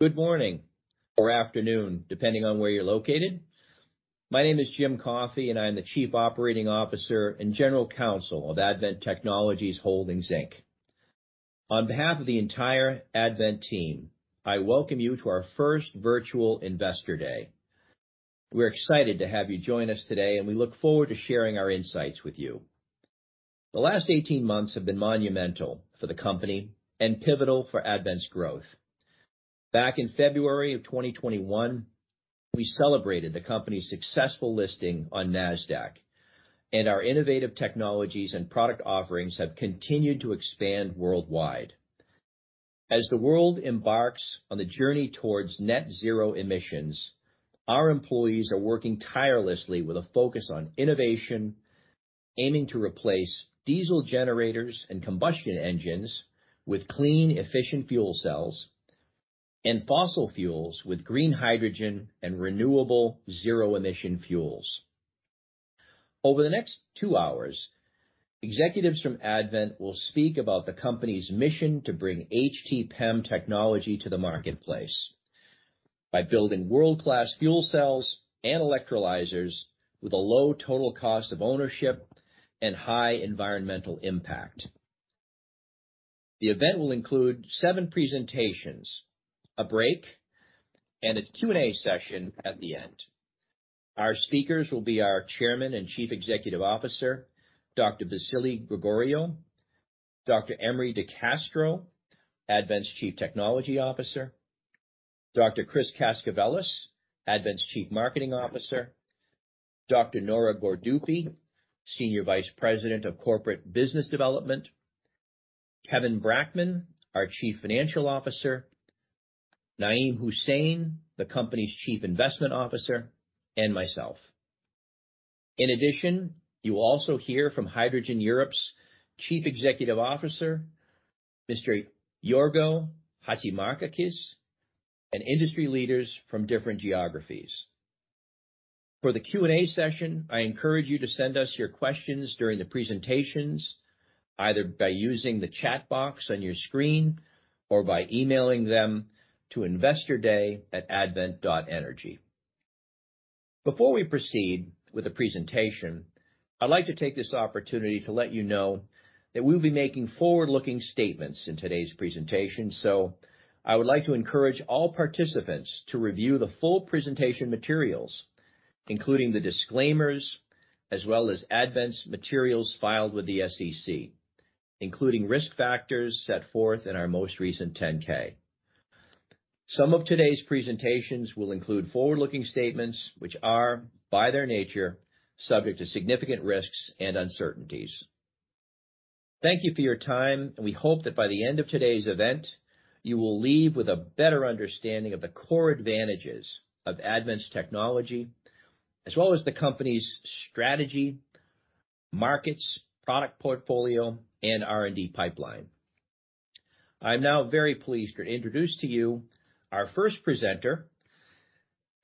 Good morning or afternoon, depending on where you're located. My name is James Coffey, and I'm the Chief Operating Officer and General Counsel of Advent Technologies Holdings, Inc. On behalf of the entire Advent team, I welcome you to our first virtual Investor Day. We're excited to have you join us today, and we look forward to sharing our insights with you. The last 18 months have been monumental for the company and pivotal for Advent's growth. Back in February of 2021, we celebrated the company's successful listing on Nasdaq, and our innovative technologies and product offerings have continued to expand worldwide. As the world embarks on the journey towards net zero emissions, our employees are working tirelessly with a focus on innovation, aiming to replace diesel generators and combustion engines with clean, efficient fuel cells and fossil fuels with green hydrogen and renewable zero-emission fuels. Over the next two hours, executives from Advent will speak about the company's mission to bring HT-PEM technology to the marketplace by building world-class fuel cells and electrolyzers with a low total cost of ownership and high environmental impact. The event will include seven presentations, a break, and a Q&A session at the end. Our speakers will be our Chairman and Chief Executive Officer, Dr. Vasilis Gregoriou, Dr. Emory DeCastro, Advent's Chief Technology Officer, Dr. Chris Kaskavelis, Advent's Chief Marketing Officer, Dr. Nora Gourdoupi, Senior Vice President of Corporate Business Development, Kevin Brackman, our Chief Financial Officer, Naiem Hussain, the company's Chief Investment Officer, and myself. In addition, you'll also hear from Hydrogen Europe's Chief Executive Officer, Mr. Jorgo Chatzimarkakis, and industry leaders from different geographies. For the Q&A session, I encourage you to send us your questions during the presentations, either by using the chat box on your screen or by emailing them to investorday@advent.energy. Before we proceed with the presentation, I'd like to take this opportunity to let you know that we'll be making forward-looking statements in today's presentation, so I would like to encourage all participants to review the full presentation materials, including the disclaimers, as well as Advent's materials filed with the SEC, including risk factors set forth in our most recent 10-K. Some of today's presentations will include forward-looking statements, which are, by their nature, subject to significant risks and uncertainties. Thank you for your time, and we hope that by the end of today's event, you will leave with a better understanding of the core advantages of Advent's technology, as well as the company's strategy, markets, product portfolio, and R&D pipeline. I'm now very pleased to introduce to you our first presenter,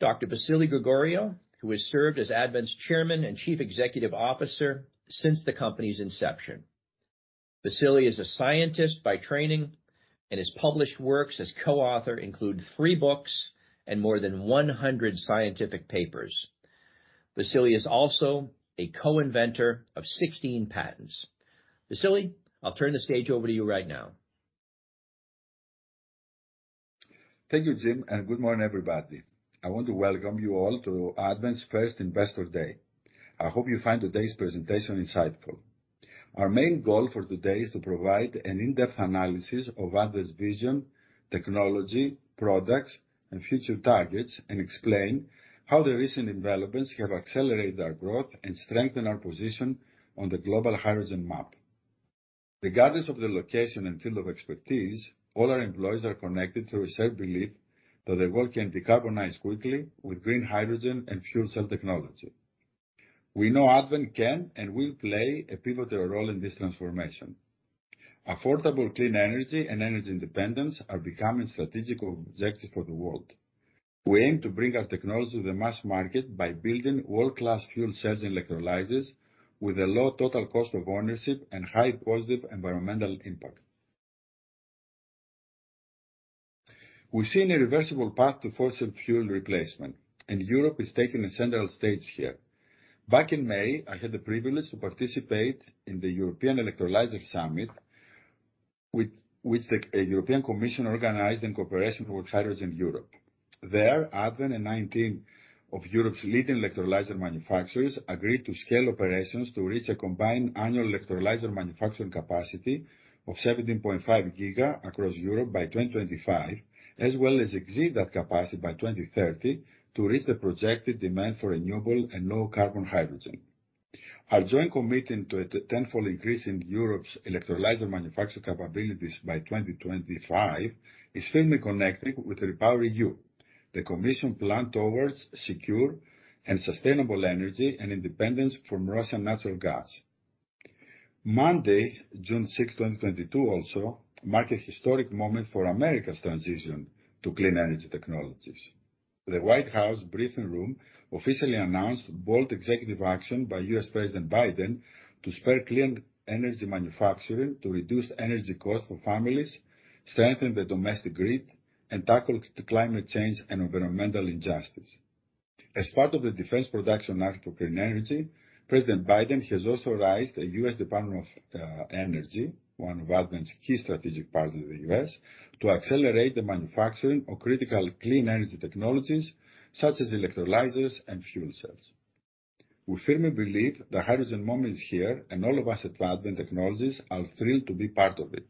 Dr. Vasilis Gregoriou, who has served as Advent's Chairman and Chief Executive Officer since the company's inception. Vasilis is a scientist by training, and his published works as co-author include three books and more than 100 scientific papers. Vasilis is also a co-inventor of 16 patents. Vasilis, I'll turn the stage over to you right now. Thank you, Jim, and good morning, everybody. I want to welcome you all to Advent's first Investor Day. I hope you find today's presentation insightful. Our main goal for today is to provide an in-depth analysis of Advent's vision, technology, products, and future targets, and explain how the recent developments have accelerated our growth and strengthened our position on the global hydrogen map. Regardless of the location and field of expertise, all our employees are connected through a shared belief that the world can decarbonize quickly with green hydrogen and fuel cell technology. We know Advent can and will play a pivotal role in this transformation. Affordable clean energy and energy independence are becoming strategic objectives for the world. We aim to bring our technology to the mass market by building world-class fuel cells and electrolyzers with a low total cost of ownership and high positive environmental impact. We're seeing a reversible path to fossil fuel replacement, and Europe is taking a central stage here. Back in May, I had the privilege to participate in the European Electrolyzer Summit, which the European Commission organized in cooperation with Hydrogen Europe. There, Advent and 19 of Europe's leading electrolyzer manufacturers agreed to scale operations to reach a combined annual electrolyzer manufacturing capacity of 17.5 giga across Europe by 2025, as well as exceed that capacity by 2030 to reach the projected demand for renewable and low carbon hydrogen. Our joint commitment to a tenfold increase in Europe's electrolyzer manufacturing capabilities by 2025 is firmly connected with REPowerEU, the commission plan towards secure and sustainable energy and independence from Russian natural gas. Monday, June 6th, 2022 also marked a historic moment for America's transition to clean energy technologies. The White House briefing room officially announced bold executive action by US President Biden to spur clean energy manufacturing, to reduce energy costs for families, strengthen the domestic grid, and tackle climate change and environmental injustice. As part of the Defense Production Act for clean energy, President Biden has authorized the US Department of Energy, one of Advent's key strategic partners in the US, to accelerate the manufacturing of critical clean energy technologies such as electrolyzers and fuel cells. We firmly believe the hydrogen moment is here, and all of us at Advent Technologies are thrilled to be part of it.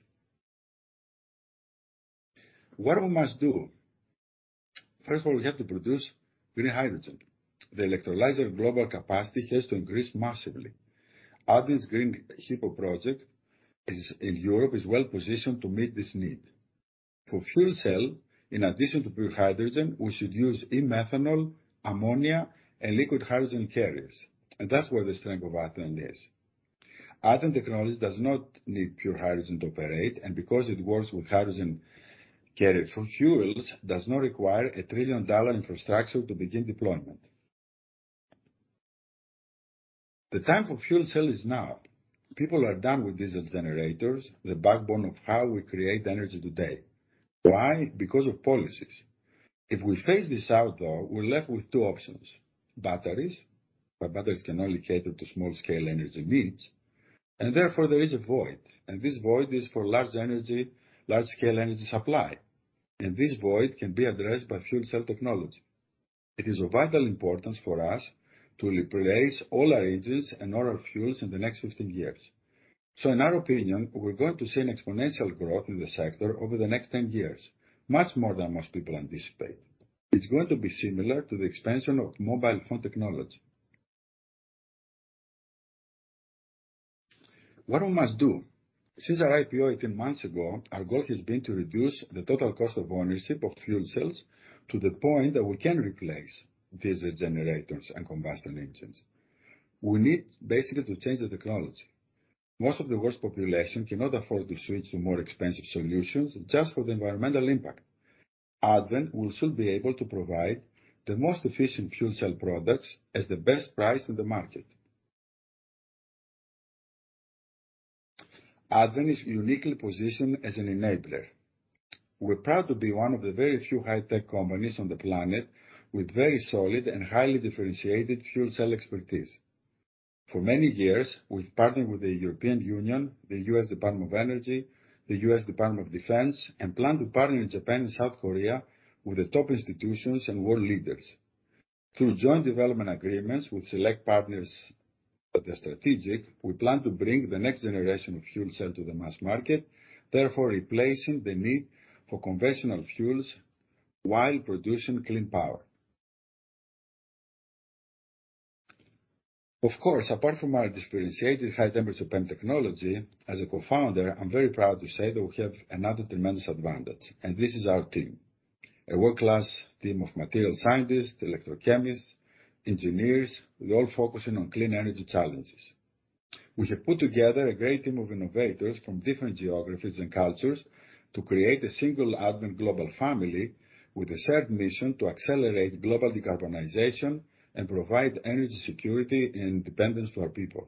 What we must do. First of all, we have to produce green hydrogen. The electrolyzer global capacity has to increase massively. Advent's Green HiPo project is in Europe is well-positioned to meet this need. For fuel cell, in addition to pure hydrogen, we should use e-methanol, ammonia, and liquid hydrogen carriers, and that's where the strength of Advent is. Advent Technologies does not need pure hydrogen to operate, and because it works with hydrogen carrier fuels, does not require a $1 trillion infrastructure to begin deployment. The time for fuel cell is now. People are done with diesel generators, the backbone of how we create energy today. Why? Because of policies. If we phase this out, though, we're left with two options. Batteries, but batteries can only cater to small-scale energy needs, and therefore, there is a void, and this void is for large energy, large-scale energy supply, and this void can be addressed by fuel cell technology. It is of vital importance for us to replace all our engines and all our fuels in the next 15 years. In our opinion, we're going to see an exponential growth in the sector over the next 10 years, much more than most people anticipate. It's going to be similar to the expansion of mobile phone technology. What we must do. Since our IPO 18 months ago, our goal has been to reduce the total cost of ownership of fuel cells to the point that we can replace diesel generators and combustion engines. We need basically to change the technology. Most of the world's population cannot afford to switch to more expensive solutions just for the environmental impact. Advent will soon be able to provide the most efficient fuel cell products at the best price in the market. Advent is uniquely positioned as an enabler. We're proud to be one of the very few high-tech companies on the planet with very solid and highly differentiated fuel cell expertise. For many years, we've partnered with the European Union, the US Department of Energy, the US Department of Defense, and plan to partner in Japan and South Korea with the top institutions and world leaders. Through joint development agreements with select partners that are strategic, we plan to bring the next generation of fuel cell to the mass market, therefore replacing the need for conventional fuels while producing clean power. Of course, apart from our differentiated high-temperature PEM technology, as a co-founder, I'm very proud to say that we have another tremendous advantage, and this is our team. A world-class team of material scientists, electrochemists, engineers, all focusing on clean energy challenges. We have put together a great team of innovators from different geographies and cultures to create a single Advent global family with a shared mission to accelerate global decarbonization and provide energy security and independence to our people.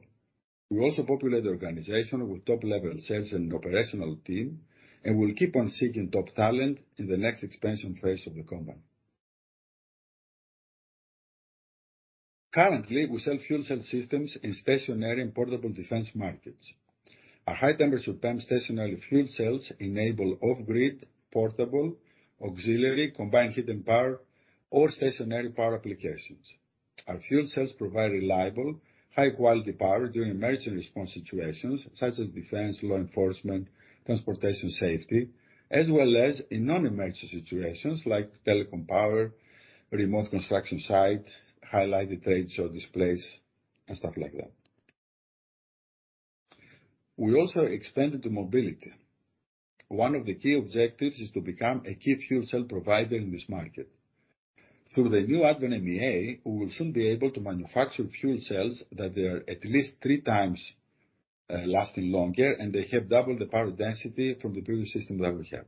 We also populate the organization with top-level sales and operational team, and we'll keep on seeking top talent in the next expansion phase of the company. Currently, we sell fuel cell systems in stationary and portable defense markets. Our high temperature PEM stationary fuel cells enable off-grid, portable, auxiliary, combined heat and power, or stationary power applications. Our fuel cells provide reliable, high-quality power during emergency response situations such as defense, law enforcement, transportation safety, as well as in non-emergency situations like telecom power, remote construction site, highlighted trade show displays, and stuff like that. We also expanded to mobility. One of the key objectives is to become a key fuel cell provider in this market. Through the new Advent MEA, we will soon be able to manufacture fuel cells that they are at least three times lasting longer, and they have double the power density from the previous system that we had.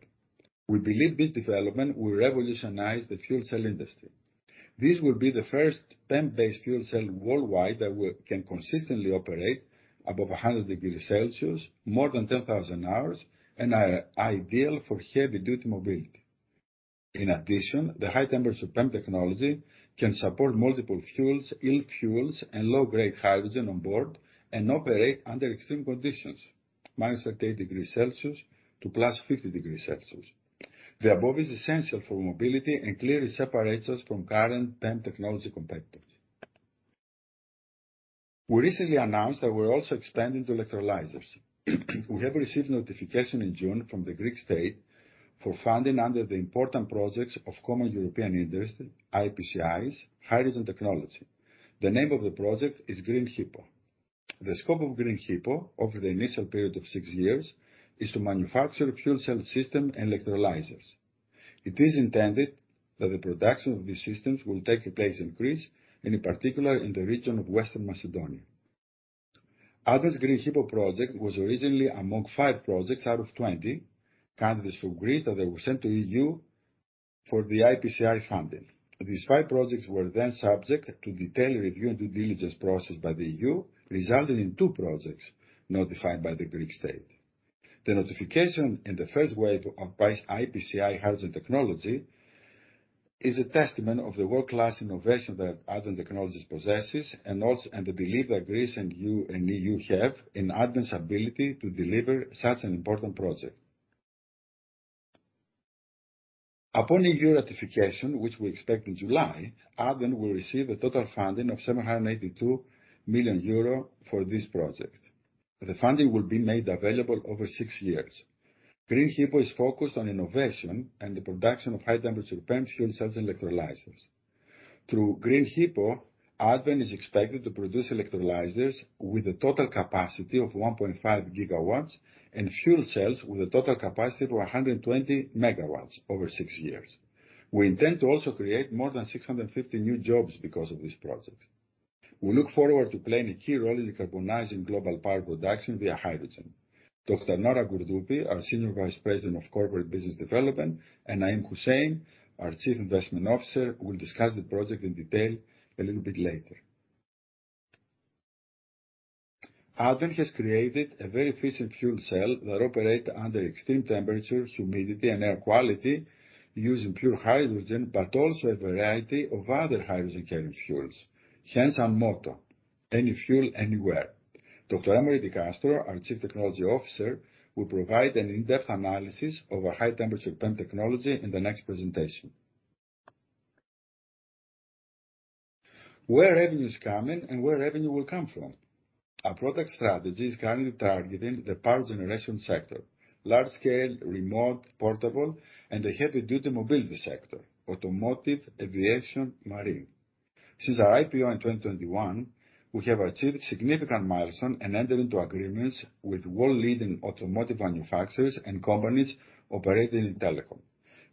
We believe this development will revolutionize the fuel cell industry. This will be the first PEM-based fuel cell worldwide that can consistently operate above 100 degrees Celsius, more than 10,000 hours, and are ideal for heavy-duty mobility. In addition, the high temperature PEM technology can support multiple fuels, e-fuels, and low-grade hydrogen on board and operate under extreme conditions, -30 degrees Celsius to +50 degrees Celsius. The above is essential for mobility and clearly separates us from current PEM technology competitors. We recently announced that we're also expanding to electrolyzers. We have received notification in June from the Greek state for funding under the Important Projects of Common European Interest, IPCEI, hydrogen technology. The name of the project is Green HiPo. The scope of Green HiPo over the initial period of six years is to manufacture fuel cell system and electrolyzers. It is intended that the production of these systems will take place in Greece, and in particular in the region of Western Macedonia. Advent's Green HiPo project was originally among five projects out of 20 candidates from Greece that they were sent to the EU for the IPCEI funding. These five projects were then subject to detailed review and due diligence process by the EU, resulting in two projects notified by the Greek state. The notification in the first wave of IPCEI hydrogen technology is a testament of the world-class innovation that Advent Technologies possesses and the belief that Greece and you and EU have in Advent's ability to deliver such an important project. Upon EU ratification, which we expect in July, Advent will receive a total funding of 782 million euro for this project. The funding will be made available over six years. Green HiPo is focused on innovation and the production of high-temperature PEM fuel cells and electrolyzers. Through Green HiPo, Advent is expected to produce electrolyzers with a total capacity of 1.5 gigawatts and fuel cells with a total capacity of 120 megawatts over six years. We intend to also create more than 650 new jobs because of this project. We look forward to playing a key role in decarbonizing global power production via hydrogen. Dr. Nora Gourdoupi, our Senior Vice President of Corporate Business Development, and Naiem Hussain, our Chief Investment Officer, will discuss the project in detail a little bit later. Advent has created a very efficient fuel cell that operate under extreme temperatures, humidity, and air quality using pure hydrogen, but also a variety of other hydrogen carrying fuels. Hence our motto, any fuel anywhere. Dr. Emory De Castro, our Chief Technology Officer, will provide an in-depth analysis of our high-temperature PEM technology in the next presentation. Where revenue is coming and where revenue will come from. Our product strategy is currently targeting the power generation sector, large scale, remote, portable, and the heavy-duty mobility sector, automotive, aviation, marine. Since our IPO in 2021, we have achieved significant milestone and entered into agreements with world-leading automotive manufacturers and companies operating in telecom.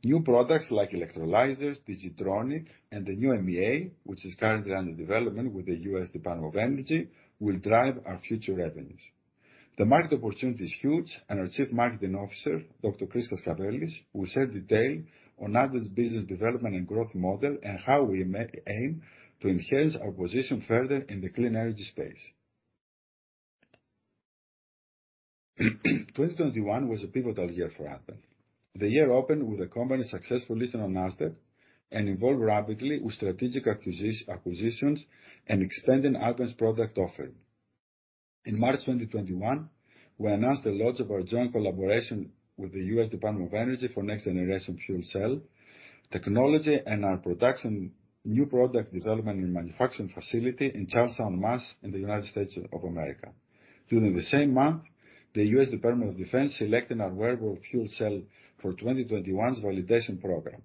New products like electrolyzers, DIGI-TRONIC, and the new MEA, which is currently under development with the U.S. Department of Energy, will drive our future revenues. The market opportunity is huge, and our Chief Marketing Officer, Dr. Christos Kaskavelis, will share detail on Advent's business development and growth model and how we aim to enhance our position further in the clean energy space. 2021 was a pivotal year for Advent. The year opened with the company's successful listing on Nasdaq and evolved rapidly with strategic acquisitions and extending Advent's product offering. In March 2021, we announced the launch of our joint collaboration with the US Department of Energy for next-generation fuel cell technology and our production new product development and manufacturing facility in Charlestown, Massachusetts in the United States of America. During the same month, the US Department of Defense selected our wearable fuel cell for 2021's validation program.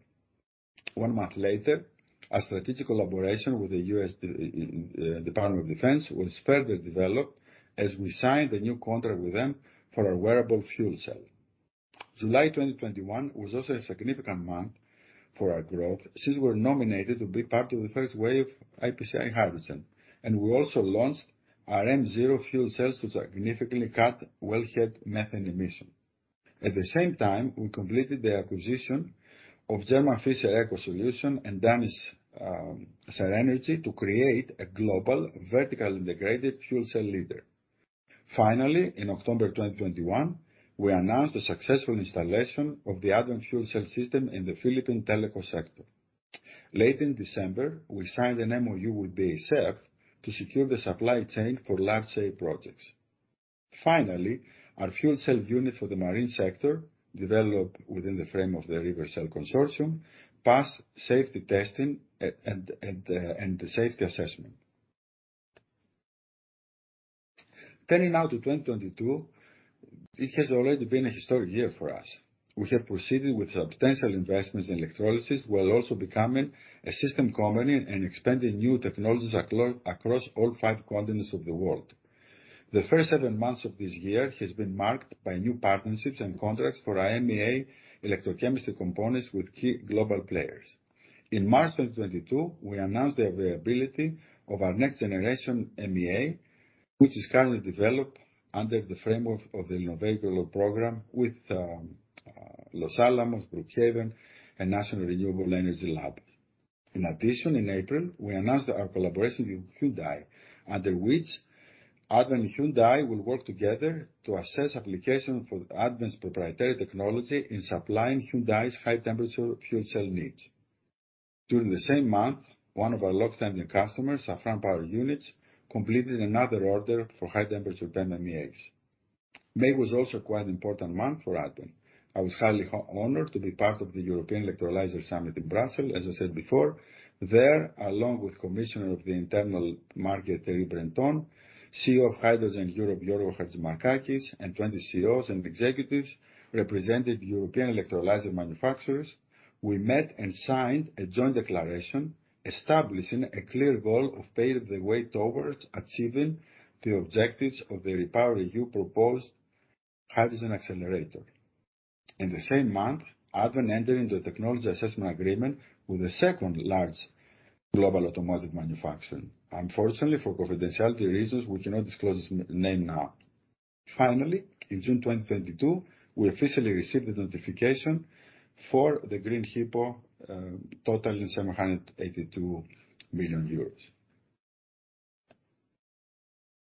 One month later, our strategic collaboration with the US Department of Defense was further developed as we signed a new contract with them for our wearable fuel cell. July 2021 was also a significant month for our growth since we were nominated to be part of the first wave of IPCEI hydrogen, and we also launched our M-ZERØ fuel cells to significantly cut wellhead methane emission. At the same time, we completed the acquisition of German fischer eco solutions and Danish SerEnergy to create a global vertically integrated fuel cell leader. Finally, in October 2021, we announced the successful installation of the Advent fuel cell system in the Philippine telecom sector. Late in December, we signed an MOU with BASF to secure the supply chain for large-scale projects. Finally, our fuel cell unit for the marine sector, developed within the frame of the RiverCell Consortium, passed safety testing and the safety assessment. Turning now to 2022, it has already been a historic year for us. We have proceeded with substantial investments in electrolysis while also becoming a system company and expanding new technologies across all five continents of the world. The first seven months of this year has been marked by new partnerships and contracts for our MEA electrochemistry components with key global players. In March of 2022, we announced the availability of our next-generation MEA, which is currently developed under the framework of the L'Innovator program with Los Alamos, Brookhaven, and National Renewable Energy Lab. In addition, in April, we announced our collaboration with Hyundai, under which Advent and Hyundai will work together to assess application for Advent's proprietary technology in supplying Hyundai's high-temperature fuel cell needs. During the same month, one of our long-standing customers, Safran Power Units, completed another order for high-temperature PEM MEAs. May was also quite an important month for Advent. I was highly honored to be part of the European Electrolyzer Summit in Brussels. As I said before, there, along with Commissioner for the Internal Market, Thierry Breton, CEO of Hydrogen Europe, Jorgo Chatzimarkakis, and 20 CEOs and executives representing European electrolyzer manufacturers, we met and signed a joint declaration establishing a clear goal of paving the way towards achieving the objectives of the REPowerEU proposed hydrogen accelerator. In the same month, and Advent entered into a technology assessment agreement with the second largest global automotive manufacturer. Unfortunately, for confidentiality reasons, we cannot disclose its name now. Finally, in June 2022, we officially received the notification for the Green HiPo, totaling EUR 782 million.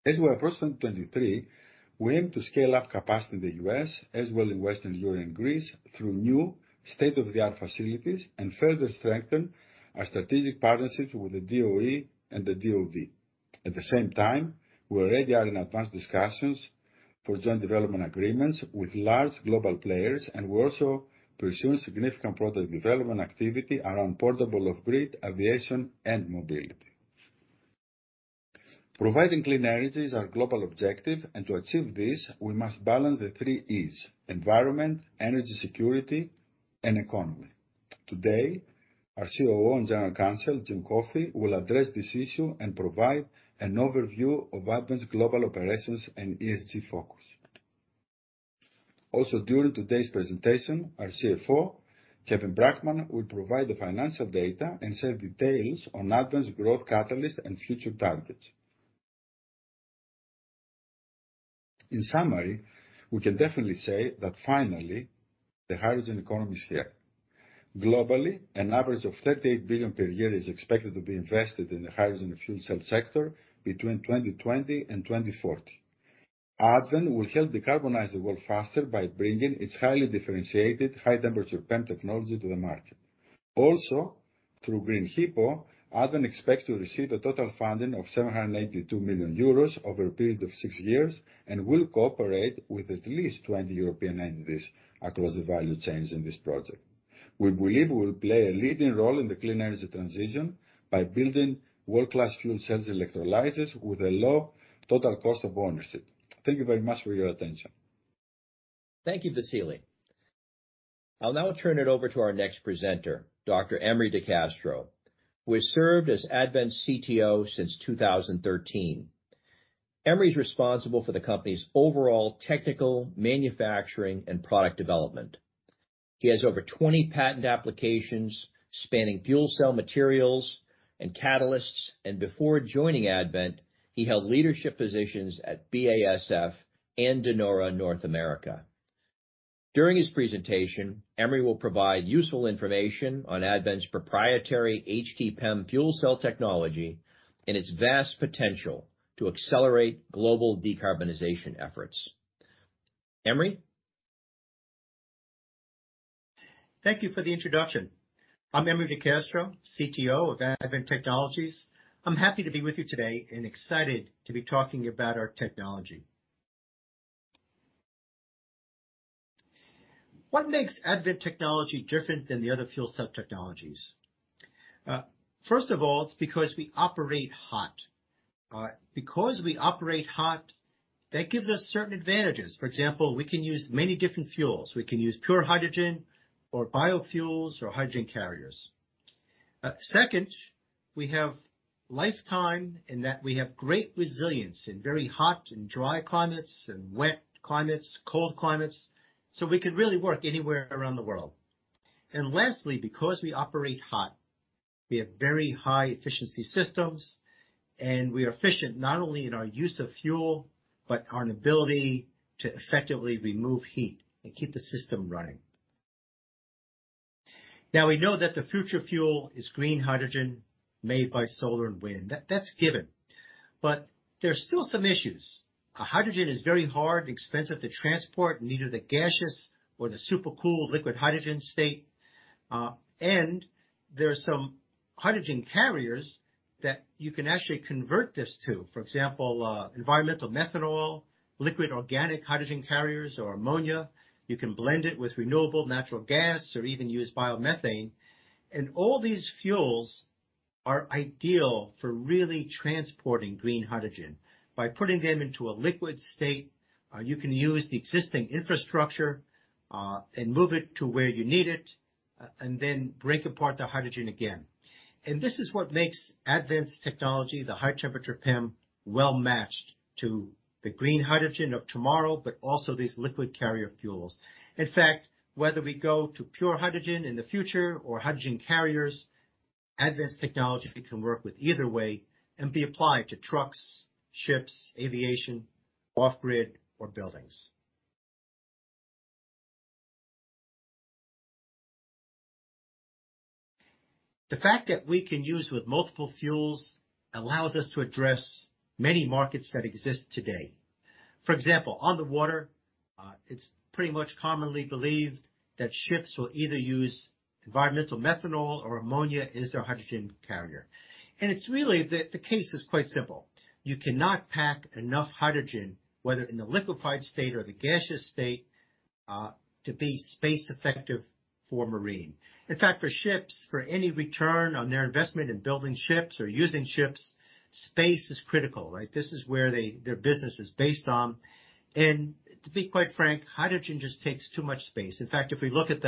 As we approach 2023, we aim to scale up capacity in the US as well as in Western Europe and Greece through new state-of-the-art facilities, and further strengthen our strategic partnership with the DOE and the DOD. At the same time, we already are in advanced discussions for joint development agreements with large global players, and we're also pursuing significant product development activity around portable off-grid aviation and mobility. Providing clean energy is our global objective, and to achieve this, we must balance the three E's, environment, energy security, and economy. Today, our COO and General Counsel, Jim Coffey, will address this issue and provide an overview of Advent's global operations and ESG focus. Also, during today's presentation, our CFO, Kevin Brackman, will provide the financial data and share details on Advent's growth catalyst and future targets. In summary, we can definitely say that finally, the hydrogen economy is here. Globally, an average of $38 billion per year is expected to be invested in the hydrogen fuel cell sector between 2020 and 2040. Advent will help decarbonize the world faster by bringing its highly differentiated high-temperature PEM technology to the market. Also, through Green HiPo, Advent expects to receive a total funding of 782 million euros over a period of six years, and will cooperate with at least 20 European entities across the value chains in this project. We believe we will play a leading role in the clean energy transition by building world-class fuel cells electrolyzers with a low total cost of ownership. Thank you very much for your attention. Thank you, Vassilis. I'll now turn it over to our next presenter, Dr. Emory DeCastro, who has served as Advent's CTO since 2013. Emory is responsible for the company's overall technical manufacturing and product development. He has over 20 patent applications spanning fuel cell materials and catalysts, and before joining Advent, he held leadership positions at BASF and De Nora North America. During his presentation, Emory will provide useful information on Advent's proprietary HT-PEM fuel cell technology and its vast potential to accelerate global decarbonization efforts. Emory? Thank you for the introduction. I'm Emory DeCastro, CTO of Advent Technologies. I'm happy to be with you today and excited to be talking about our technology. What makes Advent technology different than the other fuel cell technologies? First of all, it's because we operate hot. Because we operate hot, that gives us certain advantages. For example, we can use many different fuels. We can use pure hydrogen or biofuels or hydrogen carriers. Second, we have lifetime in that we have great resilience in very hot and dry climates and wet climates, cold climates, so we can really work anywhere around the world. Lastly, because we operate hot, we have very high efficiency systems, and we are efficient not only in our use of fuel, but our ability to effectively remove heat and keep the system running. Now, we know that the future fuel is green hydrogen made by solar and wind. That's given. But there's still some issues. Hydrogen is very hard and expensive to transport in either the gaseous or the supercooled liquid hydrogen state. And there are some hydrogen carriers that you can actually convert this to. For example, environmental methanol, liquid organic hydrogen carriers or ammonia. You can blend it with renewable natural gas or even use biomethane. And all these fuels are ideal for really transporting green hydrogen. By putting them into a liquid state, you can use the existing infrastructure, and move it to where you need it, and then break apart the hydrogen again. And this is what makes Advent's technology, the high-temperature PEM, well matched to the green hydrogen of tomorrow, but also these liquid carrier fuels. In fact, whether we go to pure hydrogen in the future or hydrogen carriers, Advent's technology can work with either way and be applied to trucks, ships, aviation, off-grid or buildings. The fact that we can use with multiple fuels allows us to address many markets that exist today. For example, on the water, it's pretty much commonly believed that ships will either use environmental methanol or ammonia as their hydrogen carrier. It's really the case is quite simple. You cannot pack enough hydrogen, whether in the liquefied state or the gaseous state, to be space effective for marine. In fact, for ships, for any return on their investment in building ships or using ships, space is critical, right? This is where their business is based on. To be quite frank, hydrogen just takes too much space. In fact, if we look at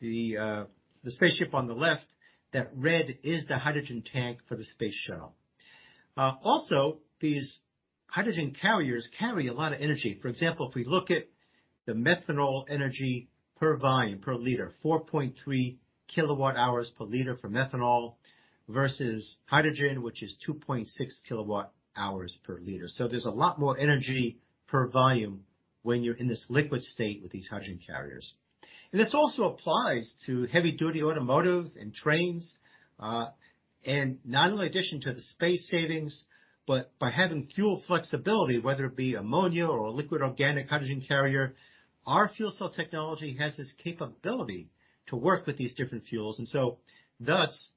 the spaceship on the left, that red is the hydrogen tank for the space shuttle. Also these hydrogen carriers carry a lot of energy. For example, if we look at the methanol energy per volume, per liter, 4.3 kWh per liter for methanol versus hydrogen, which is 2.6 kWh per liter. So there's a lot more energy per volume when you're in this liquid state with these hydrogen carriers. This also applies to heavy-duty automotive and trains, and not only in addition to the space savings, but by having fuel flexibility, whether it be ammonia or a liquid organic hydrogen carrier. Our fuel cell technology has this capability to work with these different fuels. Thus,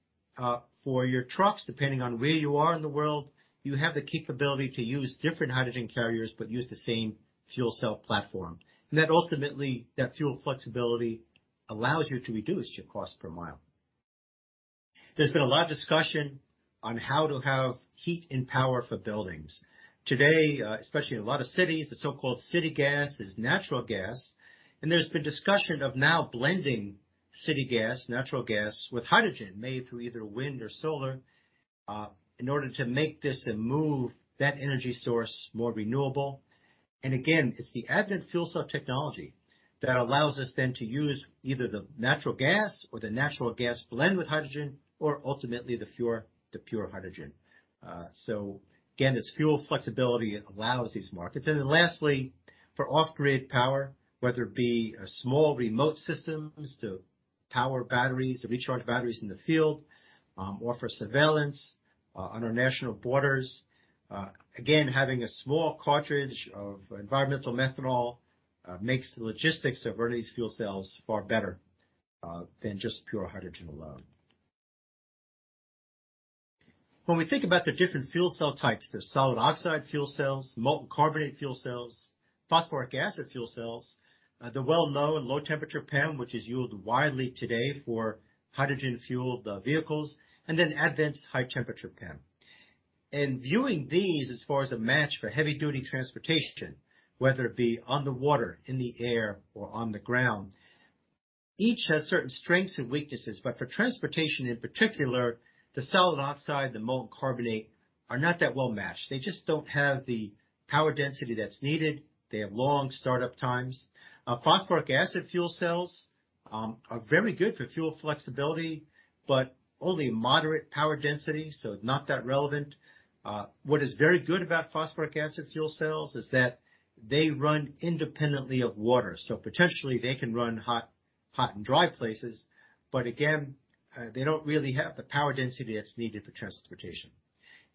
for your trucks, depending on where you are in the world, you have the capability to use different hydrogen carriers, but use the same fuel cell platform. That ultimately, fuel flexibility allows you to reduce your cost per mile. There's been a lot of discussion on how to have heat and power for buildings. Today, especially in a lot of cities, the so-called city gas is natural gas, and there's been discussion of now blending city gas, natural gas, with hydrogen made through either wind or solar, in order to make this and move that energy source more renewable. It's the Advent fuel cell technology that allows us then to use either the natural gas or the natural gas blend with hydrogen or ultimately the pure hydrogen. This fuel flexibility allows these markets. Then lastly, for off-grid power, whether it be a small remote systems to power batteries, to recharge batteries in the field, or for surveillance, on our national borders, again, having a small cartridge of environmental methanol, makes the logistics of running these fuel cells far better, than just pure hydrogen alone. When we think about the different fuel cell types, there's solid oxide fuel cells, molten carbonate fuel cells, phosphoric acid fuel cells, the well-known low-temperature PEM, which is used widely today for hydrogen fueled, vehicles, and then Advent's high-temperature PEM. In viewing these as far as a match for heavy-duty transportation, whether it be on the water, in the air or on the ground, each has certain strengths and weaknesses. For transportation in particular, the solid oxide, the molten carbonate are not that well-matched. They just don't have the power density that's needed. They have long startup times. Phosphoric acid fuel cells are very good for fuel flexibility, but only moderate power density, so not that relevant. What is very good about phosphoric acid fuel cells is that they run independently of water, so potentially they can run hot and dry places. Again, they don't really have the power density that's needed for transportation.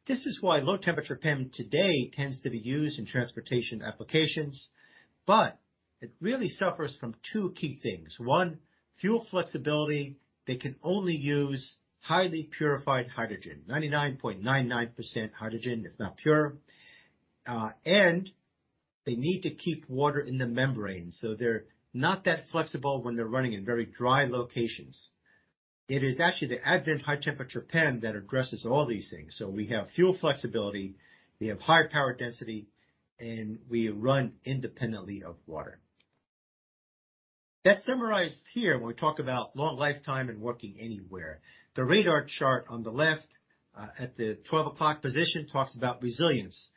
This is why low-temperature PEM today tends to be used in transportation applications, but it really suffers from two key things. One, fuel flexibility. They can only use highly purified hydrogen, 99.99% hydrogen, if not pure. They need to keep water in the membrane, so they're not that flexible when they're running in very dry locations. It is actually the Advent high-temperature PEM that addresses all these things. We have fuel flexibility, we have high power density, and we run independently of water. That's summarized here when we talk about long lifetime and working anywhere. The radar chart on the left, at the twelve o'clock position, talks about resilience.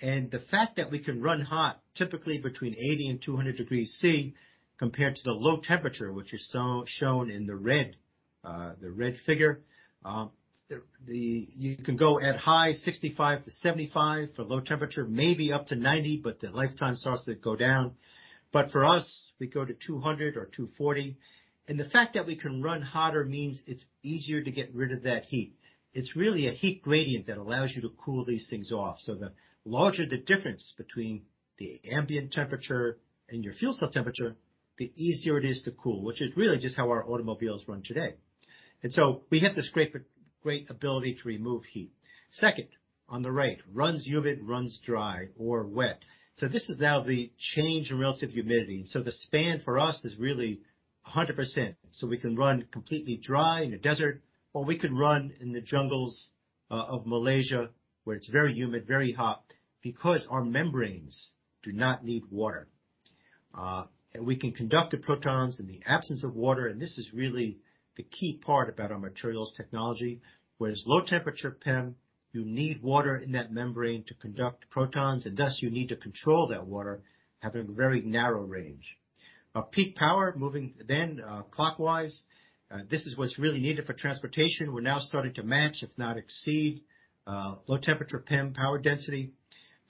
The fact that we can run hot, typically between 80 and 200 degrees C compared to the low temperature, which is shown in the red figure. You can go at high 65 to 75 for low temperature, maybe up to 90, but the lifetime starts to go down. For us, we go to 200 or 240, and the fact that we can run hotter means it's easier to get rid of that heat. It's really a heat gradient that allows you to cool these things off. The larger the difference between the ambient temperature and your fuel cell temperature, the easier it is to cool. Which is really just how our automobiles run today. We have this great ability to remove heat. Second, on the right, runs humid, runs dry or wet. This is now the change in relative humidity. The span for us is really 100%. We can run completely dry in a desert, or we could run in the jungles of Malaysia, where it's very humid, very hot, because our membranes do not need water. And we can conduct the protons in the absence of water, and this is really the key part about our materials technology. Whereas low-temperature PEM, you need water in that membrane to conduct protons, and thus you need to control that water, having a very narrow range. Our peak power, moving then, clockwise, this is what's really needed for transportation. We're now starting to match, if not exceed, low-temperature PEM power density.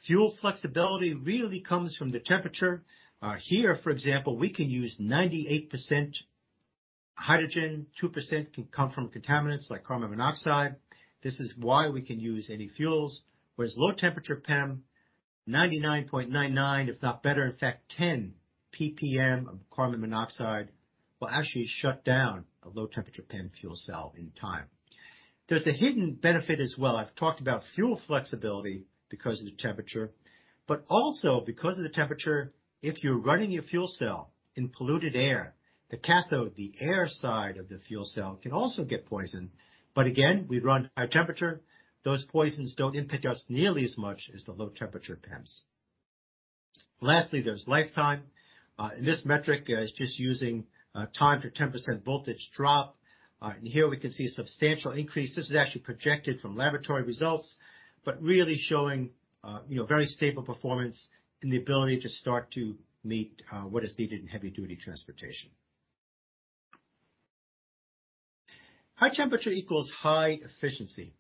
Fuel flexibility really comes from the temperature. Here, for example, we can use 98% hydrogen, 2% can come from contaminants like carbon monoxide. This is why we can use any fuels. Whereas low-temperature PEM, 99.99, if not better, in fact 10 PPM of carbon monoxide will actually shut down a low-temperature PEM fuel cell in time. There's a hidden benefit as well. I've talked about fuel flexibility because of the temperature, but also because of the temperature, if you're running your fuel cell in polluted air, the cathode, the air side of the fuel cell can also get poisoned. Again, we run high temperature. Those poisons don't impact us nearly as much as the low-temperature PEM. Lastly, there's lifetime. This metric is just using time for 10% voltage drop. Here we can see a substantial increase. This is actually projected from laboratory results, but really showing, you know, very stable performance and the ability to start to meet what is needed in heavy-duty transportation. High temperature equals high efficiency.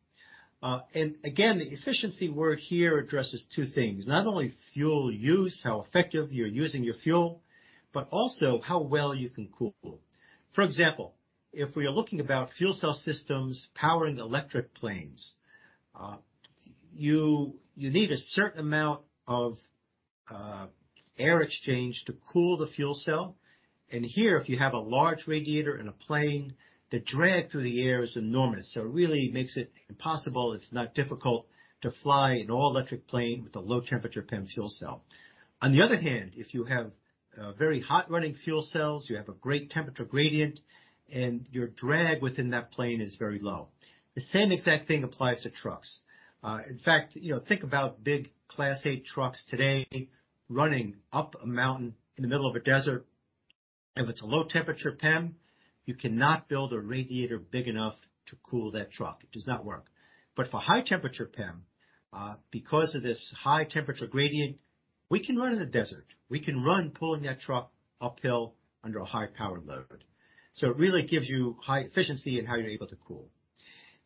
Again, the efficiency word here addresses two things. Not only fuel use, how effective you're using your fuel, but also how well you can cool. For example, if we are looking about fuel cell systems powering electric planes, you need a certain amount of air exchange to cool the fuel cell. Here, if you have a large radiator in a plane, the drag through the air is enormous. It really makes it impossible. It's not difficult to fly an all-electric plane with a low-temperature PEM fuel cell. On the other hand, if you have very hot running fuel cells, you have a great temperature gradient, and your drag within that plane is very low. The same exact thing applies to trucks. In fact, you know, think about big Class Eight trucks today running up a mountain in the middle of a desert. If it's a low-temperature PEM, you cannot build a radiator big enough to cool that truck. It does not work. But for high-temperature PEM, because of this high temperature gradient, we can run in the desert. We can run pulling that truck uphill under a high power load. It really gives you high efficiency in how you're able to cool.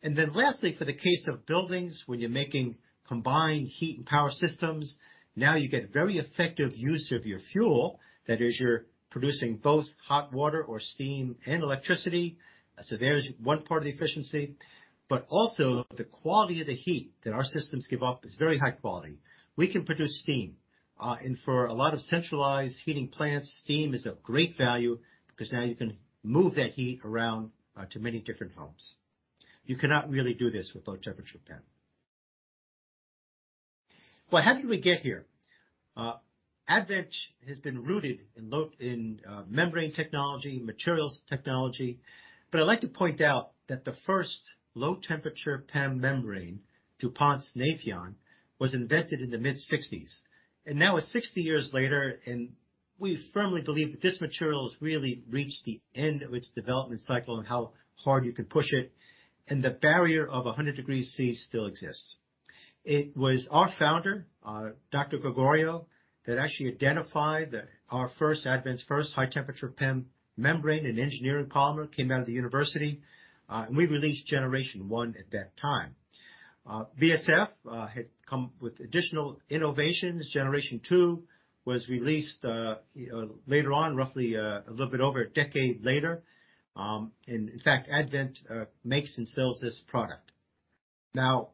Lastly, for the case of buildings, when you're making combined heat and power systems, now you get very effective use of your fuel. That is, you're producing both hot water or steam and electricity. There's one part of the efficiency. Also the quality of the heat that our systems give off is very high quality. We can produce steam. And for a lot of centralized heating plants, steam is of great value because now you can move that heat around to many different homes. You cannot really do this with low-temperature PEM. Well, how did we get here? Advent has been rooted in membrane technology, materials technology, but I'd like to point out that the first low-temperature PEM membrane, DuPont's Nafion, was invented in the mid-1960s. Now it's 60 years later, and we firmly believe that this material has really reached the end of its development cycle and how hard you can push it, and the barrier of 100 degrees C still exists. It was our founder, Dr. Gregoriou, that actually identified our first, Advent's first high-temperature PEM membrane and engineering polymer, came out of the university, and we released generation one at that time. BASF had come with additional innovations. Generation two was released later on, roughly a little bit over a decade later. In fact, Advent makes and sells this product. Now,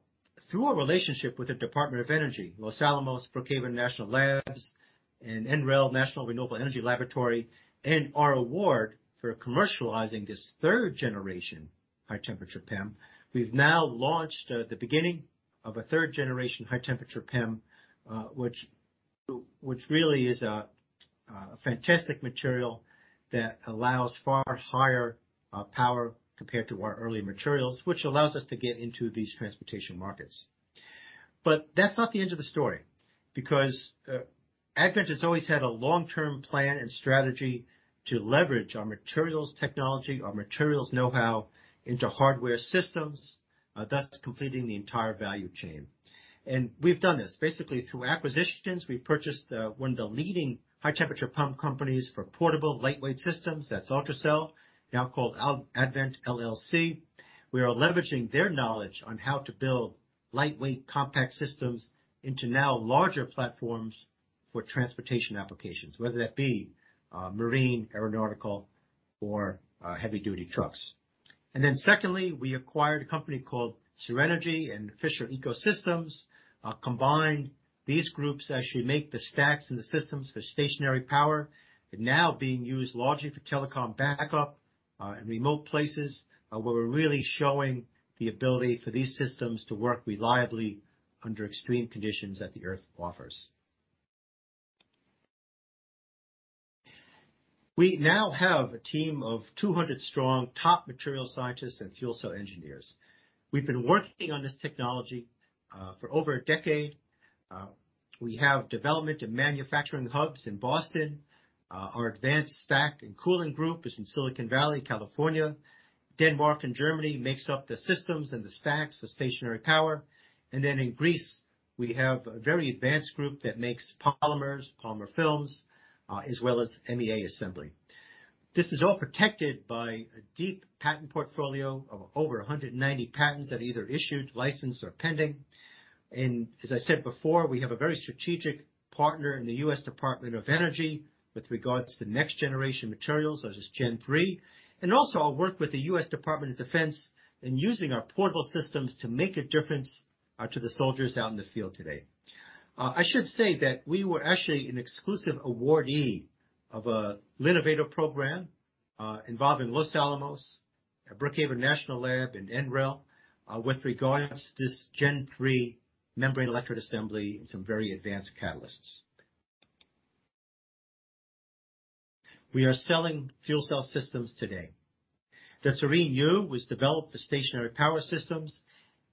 through a relationship with the Department of Energy, Los Alamos, Brookhaven National Labs, and NREL, National Renewable Energy Laboratory, and our award for commercializing this third generation high-temperature PEM, we've now launched the beginning of a third generation high-temperature PEM, which really is a fantastic material that allows far higher power compared to our early materials, which allows us to get into these transportation markets. That's not the end of the story, because Advent has always had a long-term plan and strategy to leverage our materials technology, our materials know-how into hardware systems, thus completing the entire value chain. We've done this basically through acquisitions. We purchased one of the leading high temperature PEM companies for portable lightweight systems, that's UltraCell, now called UltraCell LLC. We are leveraging their knowledge on how to build lightweight compact systems into now larger platforms for transportation applications, whether that be, marine, aeronautical or, heavy-duty trucks. Secondly, we acquired a company called Serenergy and fischer eco solutions. Combined, these groups actually make the stacks and the systems for stationary power, and now being used largely for telecom backup, in remote places, where we're really showing the ability for these systems to work reliably under extreme conditions that the Earth offers. We now have a team of 200 strong top material scientists and fuel cell engineers. We've been working on this technology, for over a decade. We have development and manufacturing hubs in Boston. Our advanced stack and cooling group is in Silicon Valley, California. Denmark and Germany makes up the systems and the stacks, the stationary power. In Greece, we have a very advanced group that makes polymers, polymer films, as well as MEA assembly. This is all protected by a deep patent portfolio of over 190 patents that are either issued, licensed or pending. As I said before, we have a very strategic partner in the US Department of Energy with regards to next generation materials, such as Gen 3. Also our work with the US Department of Defense in using our portable systems to make a difference to the soldiers out in the field today. I should say that we were actually an exclusive awardee of a L'Innovator program involving Los Alamos National Laboratory, Brookhaven National Laboratory, and NREL with regards to this Gen 3 membrane electrode assembly and some very advanced catalysts. We are selling fuel cell systems today. The SereneU was developed for stationary power systems,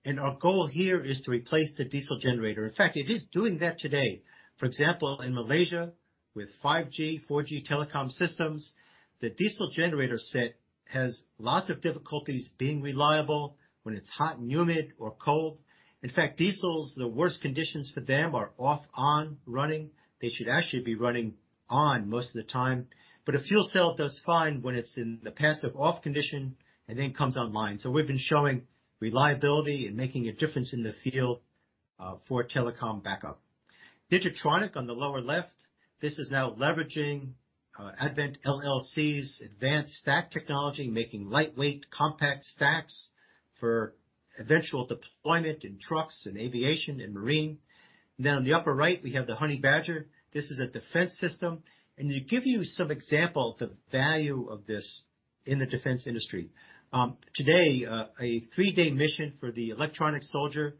and our goal here is to replace the diesel generator. In fact, it is doing that today. For example, in Malaysia with 5G/4G telecom systems, the diesel generator set has lots of difficulties being reliable when it's hot and humid or cold. In fact, diesels, the worst conditions for them are off/on running. They should actually be running on most of the time. A fuel cell does fine when it's in the passive off condition and then comes online. We've been showing reliability and making a difference in the field for telecom backup. DIGI-TRONIC on the lower left, this is now leveraging Advent LLC's advanced stack technology, making lightweight, compact stacks for eventual deployment in trucks and aviation and marine. On the upper right, we have the Honey Badger. This is a defense system. To give you some example of the value of this in the defense industry, today, a three-day mission for the electronic soldier,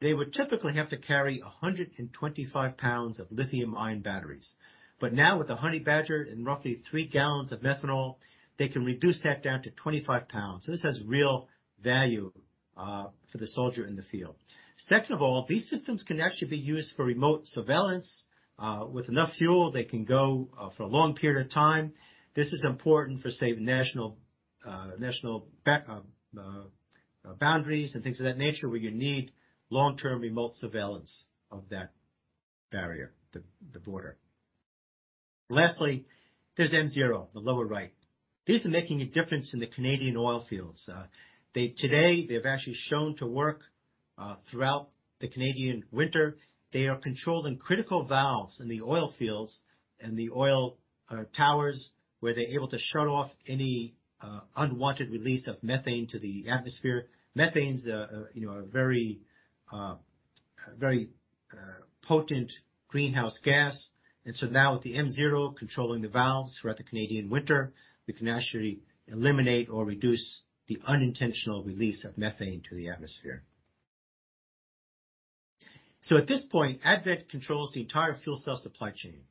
they would typically have to carry 125 pounds of lithium-ion batteries. Now, with the Honey Badger and roughly 3 gallons of methanol, they can reduce that down to 25 pounds. This has real value for the soldier in the field. Second of all, these systems can actually be used for remote surveillance. With enough fuel, they can go for a long period of time. This is important for, say, national boundaries and things of that nature, where you need long-term remote surveillance of that barrier, the border. Lastly, there's M-Zero, the lower right. These are making a difference in the Canadian oil fields. Today, they've actually shown to work throughout the Canadian winter. They are controlling critical valves in the oil fields and the oil towers, where they're able to shut off any unwanted release of methane to the atmosphere. Methane's, you know, a very potent greenhouse gas. Now with the M-Zero controlling the valves throughout the Canadian winter, we can actually eliminate or reduce the unintentional release of methane to the atmosphere. At this point, Advent controls the entire fuel cell supply chain.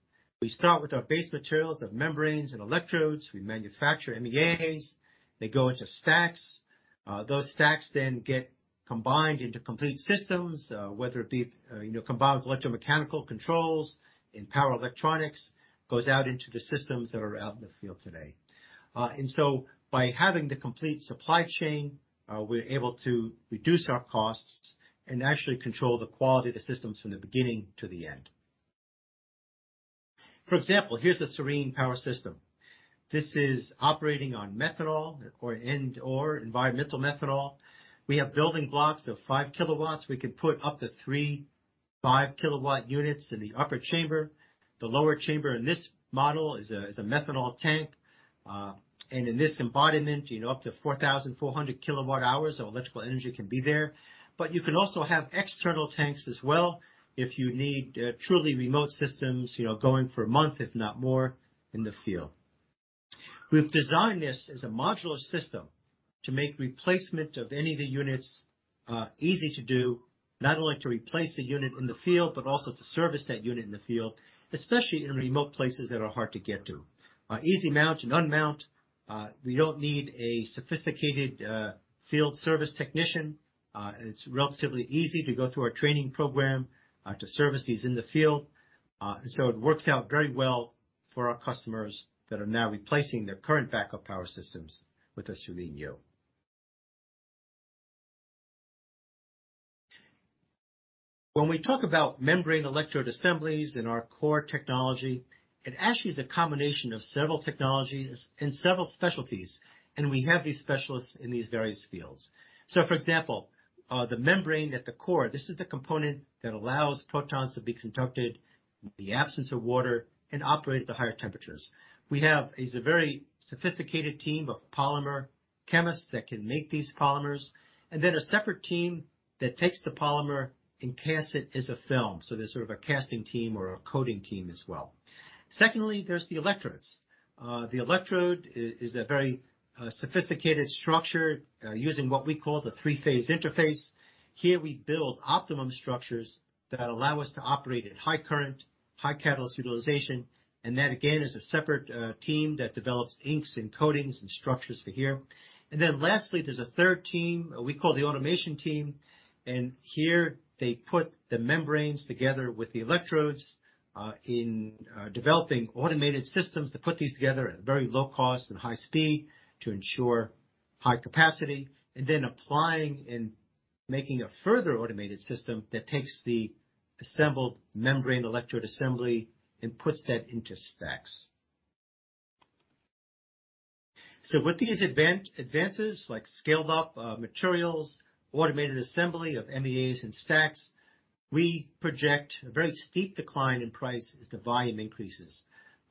We start with our base materials of membranes and electrodes. We manufacture MEAs. They go into stacks. Those stacks then get combined into complete systems, whether it be, you know, combined with electromechanical controls and power electronics, goes out into the systems that are out in the field today. By having the complete supply chain, we're able to reduce our costs and actually control the quality of the systems from the beginning to the end. For example, here's a SereneU power system. This is operating on methanol and/or e-methanol. We have building blocks of 5 kW. We can put up to three 5 kW units in the upper chamber. The lower chamber in this model is a methanol tank. In this embodiment, you know, up to 4,400 kWh of electrical energy can be there. But you can also have external tanks as well if you need truly remote systems, you know, going for a month, if not more, in the field. We've designed this as a modular system to make replacement of any of the units easy to do, not only to replace a unit in the field, but also to service that unit in the field, especially in remote places that are hard to get to. Easy mount and unmount. We don't need a sophisticated field service technician. It's relatively easy to go through our training program to service these in the field. It works out very well for our customers that are now replacing their current backup power systems with a SereneU. When we talk about membrane electrode assemblies and our core technology, it actually is a combination of several technologies and several specialties, and we have these specialists in these various fields. For example, the membrane at the core, this is the component that allows protons to be conducted in the absence of water and operate at the higher temperatures. We have a very sophisticated team of polymer chemists that can make these polymers, and then a separate team that takes the polymer and casts it as a film. There's sort of a casting team or a coating team as well. Secondly, there's the electrodes. The electrode is a very sophisticated structure, using what we call the three-phase interface. Here we build optimum structures that allow us to operate at high current, high catalyst utilization, and that, again, is a separate team that develops inks and coatings and structures for here. Lastly, there's a third team we call the automation team, and here they put the membranes together with the electrodes, in developing automated systems to put these together at very low cost and high speed to ensure high capacity, and then applying and making a further automated system that takes the assembled membrane electrode assembly and puts that into stacks. With these advances, like scaled-up materials, automated assembly of MEAs and stacks, we project a very steep decline in price as the volume increases.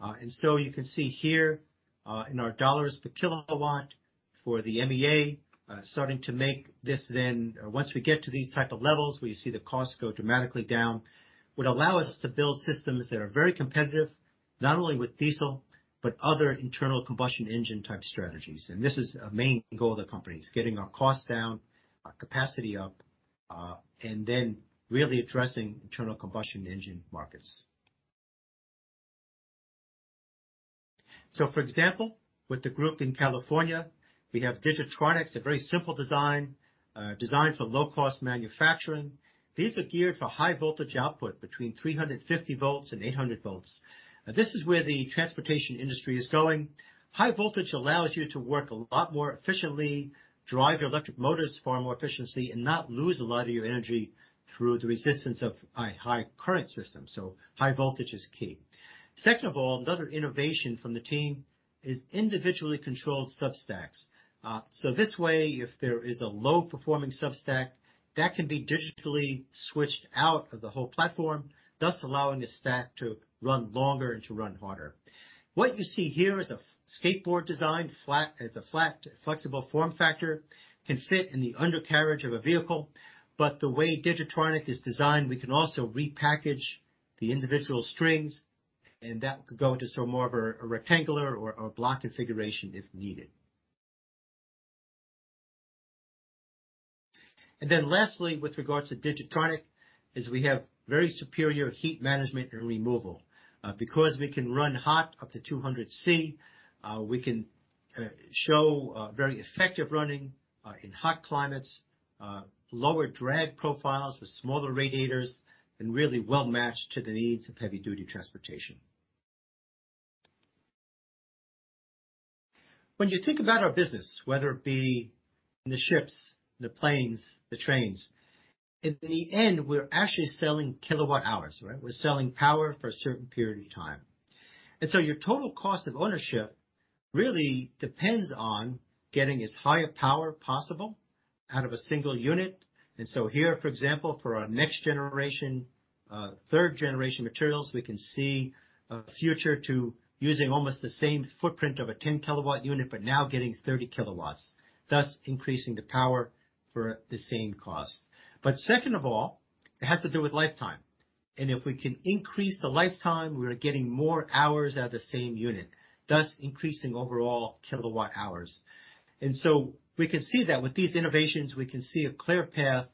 You can see here in our dollars per kilowatt for the MEA. Once we get to these type of levels, we see the costs go dramatically down, would allow us to build systems that are very competitive, not only with diesel, but other internal combustion engine type strategies. This is a main goal of the company, is getting our costs down, our capacity up. Then really addressing internal combustion engine markets. For example, with the group in California, we have DIGI-TRONIC, a very simple design, designed for low-cost manufacturing. These are geared for high voltage output between 350 volts and 800 volts. This is where the transportation industry is going. High voltage allows you to work a lot more efficiently, drive your electric motors far more efficiently, and not lose a lot of your energy through the resistance of a high current system. High voltage is key. Second of all, another innovation from the team is individually controlled sub-stacks. This way, if there is a low performing sub-stack, that can be digitally switched out of the whole platform, thus allowing the stack to run longer and to run harder. What you see here is a skateboard design, flat, it's a flat flexible form factor, can fit in the undercarriage of a vehicle. The way DIGI-TRONIC is designed, we can also repackage the individual strings, and that could go into sort of more of a rectangular or block configuration if needed. Lastly, with regards to DIGI-TRONIC, we have very superior heat management and removal. Because we can run hot, up to 200 C, we can show very effective running in hot climates, lower drag profiles with smaller radiators and really well matched to the needs of heavy-duty transportation. When you think about our business, whether it be the ships, the planes, the trains, in the end, we're actually selling kilowatt hours, right? We're selling power for a certain period of time. Your total cost of ownership really depends on getting as high a power possible out of a single unit. Here, for example, for our next generation, third generation materials, we can see a future to using almost the same footprint of a 10-kilowatt unit, but now getting 30 kilowatts, thus increasing the power for the same cost. Second of all, it has to do with lifetime. If we can increase the lifetime, we are getting more hours out of the same unit, thus increasing overall kilowatt hours. We can see that with these innovations, we can see a clear path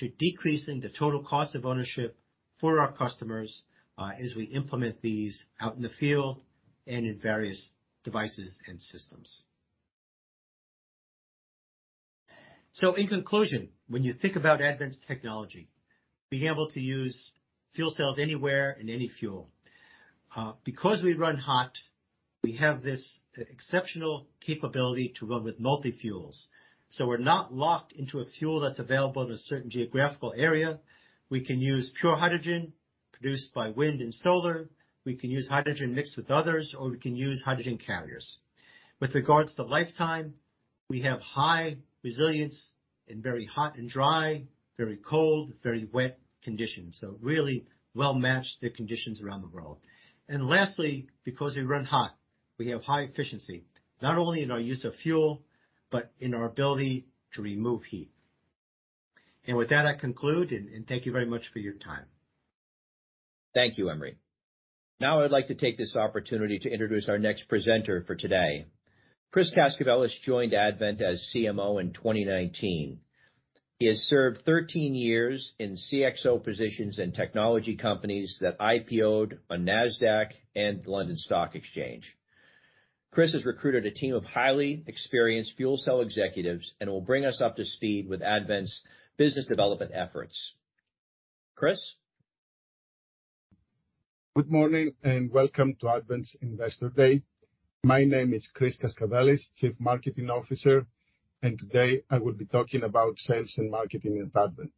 to decreasing the total cost of ownership for our customers, as we implement these out in the field and in various devices and systems. In conclusion, when you think about Advent's technology, being able to use fuel cells anywhere in any fuel. Because we run hot, we have this exceptional capability to run with multi-fuels. We're not locked into a fuel that's available in a certain geographical area. We can use pure hydrogen produced by wind and solar. We can use hydrogen mixed with others, or we can use hydrogen carriers. With regards to lifetime, we have high resilience in very hot and dry, very cold, very wet conditions. Really well matched the conditions around the world. Lastly, because we run hot, we have high efficiency, not only in our use of fuel, but in our ability to remove heat. With that, I conclude, and thank you very much for your time. Thank you, Emory. Now I would like to take this opportunity to introduce our next presenter for today. Chris Kaskavelis joined Advent as CMO in 2019. He has served 13 years in CXO positions in technology companies that IPO'd on Nasdaq and London Stock Exchange. Chris has recruited a team of highly experienced fuel cell executives and will bring us up to speed with Advent's business development efforts. Chris. Good morning and welcome to Advent's Investor Day. My name is Chris Kaskavelis, Chief Marketing Officer, and today I will be talking about sales and marketing in Advent.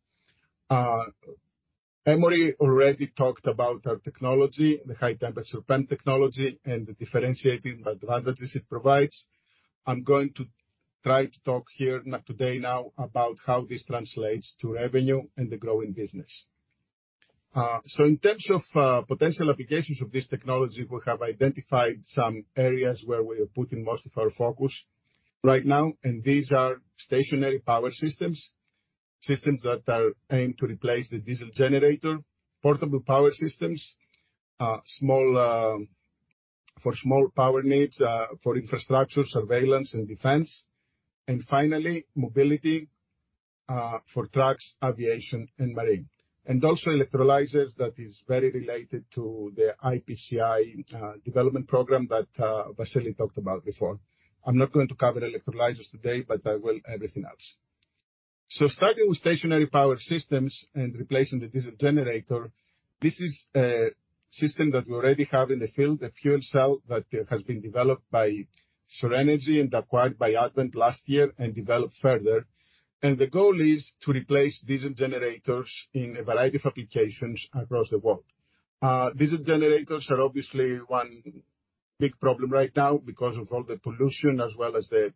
Emory already talked about our technology, the high temperature PEM technology and the differentiating advantages it provides. I'm going to try to talk today about how this translates to revenue and the growing business. In terms of potential applications of this technology, we have identified some areas where we are putting most of our focus right now, and these are stationary power systems that are aimed to replace the diesel generator, portable power systems, small for small power needs, for infrastructure, surveillance and defense, and finally, mobility for trucks, aviation and marine. Electrolyzers that is very related to the IPCEI development program that Vasilis talked about before. I'm not going to cover electrolyzers today, but I will everything else. Starting with stationary power systems and replacing the diesel generator, this is a system that we already have in the field, a fuel cell that has been developed by SerEnergy and acquired by Advent last year and developed further. The goal is to replace diesel generators in a variety of applications across the world. Diesel generators are obviously one big problem right now because of all the pollution as well as the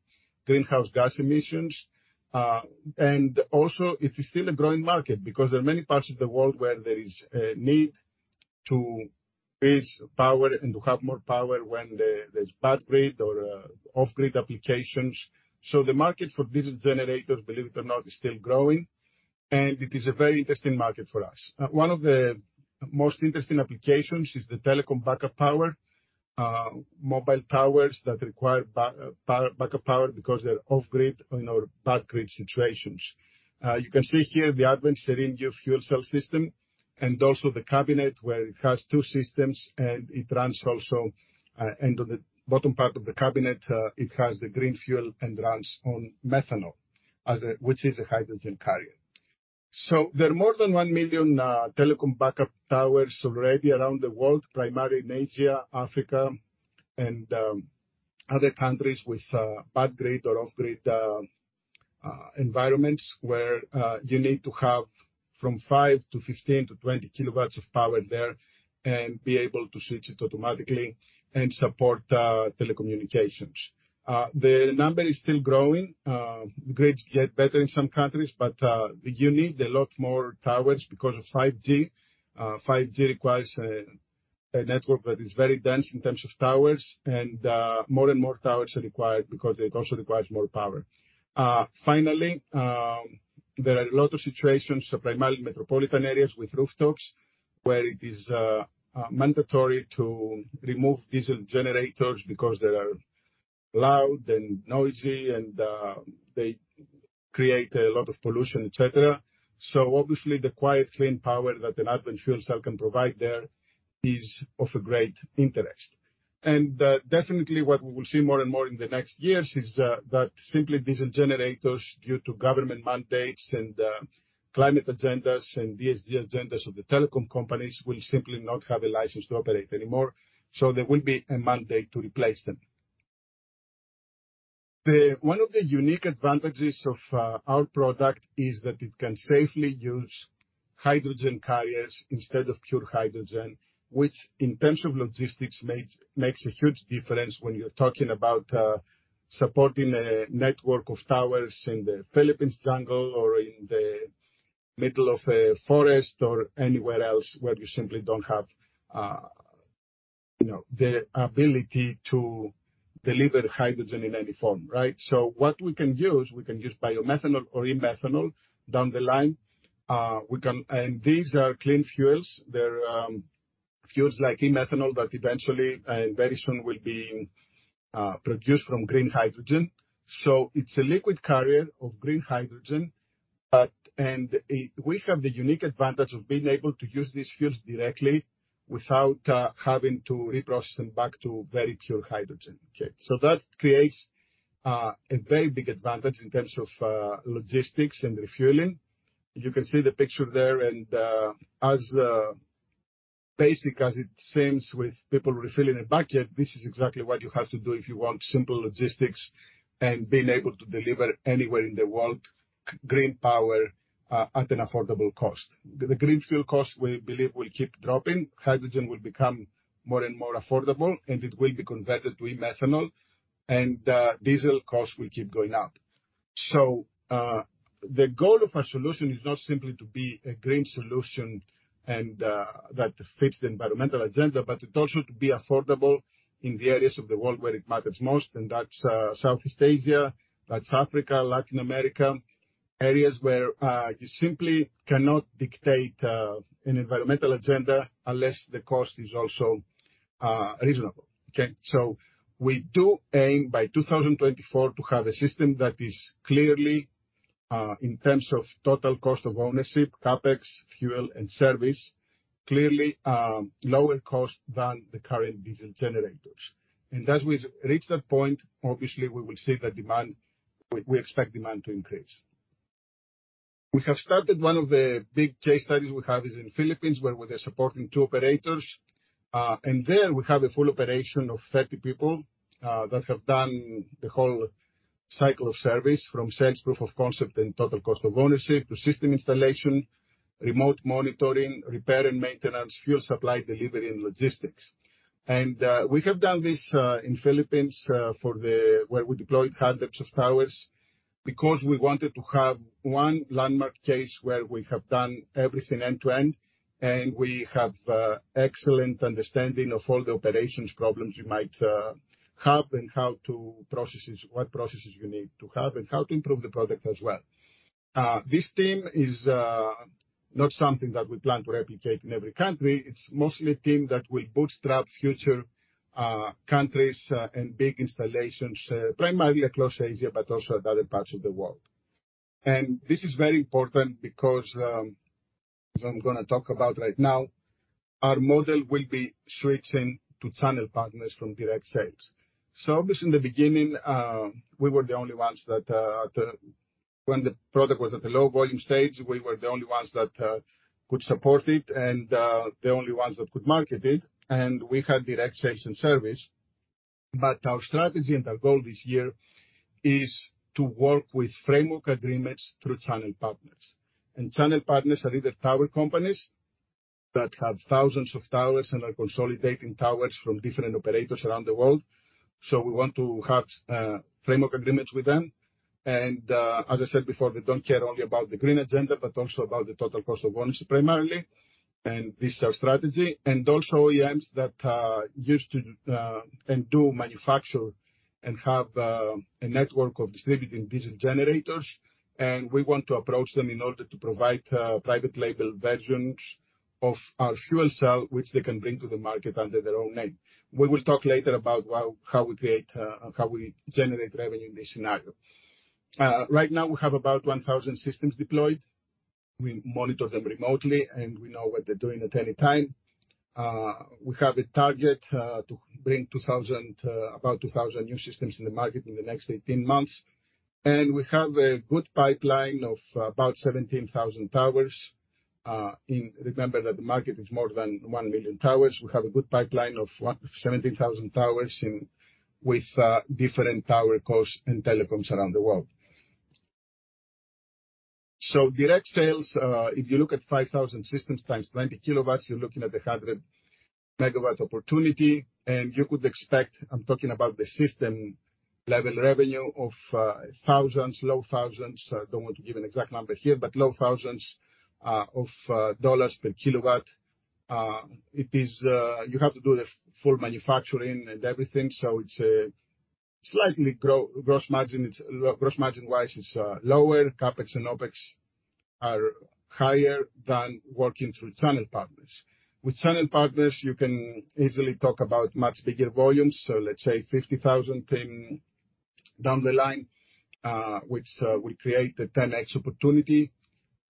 greenhouse gas emissions. It is still a growing market because there are many parts of the world where there is need to base power and to have more power when there's bad grid or off-grid applications. The market for diesel generators, believe it or not, is still growing, and it is a very interesting market for us. One of the most interesting applications is the telecom backup power. Mobile towers that require backup power because they're off-grid or in bad grid situations. You can see here the Advent SereneU fuel cell system and also the cabinet where it has two systems, and it runs also, and on the bottom part of the cabinet, it has the green fuel and runs on methanol as a hydrogen carrier. There are more than 1 million telecom backup towers already around the world, primarily in Asia, Africa, and other countries with bad grid or off-grid environments where you need to have from 5 kW to 15 kW to 20 kW of power there and be able to switch it automatically and support telecommunications. The number is still growing. The grids get better in some countries, but you need a lot more towers because of 5G. 5G requires a network that is very dense in terms of towers and more and more towers are required because it also requires more power. Finally, there are a lot of situations, primarily metropolitan areas with rooftops, where it is mandatory to remove diesel generators because they are loud and noisy and they create a lot of pollution, et cetera. Obviously the quiet clean power that an Advent fuel cell can provide there is of a great interest. Definitely what we will see more and more in the next years is that simply diesel generators due to government mandates and climate agendas and BSG agendas of the telecom companies will simply not have a license to operate anymore. There will be a mandate to replace them. One of the unique advantages of our product is that it can safely use hydrogen carriers instead of pure hydrogen, which in terms of logistics makes a huge difference when you're talking about supporting a network of towers in the Philippines jungle or in the middle of a forest or anywhere else where you simply don't have you know, the ability to deliver hydrogen in any form, right? What we can use, we can use biomethanol or e-methanol down the line. These are clean fuels. They're fuels like e-methanol that eventually and very soon will be produced from green hydrogen. It's a liquid carrier of green hydrogen, but we have the unique advantage of being able to use these fuels directly without having to reprocess them back to very pure hydrogen. Okay? That creates a very big advantage in terms of logistics and refueling. You can see the picture there, and as basic as it seems with people refilling a bucket, this is exactly what you have to do if you want simple logistics and being able to deliver anywhere in the world green power at an affordable cost. The green fuel cost we believe will keep dropping. Hydrogen will become more and more affordable, and it will be converted to e-methanol, and diesel costs will keep going up. The goal of our solution is not simply to be a green solution and that fits the environmental agenda, but it also to be affordable in the areas of the world where it matters most, and that's Southeast Asia, that's Africa, Latin America, areas where you simply cannot dictate an environmental agenda unless the cost is also reasonable. Okay. We do aim by 2024 to have a system that is clearly in terms of total cost of ownership, CapEx, fuel, and service, clearly lower cost than the current diesel generators. As we reach that point, obviously we will see the demand. We expect demand to increase. We have started one of the big case studies we have is in Philippines, where we are supporting two operators. There we have a full operation of 30 people that have done the whole cycle of service from sales, proof of concept and total cost of ownership to system installation, remote monitoring, repair and maintenance, fuel supply, delivery, and logistics. We have done this in Philippines, where we deployed hundreds of towers because we wanted to have one landmark case where we have done everything end-to-end, and we have excellent understanding of all the operations problems you might have and processes, what processes you need to have and how to improve the product as well. This team is not something that we plan to replicate in every country. It's mostly a team that will bootstrap future countries and big installations, primarily across Asia, but also at other parts of the world. This is very important because, as I'm gonna talk about right now, our model will be switching to channel partners from direct sales. Obviously in the beginning, we were the only ones that, when the product was at the low volume stage, we were the only ones that could support it and the only ones that could market it, and we had direct sales and service. Our strategy and our goal this year is to work with framework agreements through channel partners. Channel partners are either tower companies that have thousands of towers and are consolidating towers from different operators around the world, so we want to have framework agreements with them. As I said before, they don't care only about the green agenda, but also about the total cost of ownership primarily, and this is our strategy. OEMs that used to and do manufacture and have a network of distributing diesel generators, and we want to approach them in order to provide private label versions of our fuel cell, which they can bring to the market under their own name. We will talk later about how we generate revenue in this scenario. Right now we have about 1,000 systems deployed. We monitor them remotely, and we know what they're doing at any time. We have a target to bring about 2,000 new systems in the market in the next 18 months. We have a good pipeline of about 17,000 towers. Remember that the market is more than 1 million towers. We have a good pipeline of 17,000 towers in, with, different tower costs and telecoms around the world. Direct sales, if you look at 5,000 systems times 20 kW, you're looking at a 100 MW opportunity. You could expect, I'm talking about the system level revenue, of, thousands, low thousands. I don't want to give an exact number here, but low thousands, of, dollars per kW. It is, you have to do the full manufacturing and everything, so it's, slightly gross margin. It's gross margin-wise, it's, lower. CapEx and OpEx are higher than working through channel partners. With channel partners, you can easily talk about much bigger volumes. Let's say 50,000 in, down the line, which will create a 10x opportunity.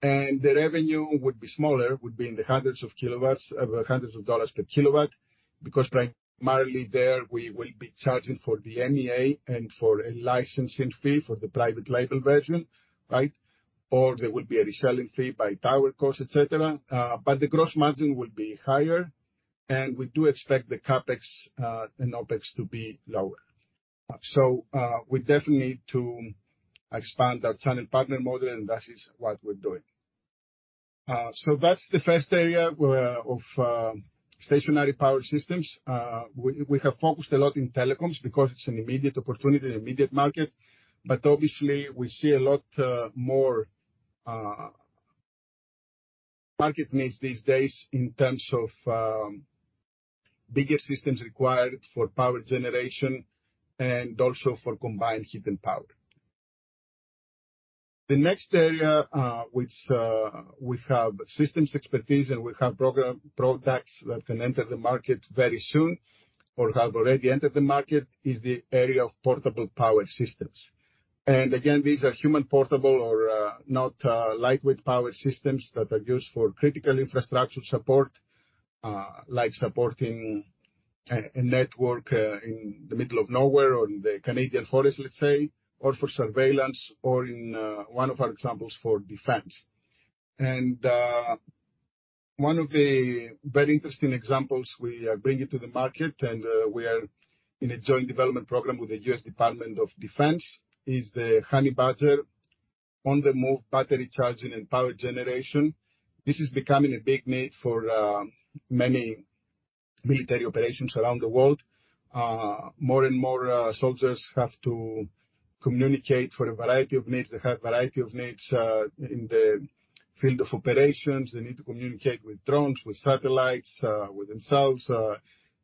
The revenue would be smaller, in the hundreds of kilowatts, hundreds of dollars per kilowatt, because primarily there, we will be charging for the MEA and for a licensing fee for the private label version, right? There will be a reselling fee by tower costs, et cetera. The gross margin will be higher, and we do expect the CapEx and OpEx to be lower. We definitely need to expand our channel partner model, and that is what we're doing. That's the first area of stationary power systems. We have focused a lot in telecoms because it's an immediate opportunity, an immediate market. Obviously we see a lot more market needs these days in terms of bigger systems required for power generation and also for combined heat and power. The next area which we have systems expertise and we have products that can enter the market very soon or have already entered the market is the area of portable power systems. These are human portable or not lightweight power systems that are used for critical infrastructure support like supporting a network in the middle of nowhere or in the Canadian forest, let's say, or for surveillance or in one of our examples for defense. One of the very interesting examples we are bringing to the market, and we are in a joint development program with the US Department of Defense, is the Honey Badger on-the-move battery charging and power generation. This is becoming a big need for many military operations around the world. More and more soldiers have to communicate for a variety of needs. They have a variety of needs in the field of operations. They need to communicate with drones, with satellites, with themselves,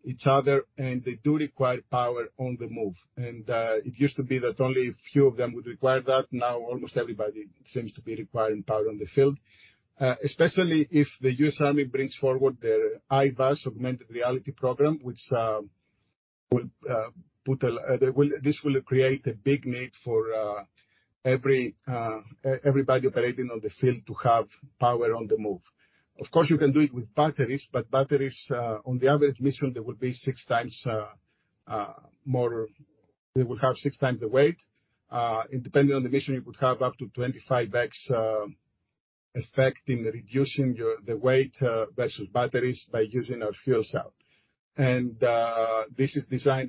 each other, and they do require power on the move. It used to be that only a few of them would require that. Now, almost everybody seems to be requiring power on the field. Especially if the US Army brings forward their IVAS augmented reality program, which will put a. This will create a big need for everybody operating on the field to have power on the move. Of course, you can do it with batteries, but batteries on the average mission, they would have six times the weight. Depending on the mission, you could have up to 25x effect in reducing the weight versus batteries by using our fuel cell. This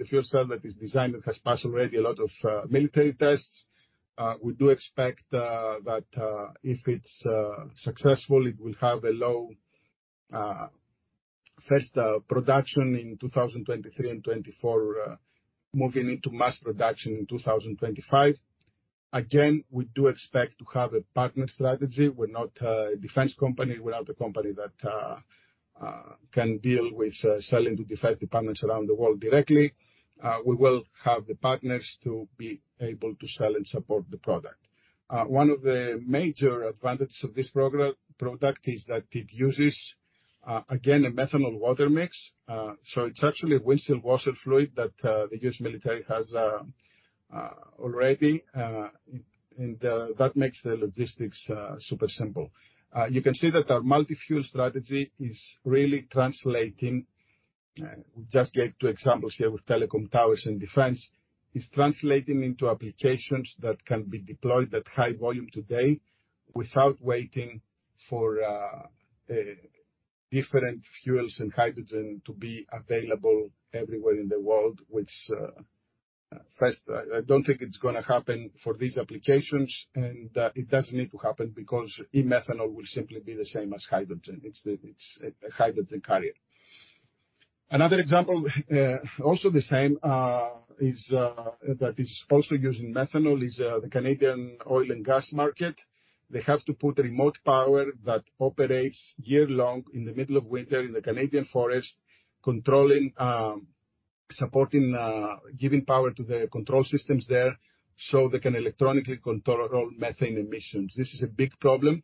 fuel cell is designed and has passed already a lot of military tests. We do expect that if it's successful, it will have a low first production in 2023 and 2024, moving into mass production in 2025. Again, we do expect to have a partner strategy. We're not a defense company. We're not a company that can deal with selling to defense departments around the world directly. We will have the partners to be able to sell and support the product. One of the major advantages of this product is that it uses again a methanol water mix. It's actually a windshield washer fluid that the US military has already, and that makes the logistics super simple. You can see that our multi-fuel strategy is really translating. We just gave two examples here with telecom towers and defense. It's translating into applications that can be deployed at high volume today without waiting for different fuels and hydrogen to be available everywhere in the world, which, first, I don't think it's gonna happen for these applications, and it doesn't need to happen because e-methanol will simply be the same as hydrogen. It's a hydrogen carrier. Another example, also the same, is that also using methanol, the Canadian oil and gas market. They have to put remote power that operates year-long in the middle of winter in the Canadian forest, controlling, supporting, giving power to the control systems there, so they can electronically control methane emissions. This is a big problem,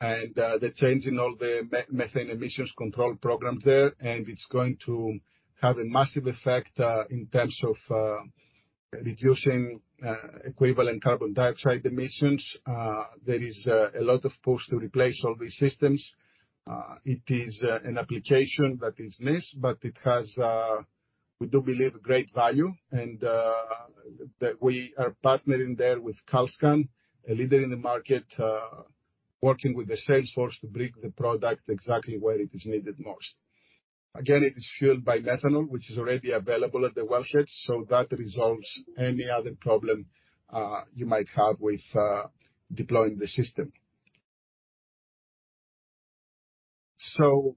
and they're changing all the methane emissions control programs there, and it's going to have a massive effect in terms of reducing equivalent carbon dioxide emissions. There is a lot of push to replace all these systems. It is an application that is niche, but it has we do believe great value and that we are partnering there with Calscan, a leader in the market, working with the sales force to bring the product exactly where it is needed most. Again, it is fueled by methanol, which is already available at the well sites, so that resolves any other problem you might have with deploying the system.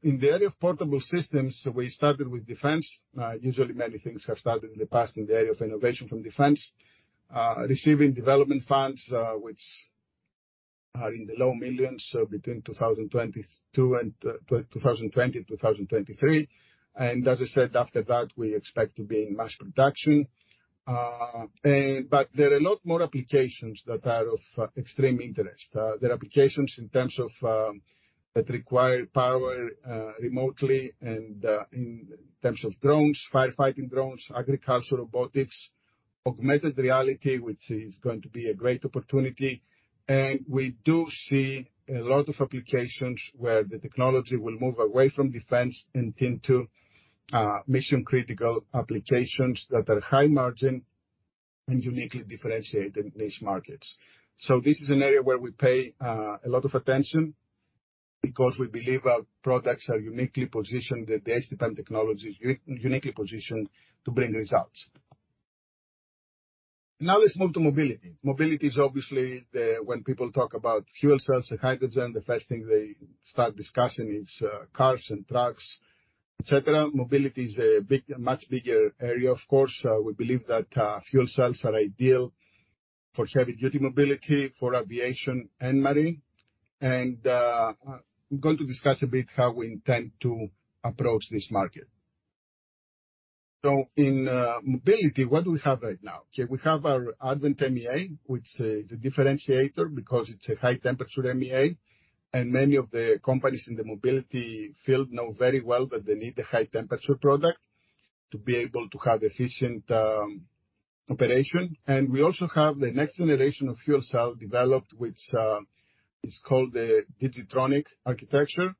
In the area of portable systems, we started with defense. Usually many things have started in the past in the area of innovation from defense, receiving development funds which are in the low millions between 2022 and 2023. As I said, after that, we expect to be in mass production. But there are a lot more applications that are of extreme interest. There are applications in terms of that require power remotely and in terms of drones, firefighting drones, agricultural robotics, augmented reality, which is going to be a great opportunity. We do see a lot of applications where the technology will move away from defense into mission-critical applications that are high margin and uniquely differentiated niche markets. This is an area where we pay a lot of attention because we believe our products are uniquely positioned, the HT-PEM technology is uniquely positioned to bring results. Now let's move to mobility. Mobility is obviously when people talk about fuel cells and hydrogen, the first thing they start discussing is cars and trucks, et cetera. Mobility is a big, much bigger area, of course. We believe that fuel cells are ideal for heavy-duty mobility, for aviation and marine. I'm going to discuss a bit how we intend to approach this market. In mobility, what do we have right now? Okay, we have our Advent MEA, which is a differentiator because it's a high-temperature MEA, and many of the companies in the mobility field know very well that they need a high-temperature product to be able to have efficient operation. We also have the next generation of fuel cell developed, which is called the DIGI-TRONIC architecture.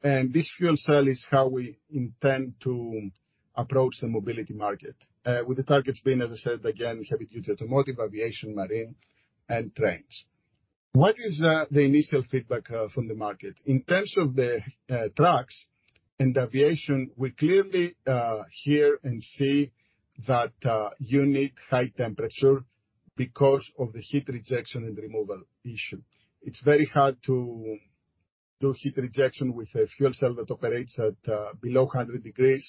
This fuel cell is how we intend to approach the mobility market with the targets being, as I said, again, heavy-duty automotive, aviation, marine, and trains. What is the initial feedback from the market? In terms of the trucks and aviation, we clearly hear and see that you need high temperature because of the heat rejection and removal issue. It's very hard to do heat rejection with a fuel cell that operates at below hundred degrees.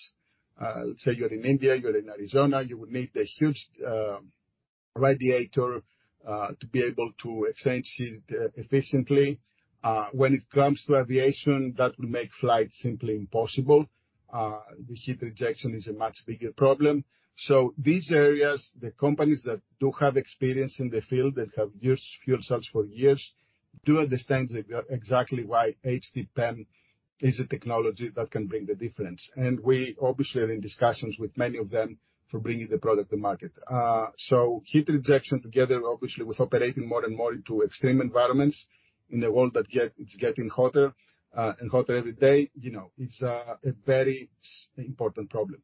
Let's say you're in India, you're in Arizona, you would need a huge radiator to be able to exchange heat efficiently. When it comes to aviation, that will make flight simply impossible. The heat rejection is a much bigger problem. These areas, the companies that do have experience in the field, that have used fuel cells for years, do understand exactly why HT-PEM is a technology that can bring the difference. We obviously are in discussions with many of them for bringing the product to market. Heat rejection together, obviously, with operating more and more into extreme environments in a world that is getting hotter and hotter every day, you know, is a very important problem.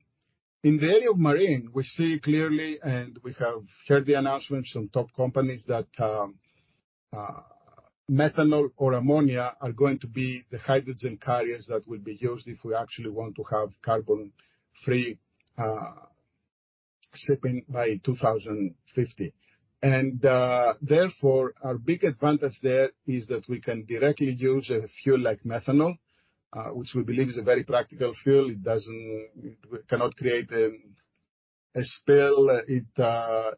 In the area of marine, we see clearly, and we have heard the announcements from top companies that methanol or ammonia are going to be the hydrogen carriers that will be used if we actually want to have carbon-free shipping by 2050. Therefore, our big advantage there is that we can directly use a fuel like methanol, which we believe is a very practical fuel. It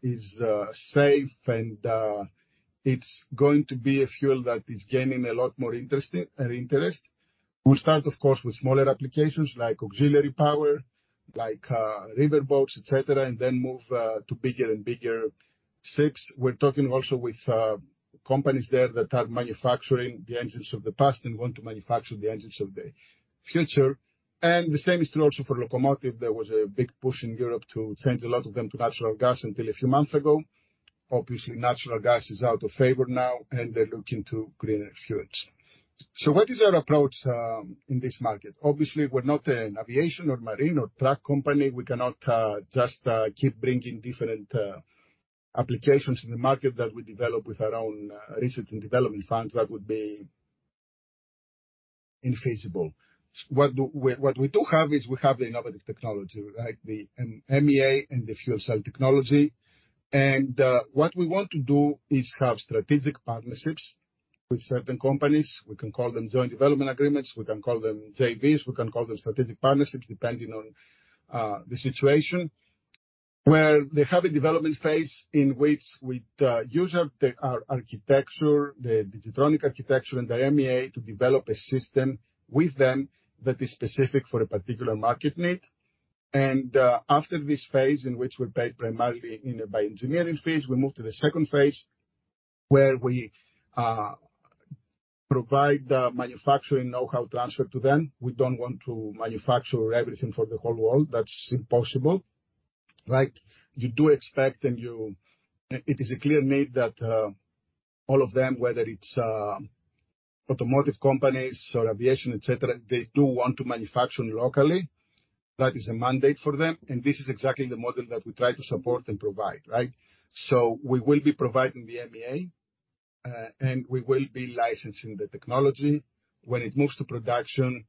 is safe, and it's going to be a fuel that is gaining a lot more interest. We start, of course, with smaller applications like auxiliary power, like riverboats, et cetera, and then move to bigger and bigger ships. We're talking also with companies there that are manufacturing the engines of the past and want to manufacture the engines of the future. The same is true also for locomotive. There was a big push in Europe to change a lot of them to natural gas until a few months ago. Obviously, natural gas is out of favor now, and they're looking to greener fuels. What is our approach in this market? Obviously, we're not an aviation or marine or truck company. We cannot just keep bringing different applications in the market that we develop with our own research and development funds. That would be infeasible. What we do have is we have the innovative technology, right? The HT-PEM MEA and the fuel cell technology. What we want to do is have strategic partnerships with certain companies. We can call them joint development agreements, we can call them JVs, we can call them strategic partnerships, depending on the situation. Where they have a development phase in which we use our architecture, the DIGI-TRONIC architecture and the MEA to develop a system with them that is specific for a particular market need. After this phase, in which we're paid primarily in a bio-engineering phase, we move to the second phase, where we provide the manufacturing know-how transfer to them. We don't want to manufacture everything for the whole world. That's impossible, right? It is a clear need that all of them, whether it's automotive companies or aviation, et cetera, they do want to manufacture locally. That is a mandate for them, and this is exactly the model that we try to support and provide, right? We will be providing the MEA, and we will be licensing the technology. When it moves to production,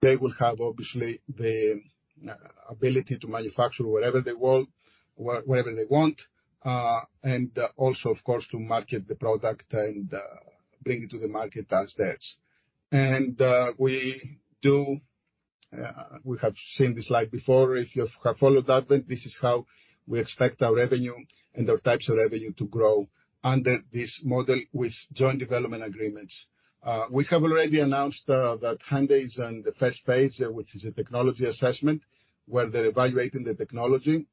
they will have, obviously, the ability to manufacture wherever they want, whatever they want, and also, of course, to market the product and bring it to the market as theirs. We have seen this slide before. If you have followed Advent, this is how we expect our revenue and our types of revenue to grow under this model with joint development agreements. We have already announced that Hyundai is in the first phase, which is a technology assessment, where they're evaluating the technology.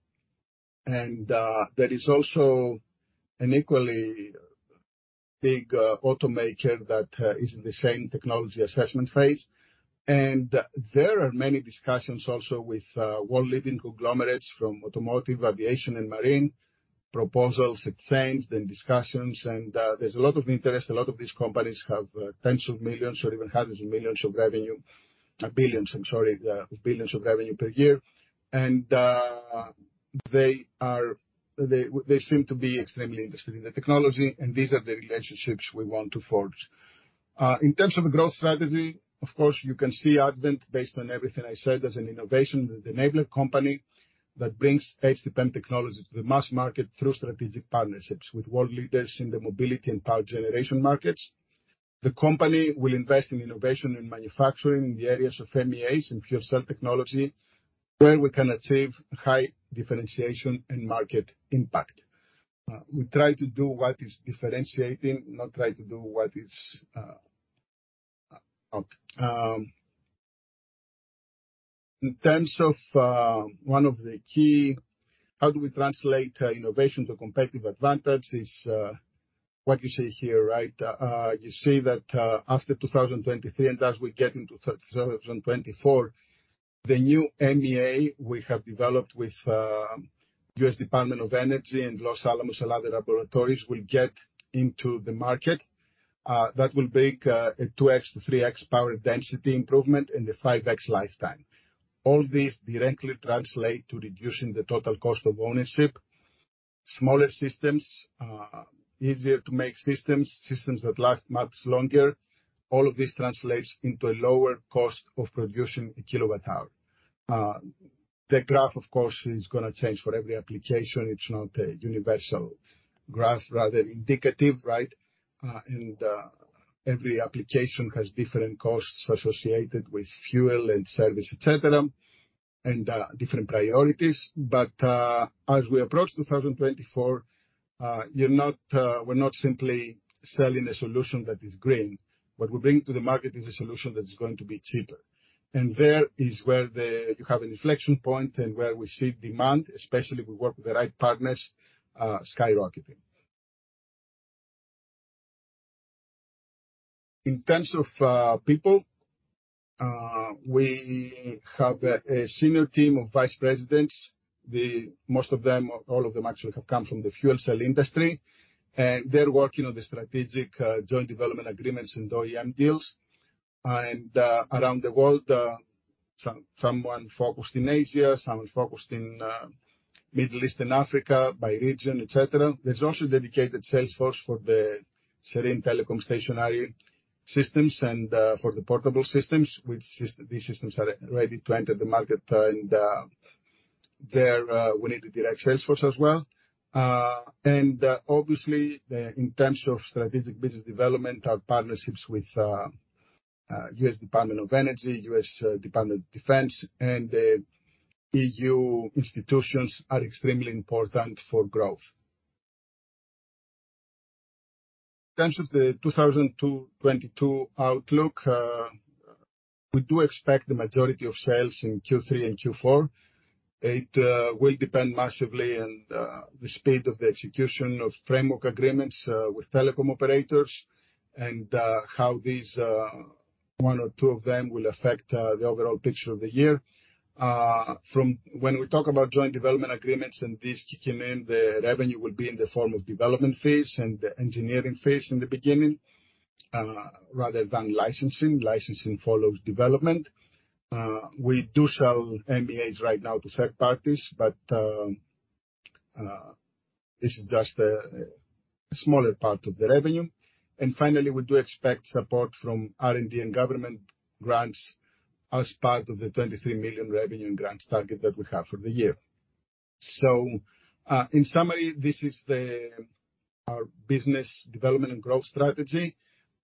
There is also an equally big automaker that is in the same technology assessment phase. There are many discussions also with world-leading conglomerates from automotive, aviation and marine. Proposals exchanged and discussions, and there's a lot of interest. A lot of these companies have $10s of millions or even $100s of millions of revenue. Billions, I'm sorry, billions of revenue per year. They seem to be extremely interested in the technology, and these are the relationships we want to forge. In terms of growth strategy, of course, you can see Advent based on everything I said, as an innovation and enabler company that brings HT-PEM technology to the mass market through strategic partnerships with world leaders in the mobility and power generation markets. The company will invest in innovation and manufacturing in the areas of MEAs and fuel cell technology, where we can achieve high differentiation and market impact. We try to do what is differentiating, not try to do what is out. In terms of one of the key how do we translate innovation to competitive advantage is what you see here, right? You see that after 2023, and as we get into 2024, the new MEA we have developed with US Department of Energy and Los Alamos laboratories will get into the market that will bring a 2x-3x power density improvement and a 5x lifetime. All these directly translate to reducing the total cost of ownership. Smaller systems, easier to make systems that last much longer. All of these translates into a lower cost of producing a kilowatt hour. The graph of course is gonna change for every application. It's not a universal graph, rather indicative, right? Every application has different costs associated with fuel and service, et cetera, and different priorities. As we approach 2024, we're not simply selling a solution that is green. What we're bringing to the market is a solution that is going to be cheaper. There is where you have an inflection point and where we see demand, especially if we work with the right partners, skyrocketing. In terms of people, we have a senior team of vice presidents. All of them actually have come from the fuel cell industry, and they're working on the strategic joint development agreements and OEM deals. Around the world, someone focused in Asia, someone focused in Middle East and Africa, by region, et cetera. There's also dedicated sales force for the Serene Telecom stationary systems and for the portable systems, which these systems are ready to enter the market. There we need the direct sales force as well. Obviously, in terms of strategic business development, our partnerships with US Department of Energy, US Department of Defense and EU institutions are extremely important for growth. In terms of the 2022 outlook, we do expect the majority of sales in Q3 and Q4. It will depend massively on the speed of the execution of framework agreements with telecom operators and how these one or two of them will affect the overall picture of the year. When we talk about joint development agreements and this QNM, the revenue will be in the form of development phase and the engineering phase in the beginning, rather than licensing. Licensing follows development. We do sell MEAs right now to third parties, but this is just a smaller part of the revenue. Finally, we do expect support from R&D and government grants as part of the $23 million revenue and grants target that we have for the year. In summary, this is our business development and growth strategy.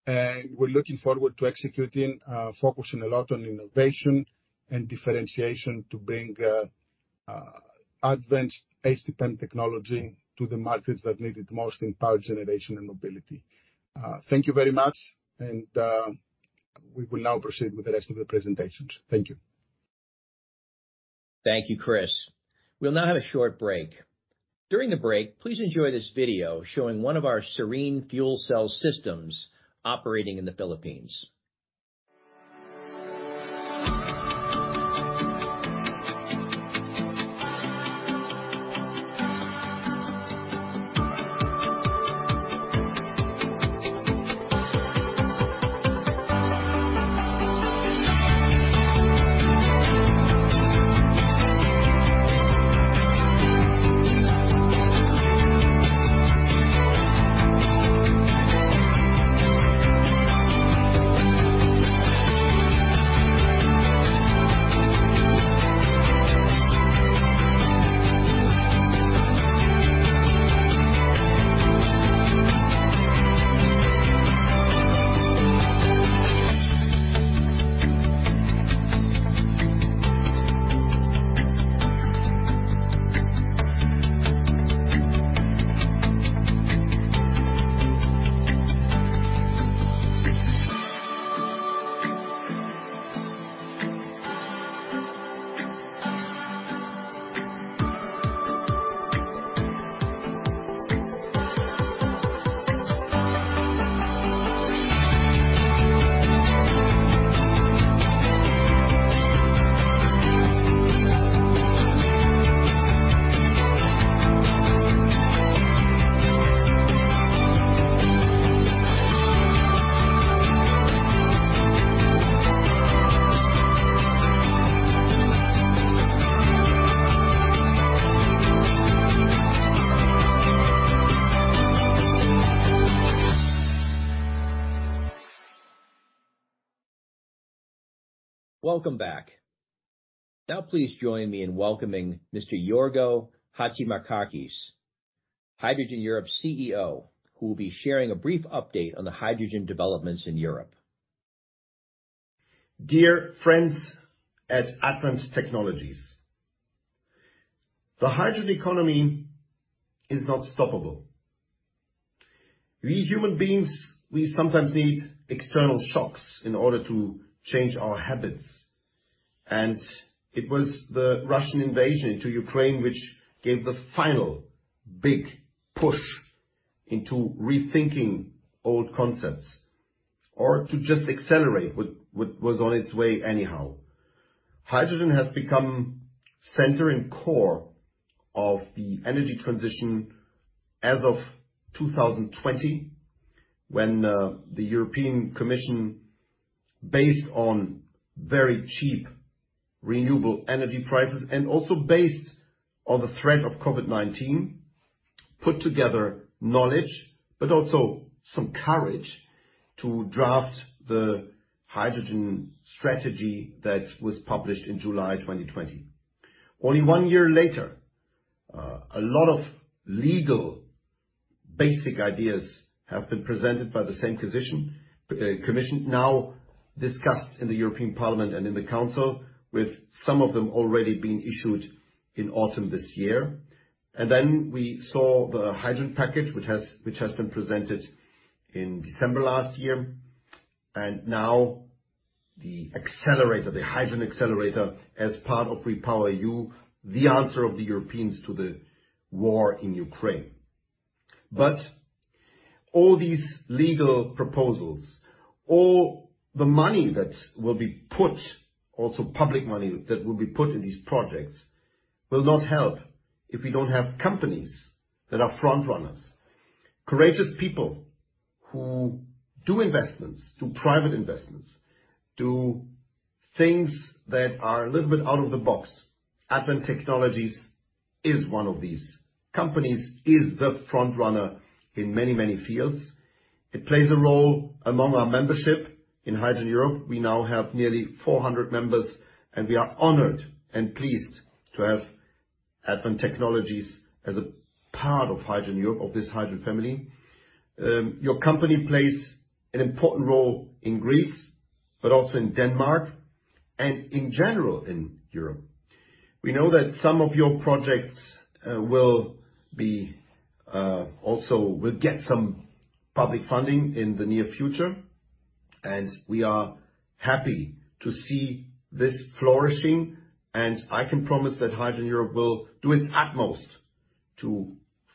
We're looking forward to executing, focusing a lot on innovation and differentiation to bring advanced HT-PEM technology to the markets that need it most in power generation and mobility. Thank you very much, and we will now proceed with the rest of the presentations. Thank you. Thank you, Chris. We'll now have a short break. During the break, please enjoy this video showing one of our SereneU fuel cell systems operating in the Philippines. Welcome back. Now please join me in welcoming Mr. Jorgo Chatzimarkakis, Hydrogen Europe CEO, who will be sharing a brief update on the hydrogen developments in Europe. Dear friends at Advent Technologies. The hydrogen economy is not stoppable. We human beings, we sometimes need external shocks in order to change our habits. It was the Russian invasion into Ukraine which gave the final big push into rethinking old concepts, or to just accelerate what was on its way anyhow. Hydrogen has become center and core of the energy transition as of 2020, when the European Commission, based on very cheap renewable energy prices, and also based on the threat of COVID-19, put together knowledge but also some courage to draft the hydrogen strategy that was published in July 2020. Only one year later, a lot of legal basic ideas have been presented by the same commission, but the commission now discussed in the European Parliament and in the council, with some of them already being issued in autumn this year. Then we saw the hydrogen package, which has been presented in December last year, and now the accelerator, the hydrogen accelerator, as part of REPowerEU, the answer of the Europeans to the war in Ukraine. All these legal proposals, all the money that will be put, also public money that will be put in these projects, will not help if we don't have companies that are front runners, courageous people who do investments, do private investments, do things that are a little bit out of the box. Advent Technologies is one of these companies, is the front runner in many, many fields. It plays a role among our membership in Hydrogen Europe. We now have nearly 400 members, and we are honored and pleased to have Advent Technologies as a part of Hydrogen Europe, of this hydrogen family. Your company plays an important role in Greece, but also in Denmark and in general in Europe. We know that some of your projects will get some public funding in the near future, and we are happy to see this flourishing. I can promise that Hydrogen Europe will do its utmost to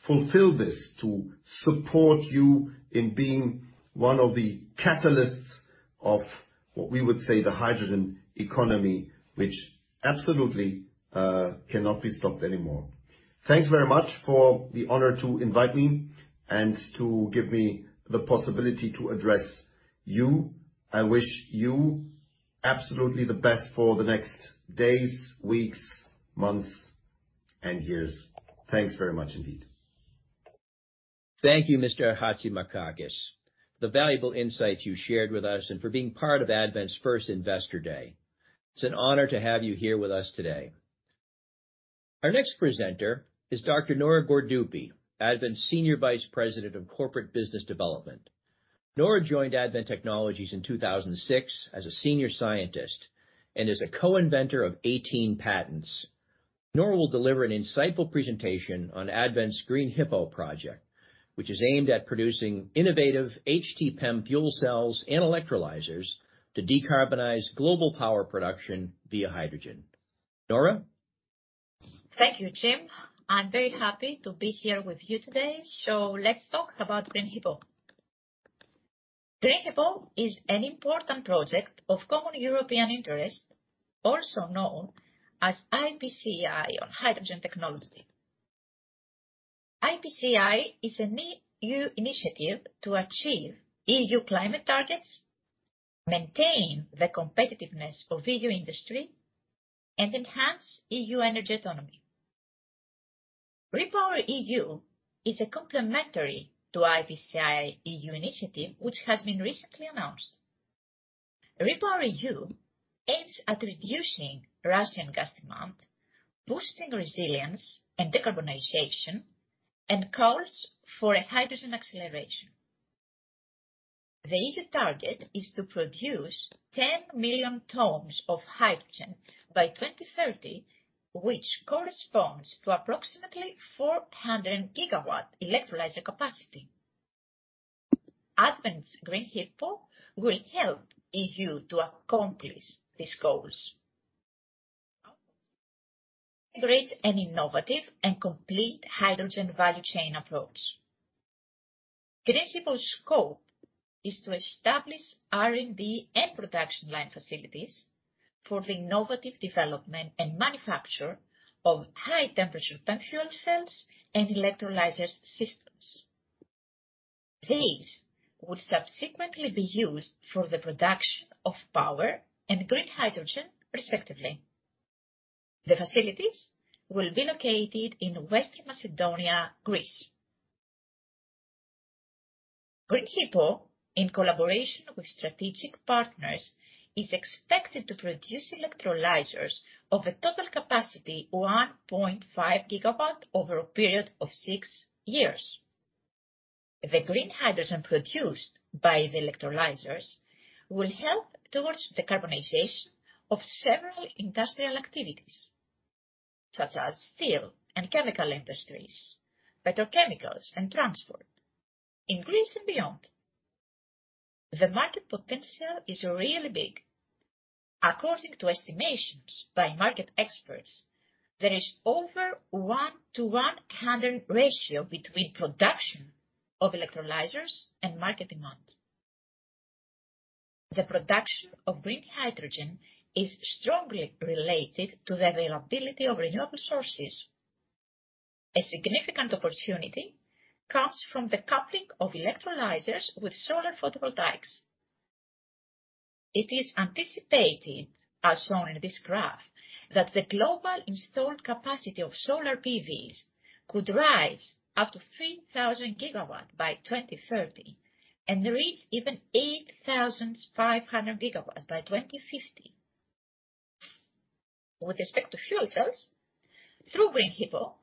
fulfill this, to support you in being one of the catalysts of what we would say the hydrogen economy, which absolutely cannot be stopped anymore. Thanks very much for the honor to invite me and to give me the possibility to address you. I wish you absolutely the best for the next days, weeks, months and years. Thanks very much indeed. Thank you, Mr. Chatzimarkakis, for the valuable insights you shared with us and for being part of Advent's first Investor Day. It's an honor to have you here with us today. Our next presenter is Dr. Nora Gourdoupi, Advent Senior Vice President of Corporate Business Development. Nora joined Advent Technologies in 2006 as a senior scientist and is a co-inventor of 18 patents. Nora will deliver an insightful presentation on Advent's Green HiPo project, which is aimed at producing innovative HT-PEM fuel cells and electrolyzers to decarbonize global power production via hydrogen. Nora? Thank you, Jim. I'm very happy to be here with you today. Let's talk about Green HiPo. Green HiPo is an important project of common European interest, also known as IPCEI on hydrogen technology. IPCEI is a new initiative to achieve EU climate targets, maintain the competitiveness of EU industry, and enhance EU energy autonomy. REPowerEU is a complementary to IPCEI-EU initiative, which has been recently announced. REPowerEU aims at reducing Russian gas demand, boosting resilience and decarbonization, and calls for a hydrogen acceleration. The EU target is to produce 10 million tons of hydrogen by 2030, which corresponds to approximately 400 gigawatt electrolyzer capacity. Advent's Green HiPo will help EU to accomplish these goals. It creates an innovative and complete hydrogen value chain approach. Green HiPo's scope is to establish R&D and production line facilities for the innovative development and manufacture of high-temperature PEM fuel cells and electrolyzers systems. These will subsequently be used for the production of power and green hydrogen, respectively. The facilities will be located in Western Macedonia, Greece. Green HiPo, in collaboration with strategic partners, is expected to produce electrolyzers of a total capacity 1.5 GW over a period of six years. The green hydrogen produced by the electrolyzers will help towards decarbonization of several industrial activities, such as steel and chemical industries, petrochemicals and transport, in Greece and beyond. The market potential is really big. According to estimations by market experts, there is over 1-to-100 ratio between production of electrolyzers and market demand. The production of green hydrogen is strongly related to the availability of renewable sources. A significant opportunity comes from the coupling of electrolyzers with solar photovoltaics. It is anticipated, as shown in this graph, that the global installed capacity of solar PVs could rise up to 3,000 gigawatts by 2030 and reach even 8,500 gigawatts by 2050. With respect to fuel cells, through Green HiPo,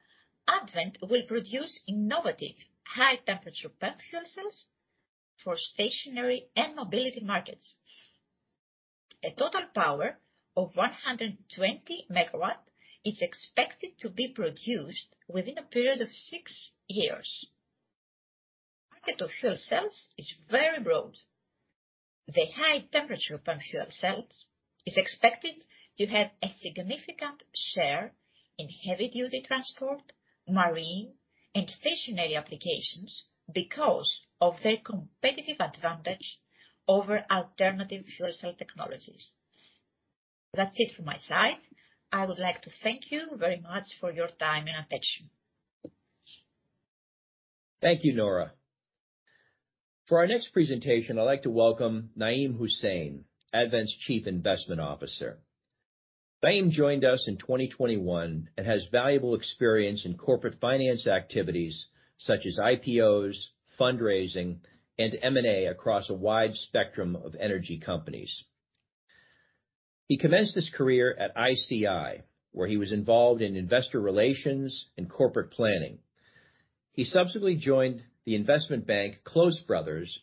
Advent will produce innovative high-temperature PEM fuel cells for stationary and mobility markets. A total power of 120 megawatts is expected to be produced within a period of six years. Market of fuel cells is very broad. The high temperature PEM fuel cells is expected to have a significant share in heavy-duty transport, marine, and stationary applications because of their competitive advantage over alternative fuel cell technologies. That's it for my slide. I would like to thank you very much for your time and attention. Thank you, Nora. For our next presentation, I'd like to welcome Naiem Hussain, Advent's Chief Investment Officer. Naiem joined us in 2021 and has valuable experience in corporate finance activities such as IPOs, fundraising, and M&A across a wide spectrum of energy companies. He commenced his career at ICI, where he was involved in investor relations and corporate planning. He subsequently joined the investment bank Close Brothers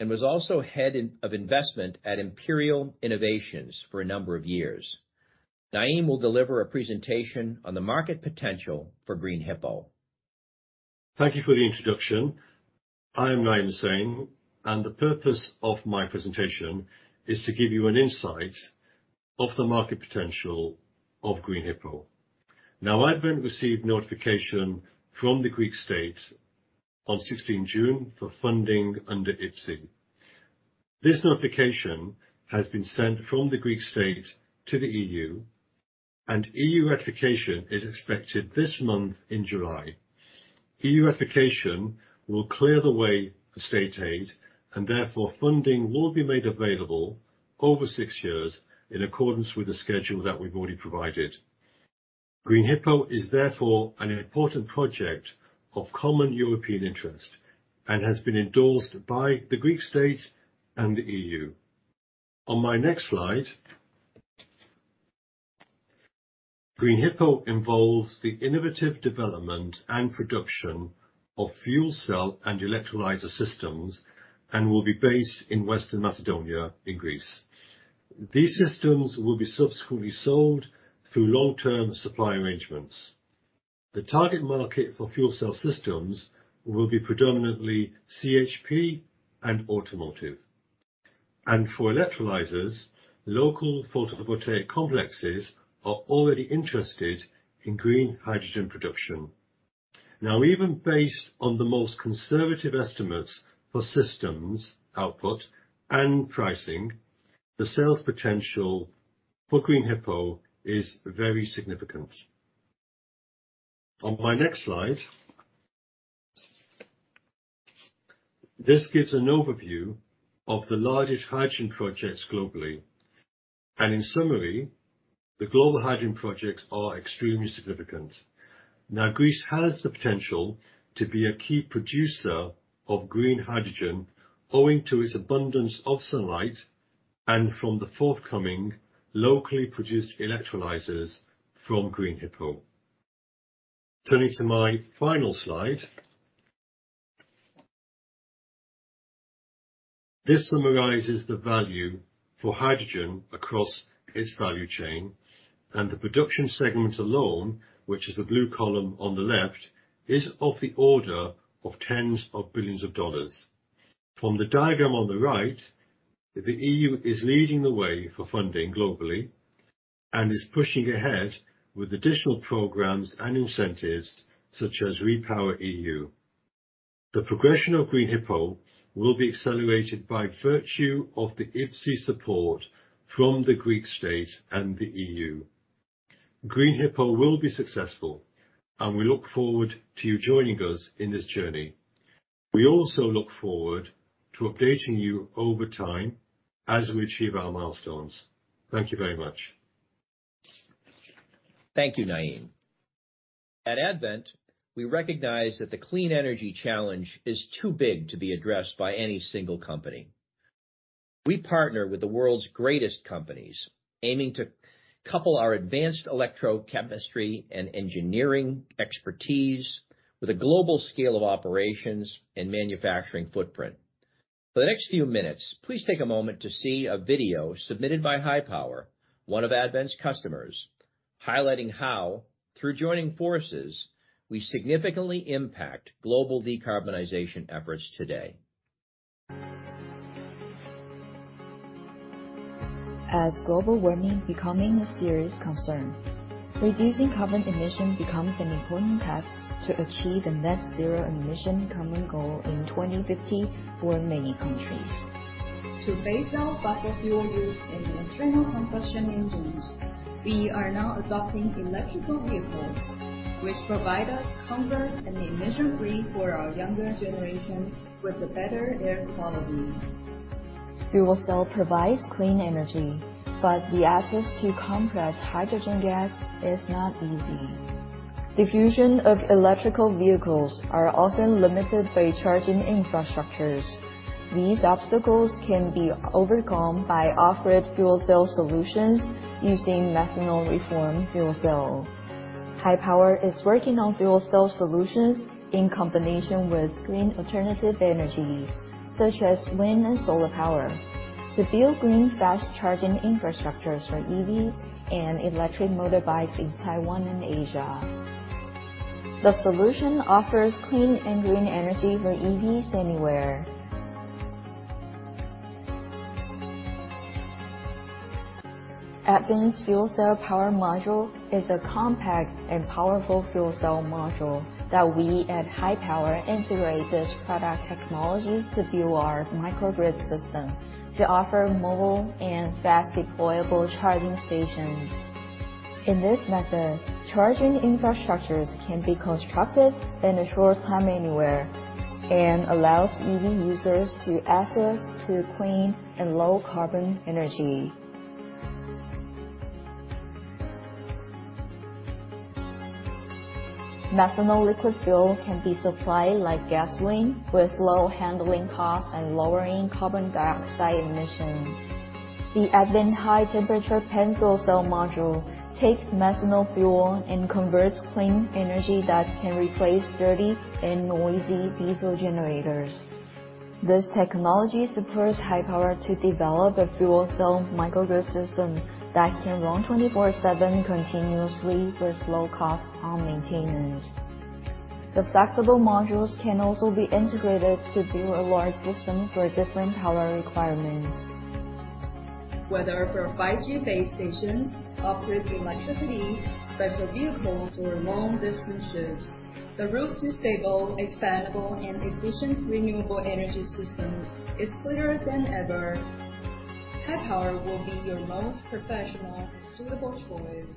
and was also Head of Investment at Imperial Innovations for a number of years. Naiem will deliver a presentation on the market potential for Green HiPo. Thank you for the introduction. I am Naiem Hussain, and the purpose of my presentation is to give you an insight of the market potential of Green HiPo. Now, Advent received notification from the Greek state on 16 June for funding under IPCEI. This notification has been sent from the Greek state to the EU, and EU ratification is expected this month in July. EU ratification will clear the way for state aid, and therefore funding will be made available over six years in accordance with the schedule that we've already provided. Green HiPo is therefore an important project of common European interest and has been endorsed by the Greek state and the EU. On my next slide. Green HiPo involves the innovative development and production of fuel cell and electrolyzer systems, and will be based in Western Macedonia in Greece. These systems will be subsequently sold through long-term supply arrangements. The target market for fuel cell systems will be predominantly CHP and automotive. For electrolyzers, local photovoltaic complexes are already interested in green hydrogen production. Now, even based on the most conservative estimates for systems output and pricing, the sales potential for Green HiPo is very significant. On my next slide. This gives an overview of the largest hydrogen projects globally, and in summary, the global hydrogen projects are extremely significant. Now, Greece has the potential to be a key producer of green hydrogen owing to its abundance of sunlight and from the forthcoming locally produced electrolyzers from Green HiPo. Turning to my final slide. This summarizes the value for hydrogen across its value chain, and the production segment alone, which is the blue column on the left, is of the order of tens of billions of dollars. From the diagram on the right, the EU is leading the way for funding globally and is pushing ahead with additional programs and incentives such as REPowerEU. The progression of Green HiPo will be accelerated by virtue of the IPCEI support from the Greek state and the EU. Green HiPo will be successful and we look forward to you joining us in this journey. We also look forward to updating you over time as we achieve our milestones. Thank you very much. Thank you, Naiem. At Advent, we recognize that the clean energy challenge is too big to be addressed by any single company. We partner with the world's greatest companies, aiming to couple our advanced electrochemistry and engineering expertise with a global scale of operations and manufacturing footprint. For the next few minutes, please take a moment to see a video submitted by Hypower, one of Advent's customers, highlighting how, through joining forces, we significantly impact global decarbonization efforts today. As global warming becoming a serious concern, reducing carbon emission becomes an important task to achieve a net zero emission common goal in 2050 for many countries. To phase out fossil fuel use in internal combustion engines, we are now adopting electric vehicles which provide us comfort and emission free for our younger generation with a better air quality. Fuel cell provides clean energy, but the access to compressed hydrogen gas is not easy. Diffusion of electric vehicles are often limited by charging infrastructures. These obstacles can be overcome by off-grid fuel cell solutions using methanol-reform fuel cell. Hypower is working on fuel cell solutions in combination with green alternative energies such as wind and solar power to build green fast charging infrastructures for EVs and electric motorbikes in Taiwan and Asia. The solution offers clean and green energy for EVs anywhere. Advent's fuel cell power module is a compact and powerful fuel cell module that we at Hypower integrate this product technology to build our microgrid system to offer mobile and fast deployable charging stations. In this method, charging infrastructures can be constructed in a short time anywhere and allows EV users to access to clean and low carbon energy. Methanol liquid fuel can be supplied like gasoline with low handling costs and lowering carbon dioxide emissions. The Advent high-temperature PEM fuel cell module takes methanol fuel and converts clean energy that can replace dirty and noisy diesel generators. This technology supports Hypower to develop a fuel cell microgrid system that can run 24/7 continuously with low cost on maintenance. The flexible modules can also be integrated to build a large system for different power requirements. Whether for 5G base stations, off-grid electricity, special vehicles, or long distance ships, the route to stable, expandable, and efficient renewable energy systems is clearer than ever. Hypower will be your most professional suitable choice.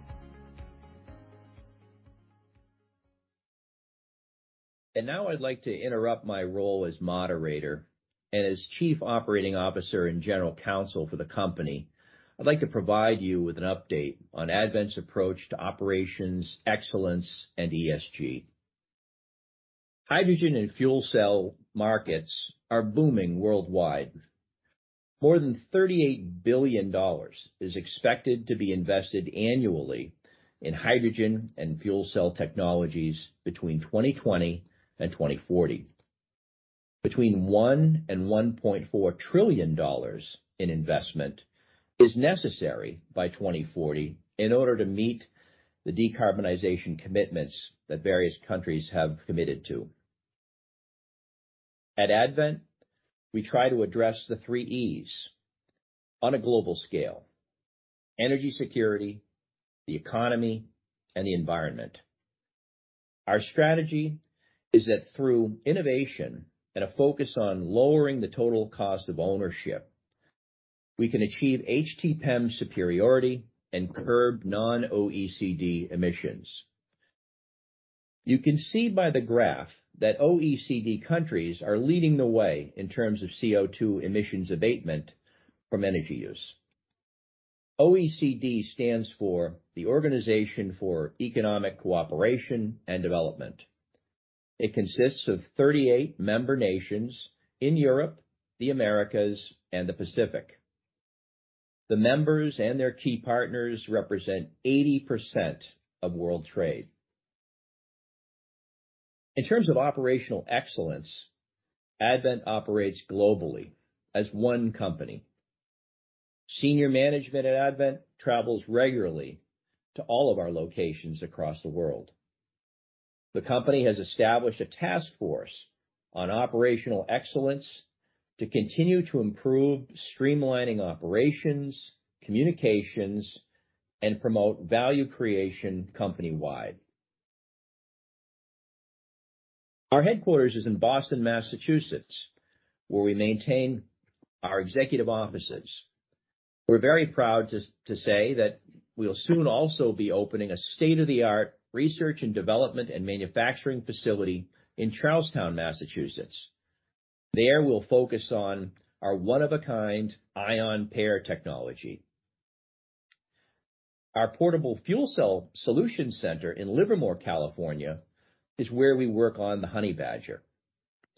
Now I'd like to interrupt my role as moderator and as chief operating officer and general counsel for the company. I'd like to provide you with an update on Advent's approach to operations, excellence, and ESG. Hydrogen and fuel cell markets are booming worldwide. More than $38 billion is expected to be invested annually in hydrogen and fuel cell technologies between 2020 and 2040. Between $1-$1.4 trillion in investment is necessary by 2040 in order to meet the decarbonization commitments that various countries have committed to. At Advent, we try to address the three E's on a global scale, energy security, the economy, and the environment. Our strategy is that through innovation and a focus on lowering the total cost of ownership, we can achieve HTPEM superiority and curb non-OECD emissions. You can see by the graph that OECD countries are leading the way in terms of CO₂ emissions abatement from energy use. OECD stands for the Organization for Economic Cooperation and Development. It consists of 38 member nations in Europe, the Americas, and the Pacific. The members and their key partners represent 80% of world trade. In terms of operational excellence, Advent operates globally as one company. Senior management at Advent travels regularly to all of our locations across the world. The company has established a task force on operational excellence to continue to improve streamlining operations, communications, and promote value creation company-wide. Our headquarters is in Boston, Massachusetts, where we maintain our executive offices. We're very proud to say that we'll soon also be opening a state-of-the-art research and development and manufacturing facility in Charlestown, Massachusetts. There we'll focus on our one-of-a-kind ion pair technology. Our portable fuel cell solution center in Livermore, California, is where we work on the Honey Badger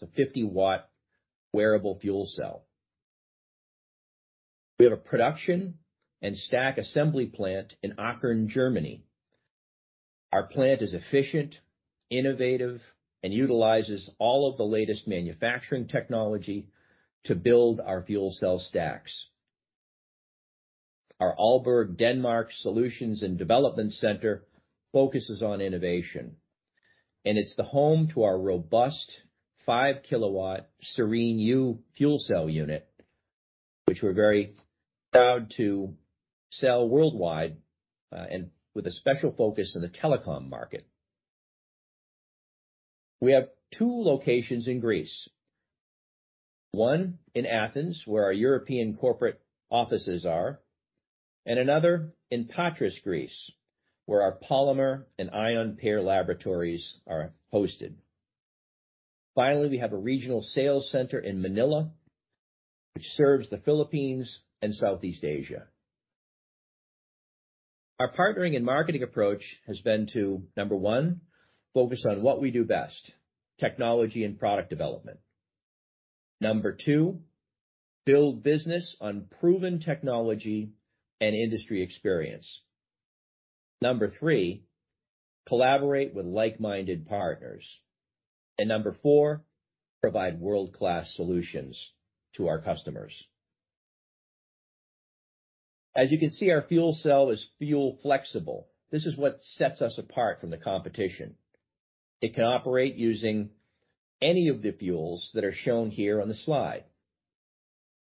50, the 50-watt wearable fuel cell. We have a production and stack assembly plant in Aachen, Germany. Our plant is efficient, innovative, and utilizes all of the latest manufacturing technology to build our fuel cell stacks. Our Aalborg, Denmark Solutions and Development Center focuses on innovation, and it's the home to our robust 5-kilowatt SereneU fuel cell unit, which we're very proud to sell worldwide, and with a special focus on the telecom market. We have two locations in Greece, one in Athens, where our European corporate offices are, and another in Patras, Greece, where our polymer and ion pair laboratories are hosted. Finally, we have a regional sales center in Manila, which serves the Philippines and Southeast Asia. Our partnering and marketing approach has been to, number one, focus on what we do best, technology and product development. Number two, build business on proven technology and industry experience. Number three, collaborate with like-minded partners. Number four, provide world-class solutions to our customers. As you can see, our fuel cell is fuel flexible. This is what sets us apart from the competition. It can operate using any of the fuels that are shown here on the slide.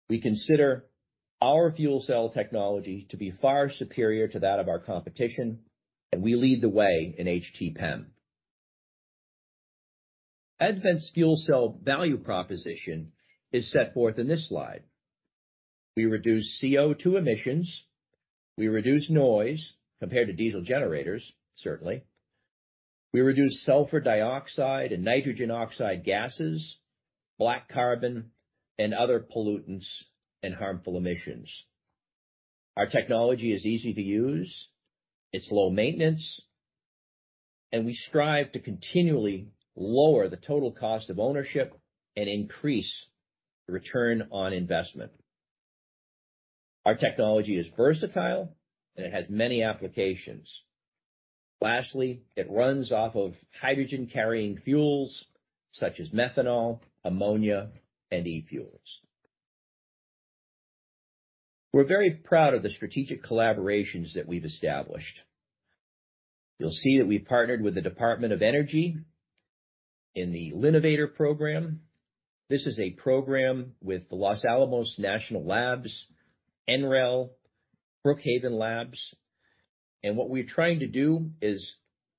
We consider our fuel cell technology to be far superior to that of our competition, and we lead the way in HTPEM. Advent's fuel cell value proposition is set forth in this slide. We reduce CO₂ emissions. We reduce noise compared to diesel generators, certainly. We reduce sulfur dioxide and nitrogen oxide gases, black carbon, and other pollutants and harmful emissions. Our technology is easy to use, it's low maintenance, and we strive to continually lower the total cost of ownership and increase the return on investment. Our technology is versatile, and it has many applications. Lastly, it runs off of hydrogen-carrying fuels such as methanol, ammonia, and e-fuels. We're very proud of the strategic collaborations that we've established. You'll see that we partnered with the Department of Energy in the L'Innovator Program. This is a program with the Los Alamos National Laboratory, NREL, Brookhaven National Laboratory, and what we're trying to do is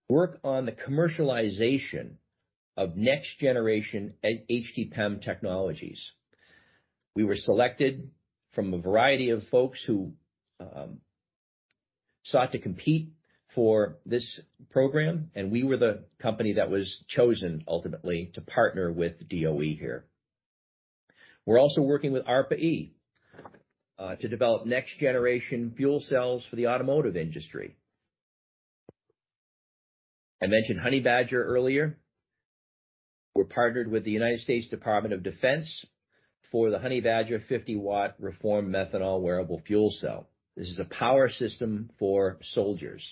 work on the commercialization of next generation HTPEM technologies. We were selected from a variety of folks who sought to compete for this program, and we were the company that was chosen ultimately to partner with DOE here. We're also working with ARPA-E to develop next generation fuel cells for the automotive industry. I mentioned Honey Badger earlier. We're partnered with the U.S. Department of Defense for the Honey Badger 50 W reformed methanol wearable fuel cell. This is a power system for soldiers.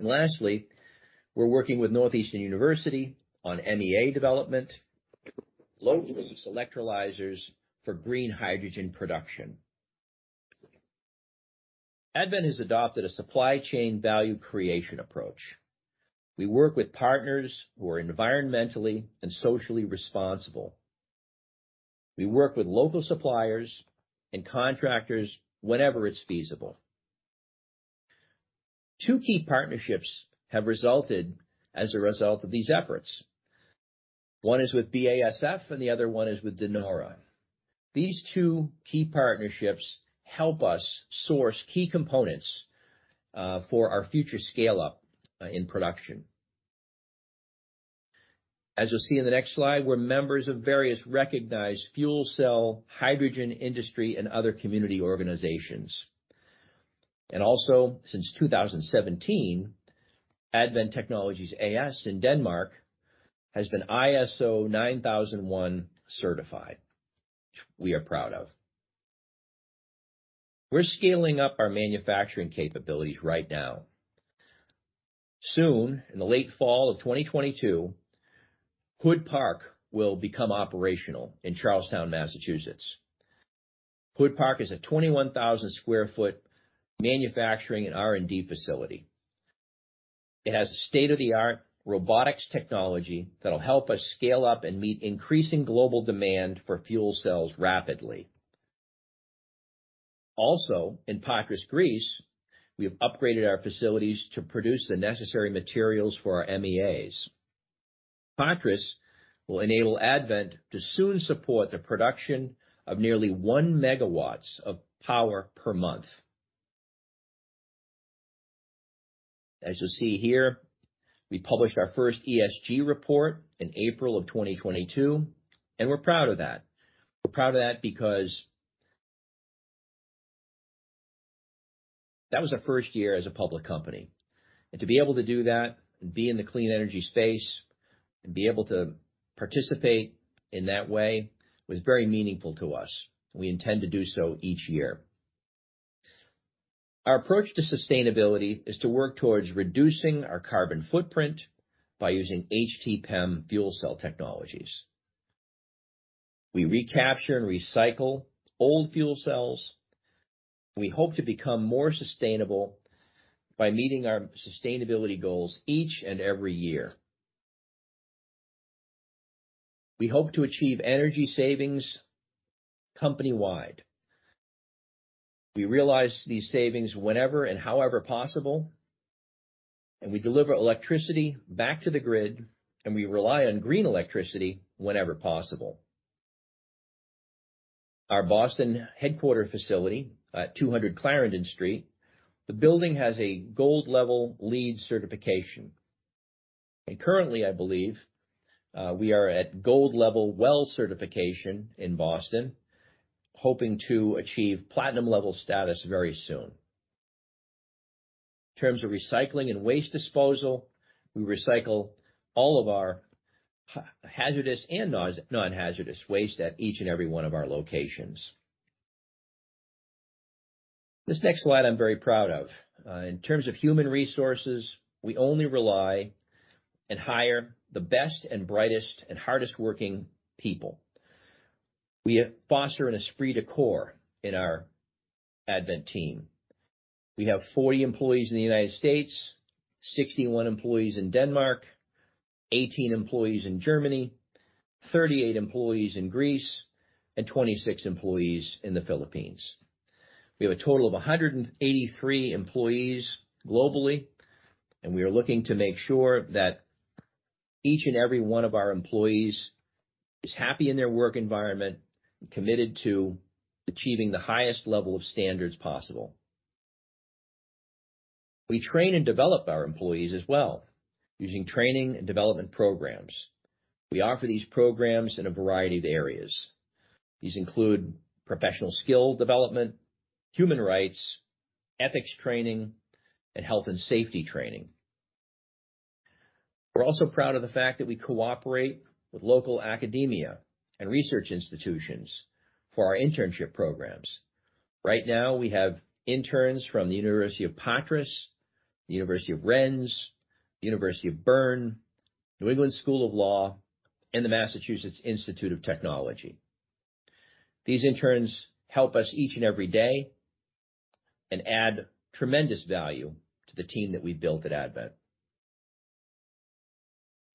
Lastly, we're working with Northeastern University on MEA development, low-temp electrolyzers for green hydrogen production. Advent has adopted a supply chain value creation approach. We work with partners who are environmentally and socially responsible. We work with local suppliers and contractors whenever it's feasible. Two key partnerships have resulted as a result of these efforts. One is with BASF and the other one is with De Nora. These two key partnerships help us source key components for our future scale-up in production. As you'll see in the next slide, we're members of various recognized fuel cell, hydrogen industry and other community organizations. Since 2017, Advent Technologies A/S in Denmark has been ISO 9001 certified, which we are proud of. We're scaling up our manufacturing capabilities right now. Soon, in the late fall of 2022, Hood Park will become operational in Charlestown, Massachusetts. Hood Park is a 21,000 sq ft manufacturing and R&D facility. It has state-of-the-art robotics technology that'll help us scale up and meet increasing global demand for fuel cells rapidly. In Patras, Greece, we have upgraded our facilities to produce the necessary materials for our MEAs. Patras will enable Advent to soon support the production of nearly 1 megawatt of power per month. As you'll see here, we published our first ESG report in April of 2022, and we're proud of that. We're proud of that because that was our first year as a public company. To be able to do that and be in the clean energy space and be able to participate in that way was very meaningful to us. We intend to do so each year. Our approach to sustainability is to work towards reducing our carbon footprint by using HT-PEM fuel cell technologies. We recapture and recycle old fuel cells. We hope to become more sustainable by meeting our sustainability goals each and every year. We hope to achieve energy savings company-wide. We realize these savings whenever and however possible, and we deliver electricity back to the grid, and we rely on green electricity whenever possible. Our Boston headquarters facility at 200 Clarendon Street, the building has a gold-level LEED certification. Currently, I believe, we are at gold level WELL certification in Boston, hoping to achieve platinum level status very soon. In terms of recycling and waste disposal, we recycle all of our hazardous and non-hazardous waste at each and every one of our locations. This next slide I'm very proud of. In terms of human resources, we only rely and hire the best and brightest and hardest-working people. We foster an esprit de corps in our Advent team. We have 40 employees in the United States, 61 employees in Denmark, 18 employees in Germany, 38 employees in Greece, and 26 employees in the Philippines. We have a total of 183 employees globally, and we are looking to make sure that each and every one of our employees is happy in their work environment and committed to achieving the highest level of standards possible. We train and develop our employees as well using training and development programs. We offer these programs in a variety of areas. These include professional skill development, human rights, ethics training, and health and safety training. We're also proud of the fact that we cooperate with local academia and research institutions for our internship programs. Right now, we have interns from the University of Patras, the University of Rennes, the University of Bern, New England School of Law, and the Massachusetts Institute of Technology. These interns help us each and every day and add tremendous value to the team that we've built at Advent.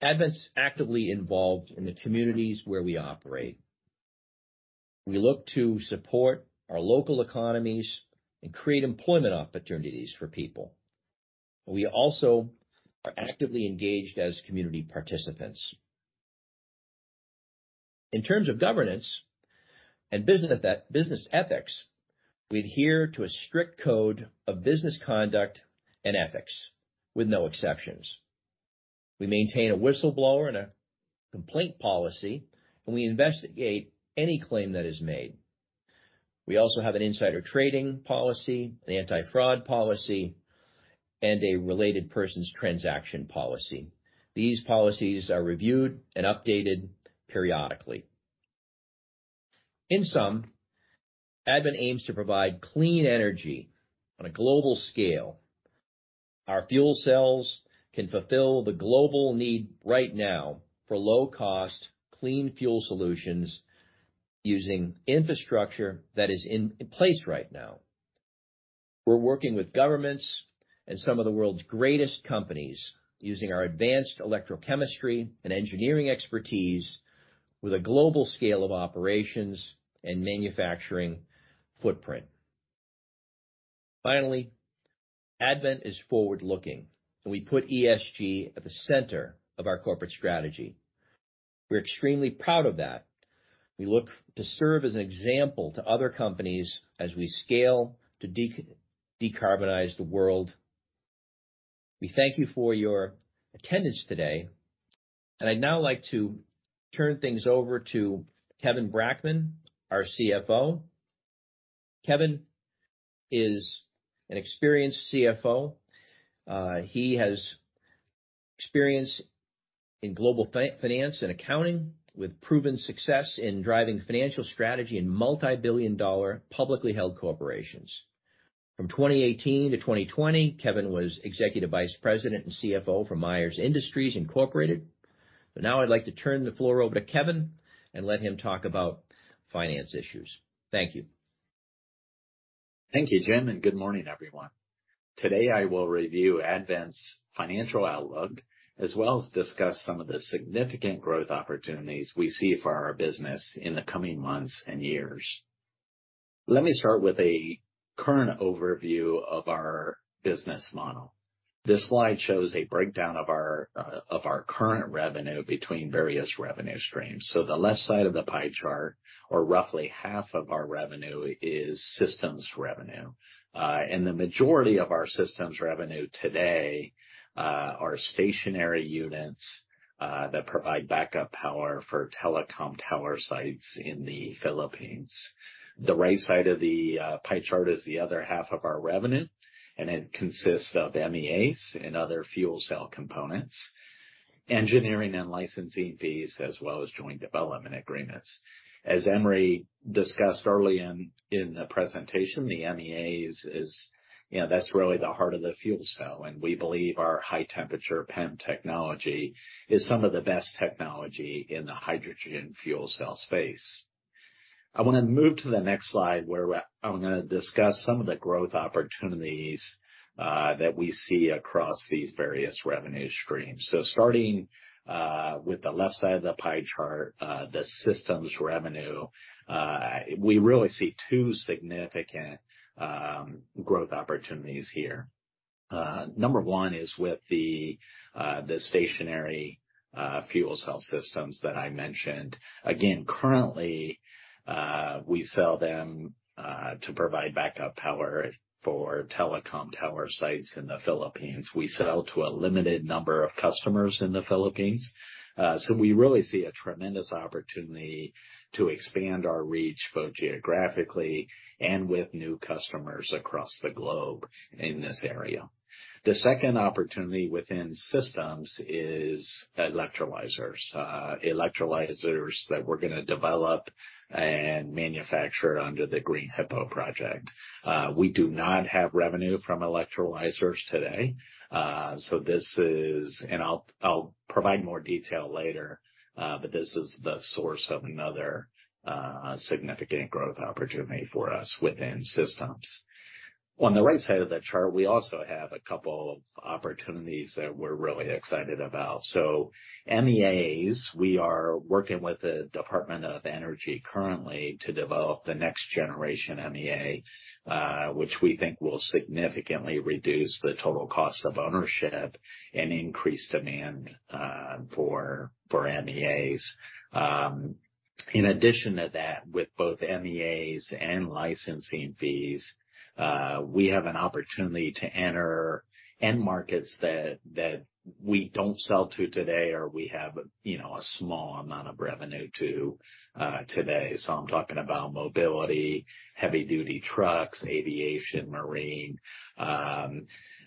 Advent's actively involved in the communities where we operate. We look to support our local economies and create employment opportunities for people. We also are actively engaged as community participants. In terms of governance and business ethics, we adhere to a strict code of business conduct and ethics with no exceptions. We maintain a whistleblower and a complaint policy, and we investigate any claim that is made. We also have an insider trading policy, an anti-fraud policy, and a related persons transaction policy. These policies are reviewed and updated periodically. In sum, Advent aims to provide clean energy on a global scale. Our fuel cells can fulfill the global need right now for low cost, clean fuel solutions using infrastructure that is in place right now. We're working with governments and some of the world's greatest companies using our advanced electrochemistry and engineering expertise with a global scale of operations and manufacturing footprint. Finally, Advent is forward-looking, and we put ESG at the center of our corporate strategy. We're extremely proud of that. We look to serve as an example to other companies as we scale to decarbonize the world. We thank you for your attendance today, and I'd now like to turn things over to Kevin Brackman, our CFO. Kevin is an experienced CFO. He has experience in global finance and accounting with proven success in driving financial strategy in multibillion-dollar publicly held corporations. From 2018 to 2020, Kevin was Executive Vice President and CFO for Myers Industries, Inc. Now I'd like to turn the floor over to Kevin and let him talk about finance issues. Thank you. Thank you, Jim, and good morning, everyone. Today I will review Advent's financial outlook as well as discuss some of the significant growth opportunities we see for our business in the coming months and years. Let me start with a current overview of our business model. This slide shows a breakdown of our current revenue between various revenue streams. The left side of the pie chart, or roughly half of our revenue is systems revenue. And the majority of our systems revenue today are stationary units that provide backup power for telecom tower sites in the Philippines. The right side of the pie chart is the other half of our revenue, and it consists of MEAs and other fuel cell components, engineering and licensing fees, as well as joint development agreements. As Emory discussed early in the presentation, the MEAs is, you know, that's really the heart of the fuel cell, and we believe our high temperature PEM technology is some of the best technology in the hydrogen fuel cell space. I wanna move to the next slide, I'm gonna discuss some of the growth opportunities that we see across these various revenue streams. Starting with the left side of the pie chart, the systems revenue, we really see two significant growth opportunities here. Number one is with the stationary fuel cell systems that I mentioned. Again, currently, we sell them to provide backup power for telecom tower sites in the Philippines. We sell to a limited number of customers in the Philippines. We really see a tremendous opportunity to expand our reach both geographically and with new customers across the globe in this area. The second opportunity within systems is electrolyzers. Electrolyzers that we're gonna develop and manufacture under the Green HiPo project. We do not have revenue from electrolyzers today. I'll provide more detail later, but this is the source of another significant growth opportunity for us within systems. On the right side of the chart, we also have a couple of opportunities that we're really excited about. MEAs, we are working with the Department of Energy currently to develop the next generation MEA, which we think will significantly reduce the total cost of ownership and increase demand for MEAs. In addition to that, with both MEAs and licensing fees, we have an opportunity to enter end markets that we don't sell to today or we have, you know, a small amount of revenue to today. I'm talking about mobility, heavy-duty trucks, aviation, marine.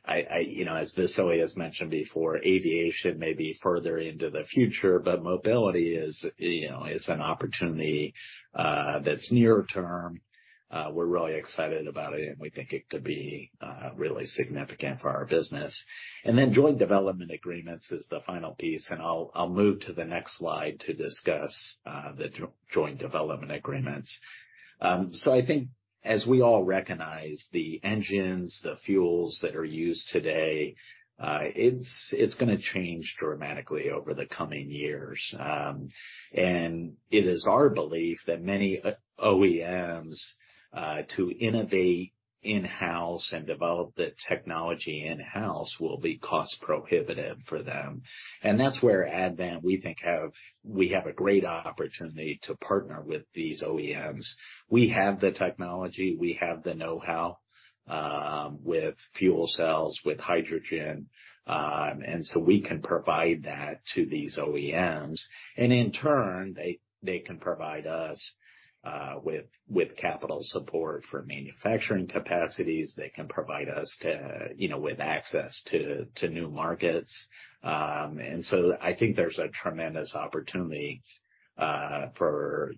I, you know, as Vasilis has mentioned before, aviation may be further into the future, but mobility is, you know, an opportunity that's near term. We're really excited about it, and we think it could be really significant for our business. Joint development agreements is the final piece, and I'll move to the next slide to discuss the joint development agreements. I think as we all recognize the engines, the fuels that are used today, it's gonna change dramatically over the coming years. It is our belief that many OEMs to innovate in-house and develop the technology in-house will be cost prohibitive for them. That's where Advent, we think, we have a great opportunity to partner with these OEMs. We have the technology, we have the know-how with fuel cells, with hydrogen, and so we can provide that to these OEMs, and in turn, they can provide us with capital support for manufacturing capacities that can provide us, too, you know, with access to new markets. I think there's a tremendous opportunity for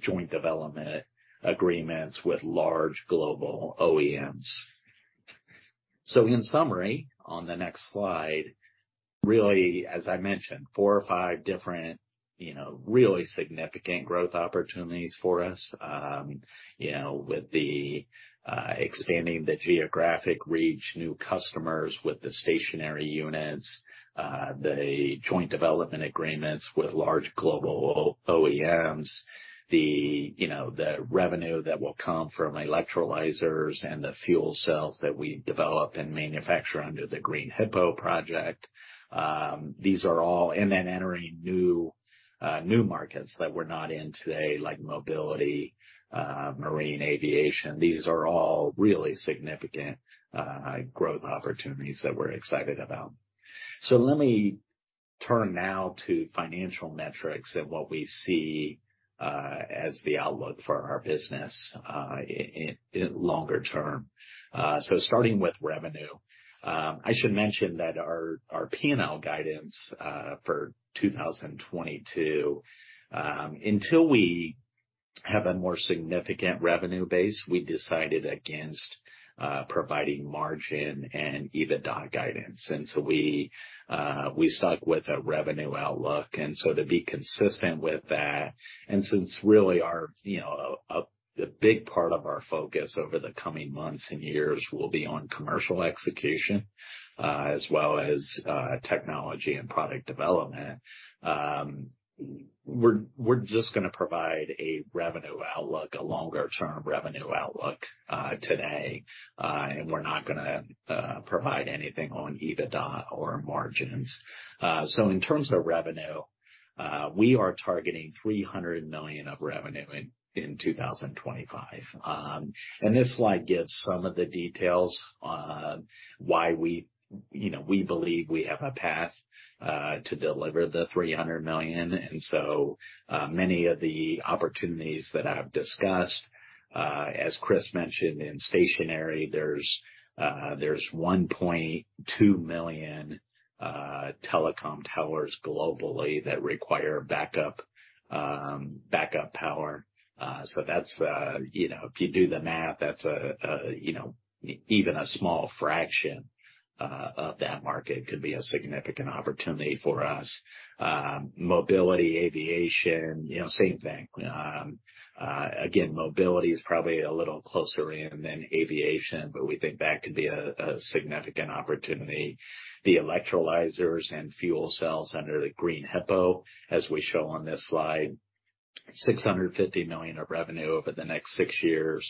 joint development agreements with large global OEMs. In summary, on the next slide, really, as I mentioned, four or five different, you know, really significant growth opportunities for us, with the expanding the geographic reach, new customers with the stationary units, the joint development agreements with large global OEMs, the, you know, the revenue that will come from electrolyzers and the fuel cells that we develop and manufacture under the Green HiPo project. These are all, and then entering new markets that we're not in today, like mobility, marine aviation. These are all really significant growth opportunities that we're excited about. Let me turn now to financial metrics and what we see as the outlook for our business in longer term. Starting with revenue, I should mention that our P&L guidance for 2022. Until we have a more significant revenue base, we decided against providing margin and EBITDA guidance. We stuck with a revenue outlook. To be consistent with that, and since really a big part of our focus over the coming months and years will be on commercial execution, as well as technology and product development, we're just gonna provide a revenue outlook, a longer-term revenue outlook today. We're not gonna provide anything on EBITDA or margins. In terms of revenue, we are targeting $300 million of revenue in 2025. This slide gives some of the details on why we, you know, we believe we have a path to deliver the $300 million. Many of the opportunities that I've discussed, as Chris mentioned, in stationary, there's 1.2 million telecom towers globally that require backup power. So that's, you know, if you do the math, that's even a small fraction of that market could be a significant opportunity for us. Mobility, aviation, you know, same thing. Again, mobility is probably a little closer in than aviation, but we think that could be a significant opportunity. The electrolyzers and fuel cells under the Green HiPo, as we show on this slide, $650 million of revenue over the next six years.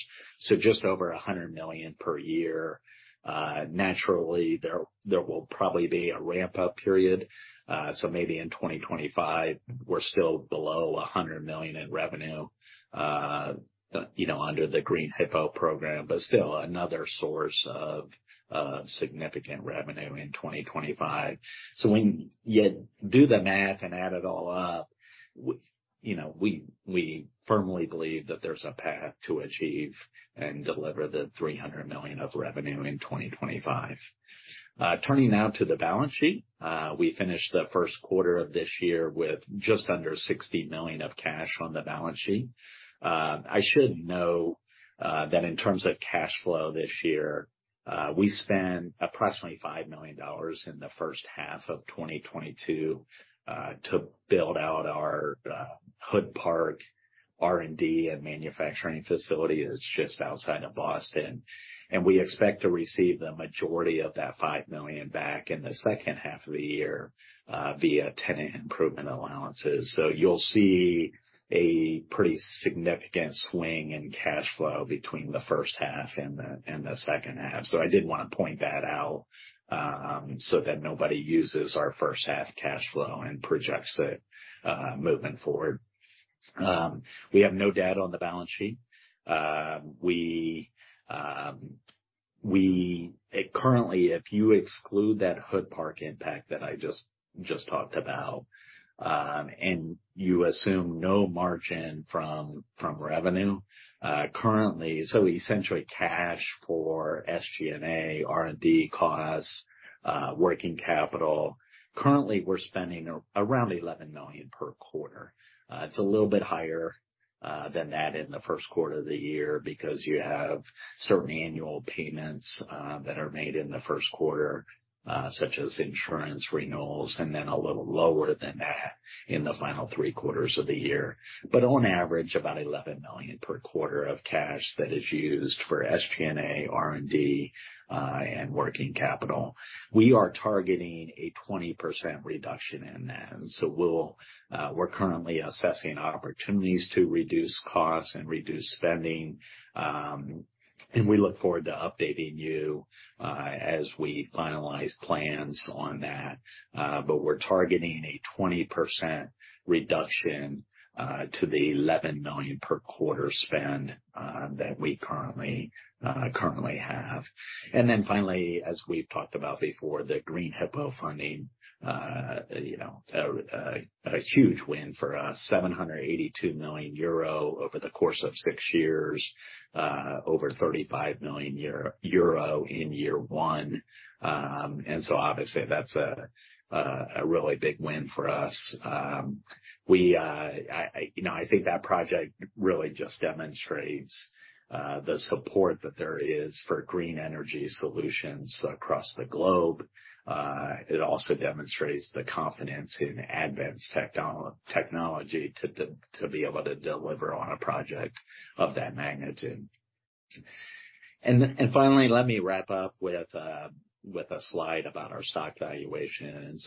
Just over $100 million per year. Naturally, there will probably be a ramp-up period. Maybe in 2025, we're still below $100 million in revenue, you know, under the Green HiPo program, but still another source of significant revenue in 2025. When you do the math and add it all up, you know, we firmly believe that there's a path to achieve and deliver $300 million of revenue in 2025. Turning now to the balance sheet. We finished the first quarter of this year with just under $60 million of cash on the balance sheet. I should note that in terms of cash flow this year, we spent approximately $5 million in the first half of 2022 to build out our Hood Park R&D and manufacturing facility that's just outside of Boston. We expect to receive the majority of that $5 million back in the second half of the year via tenant improvement allowances. You'll see a pretty significant swing in cash flow between the first half and the second half. I did wanna point that out so that nobody uses our first half cash flow and projects it moving forward. We have no debt on the balance sheet. Currently, if you exclude that Hood Park impact that I just talked about, and you assume no margin from revenue, currently essentially cash for SG&A, R&D costs, working capital. Currently, we're spending around $11 million per quarter. It's a little bit higher than that in the first quarter of the year because you have certain annual payments that are made in the first quarter, such as insurance renewals, and then a little lower than that in the final three quarters of the year. On average, about $11 million per quarter of cash that is used for SG&A, R&D, and working capital. We are targeting a 20% reduction in that. We're currently assessing opportunities to reduce costs and reduce spending. We look forward to updating you as we finalize plans on that, but we're targeting a 20% reduction to the $11 million per quarter spend that we currently have. Finally, as we've talked about before, the Green HiPo funding, you know, a huge win for us, 782 million euro over the course of six years, over 35 million euro in year one. Obviously that's a really big win for us. You know, I think that project really just demonstrates the support that there is for green energy solutions across the globe. It also demonstrates the confidence in Advent's technology to be able to deliver on a project of that magnitude. Finally, let me wrap up with a slide about our stock valuation.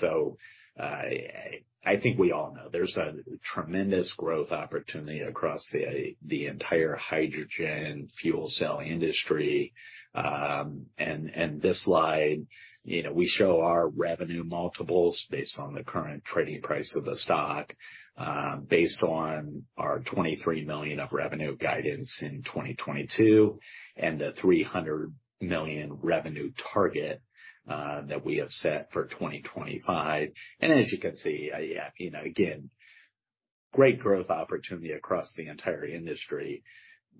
I think we all know there's a tremendous growth opportunity across the entire hydrogen fuel cell industry. This slide, you know, we show our revenue multiples based on the current trading price of the stock, based on our $23 million of revenue guidance in 2022, and the $300 million revenue target that we have set for 2025. As you can see, you know, again, great growth opportunity across the entire industry.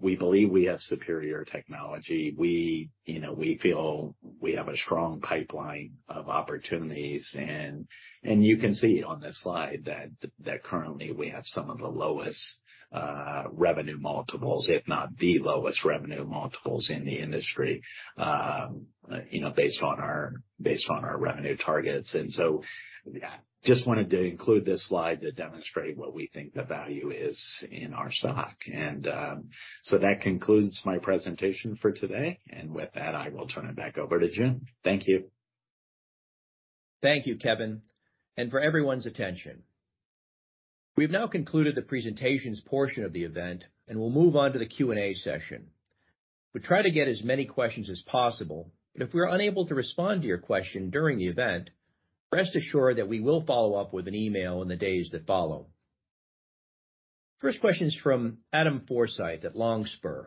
We believe we have superior technology. We feel we have a strong pipeline of opportunities. You can see on this slide that currently we have some of the lowest revenue multiples, if not the lowest revenue multiples in the industry, you know, based on our revenue targets. That concludes my presentation for today. With that, I will turn it back over to Jim. Thank you. Thank you, Kevin, and for everyone's attention. We've now concluded the presentations portion of the event, and we'll move on to the Q&A session. We try to get as many questions as possible, but if we are unable to respond to your question during the event, rest assured that we will follow up with an email in the days that follow. First question is from Adam Forsyth at Longspur.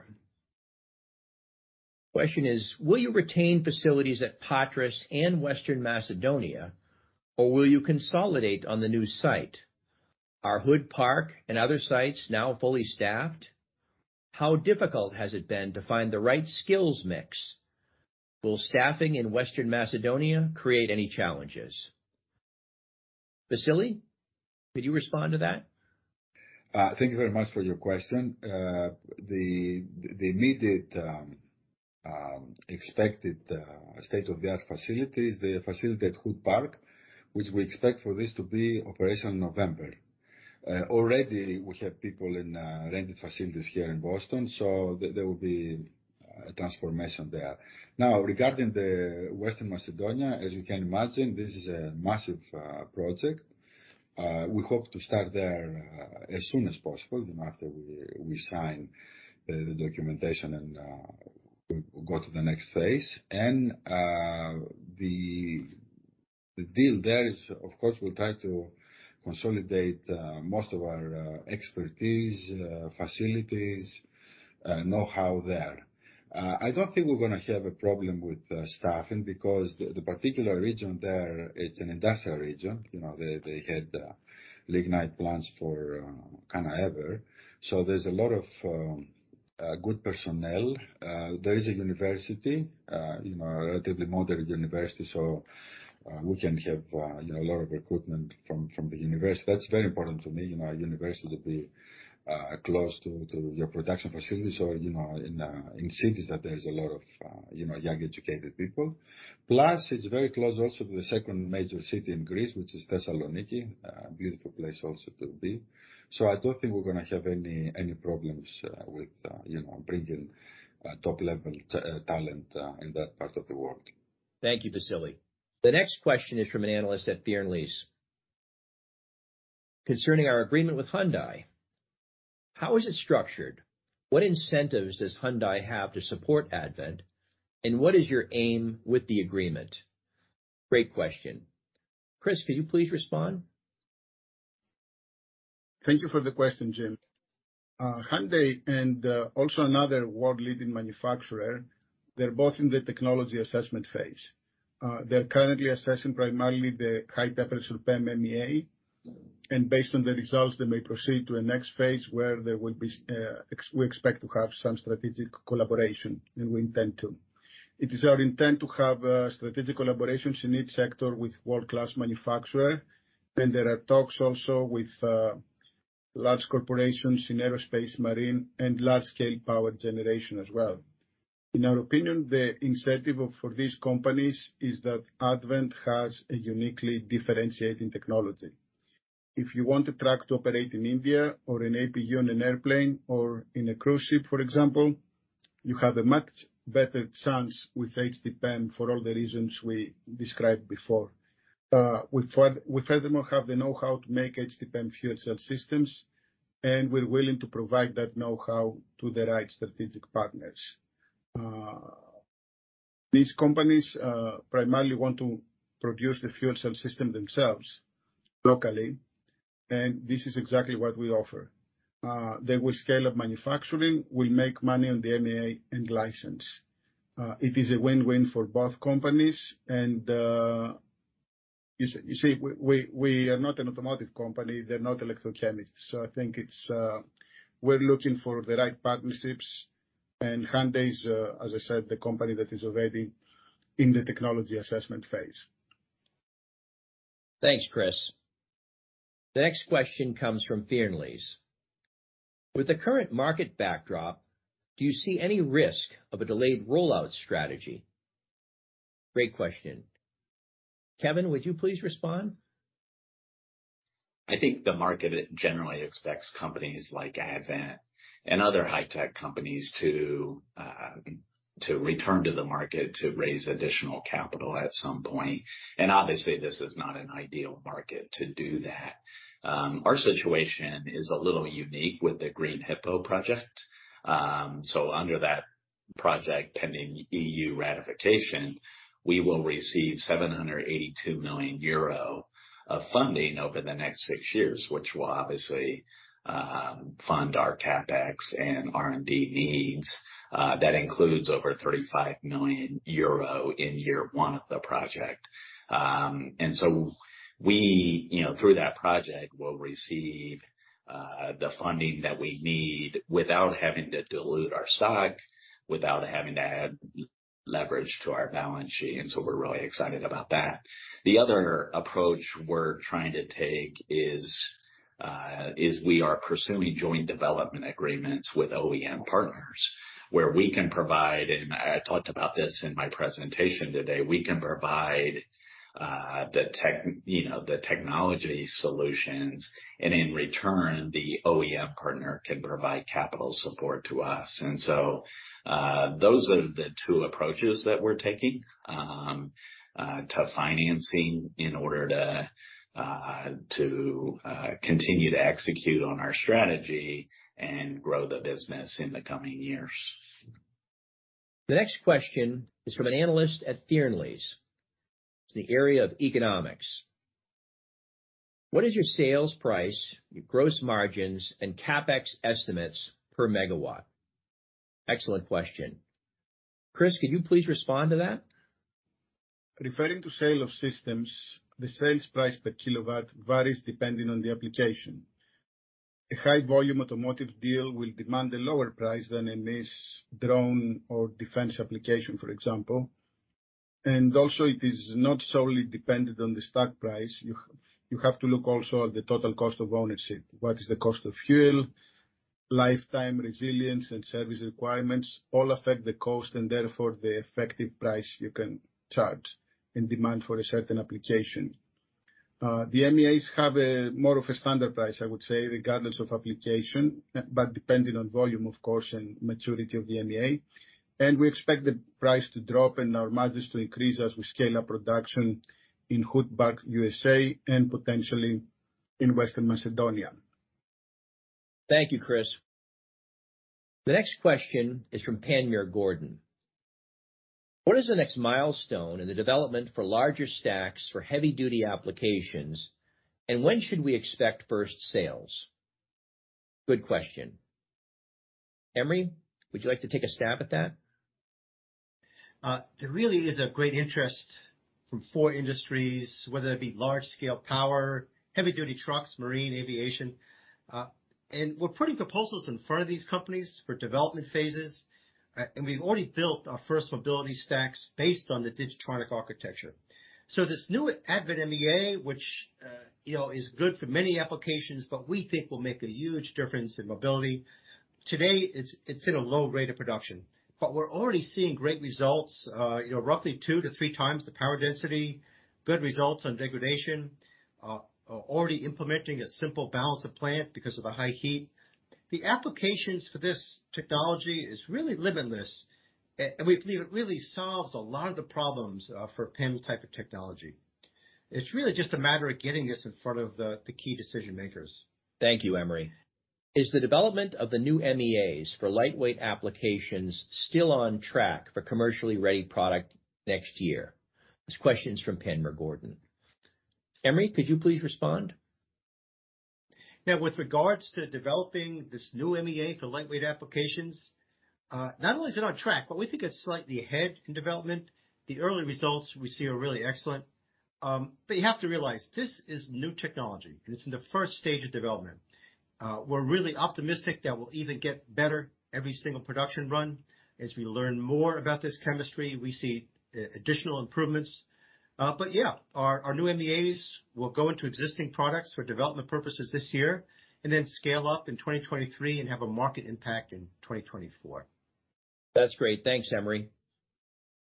Question is: Will you retain facilities at Patras and Western Macedonia, or will you consolidate on the new site? Are Hood Park and other sites now fully staffed? How difficult has it been to find the right skills mix? Will staffing in Western Macedonia create any challenges? Vasilis, could you respond to that? Thank you very much for your question. The immediate expected state-of-the-art facility is the facility at Hood Park, which we expect for this to be operational November. Already we have people in rented facilities here in Boston, so there will be a transformation there. Now, regarding the Western Macedonia, as you can imagine, this is a massive project. We hope to start there as soon as possible, you know, after we sign the documentation and go to the next phase. The deal there is, of course, we'll try to consolidate most of our expertise, facilities, know-how there. I don't think we're gonna have a problem with staffing because the particular region there, it's an industrial region. You know, they had lignite plants for kind of ever. There's a lot of good personnel. There is a university, you know, a relatively modern university, so we can have, you know, a lot of recruitment from the university. That's very important to me, you know, a university to be close to your production facilities or, you know, in cities that there is a lot of young, educated people. Plus, it's very close also to the second major city in Greece, which is Thessaloniki, a beautiful place also to be. I don't think we're gonna have any problems with, you know, bringing top-level talent in that part of the world. Thank you, Vassilis. The next question is from an analyst at Fearnley's concerning our agreement with Hyundai. How is it structured? What incentives does Hyundai have to support Advent, and what is your aim with the agreement? Great question. Chris, can you please respond? Thank you for the question, Jim. Hyundai and also another world-leading manufacturer, they're both in the technology assessment phase. They're currently assessing primarily the high-temperature PEM MEA, and based on the results, they may proceed to a next phase where there will be we expect to have some strategic collaboration, and we intend to. It is our intent to have strategic collaborations in each sector with world-class manufacturer. There are talks also with large corporations in aerospace, marine, and large-scale power generation as well. In our opinion, the incentive for these companies is that Advent has a uniquely differentiating technology. If you want a truck to operate in India or an APU in an airplane or in a cruise ship, for example, you have a much better chance with HTPEM for all the reasons we described before. We furthermore have the know-how to make HT-PEM fuel cell systems, and we're willing to provide that know-how to the right strategic partners. These companies primarily want to produce the fuel cell system themselves locally, and this is exactly what we offer. They will scale up manufacturing. We make money on the MEA end license. It is a win-win for both companies. You see, we are not an automotive company. They're not electrochemists. I think it's we're looking for the right partnerships. Hyundai is, as I said, the company that is already in the technology assessment phase. Thanks, Chris. The next question comes from Fearnley's: With the current market backdrop, do you see any risk of a delayed rollout strategy? Great question. Kevin, would you please respond? I think the market generally expects companies like Advent and other high-tech companies to return to the market to raise additional capital at some point. Obviously, this is not an ideal market to do that. Our situation is a little unique with the Green HiPo project. Under that project, pending EU ratification, we will receive 782 million euro of funding over the next six years, which will obviously fund our CapEx and R&D needs. That includes over 35 million euro in year one of the project. We, you know, through that project, will receive the funding that we need without having to dilute our stock, without having to add leverage to our balance sheet. We're really excited about that. The other approach we're trying to take is we are pursuing joint development agreements with OEM partners, where we can provide, and I talked about this in my presentation today, we can provide the tech, you know, the technology solutions, and in return, the OEM partner can provide capital support to us. Those are the two approaches that we're taking to financing in order to continue to execute on our strategy and grow the business in the coming years. The next question is from an analyst at Fearnley's, the area of economics. What is your sales price, your gross margins, and CapEx estimates per megawatt? Excellent question. Chris, could you please respond to that? Referring to sale of systems, the sales price per kilowatt varies depending on the application. A high-volume automotive deal will demand a lower price than a niche drone or defense application, for example. Also, it is not solely dependent on the stock price. You have to look also at the total cost of ownership. What is the cost of fuel, lifetime resilience, and service requirements all affect the cost, and therefore the effective price you can charge and demand for a certain application. The MEAs have more of a standard price, I would say, regardless of application, but depending on volume, of course, and maturity of the MEA. We expect the price to drop and our margins to increase as we scale up production in Hood Park, USA, and potentially in Western Macedonia. Thank you, Chris. The next question is from Panmure Gordon: What is the next milestone in the development for larger stacks for heavy duty applications, and when should we expect first sales? Good question. Emory, would you like to take a stab at that? There really is a great interest from four industries, whether it be large scale power, heavy duty trucks, marine, aviation. We're putting proposals in front of these companies for development phases. We've already built our first mobility stacks based on the DIGI-TRONIC architecture. This new Advent MEA, which, you know, is good for many applications, but we think will make a huge difference in mobility. Today, it's in a low rate of production, but we're already seeing great results, you know, roughly two to three times the power density, good results on degradation, already implementing a simple balance of plant because of the high heat. The applications for this technology is really limitless. We believe it really solves a lot of the problems for PEM type of technology. It's really just a matter of getting this in front of the key decision-makers. Thank you, Emory. Is the development of the new MEAs for lightweight applications still on track for commercially ready product next year? This question is from Panmure Gordon. Emory, could you please respond? Yeah. With regards to developing this new MEA for lightweight applications, not only is it on track, but we think it's slightly ahead in development. The early results we see are really excellent. You have to realize this is new technology, and it's in the first stage of development. We're really optimistic that we'll even get better every single production run. As we learn more about this chemistry, we see additional improvements. Yeah, our new MEAs will go into existing products for development purposes this year and then scale up in 2023 and have a market impact in 2024. That's great. Thanks, Emory.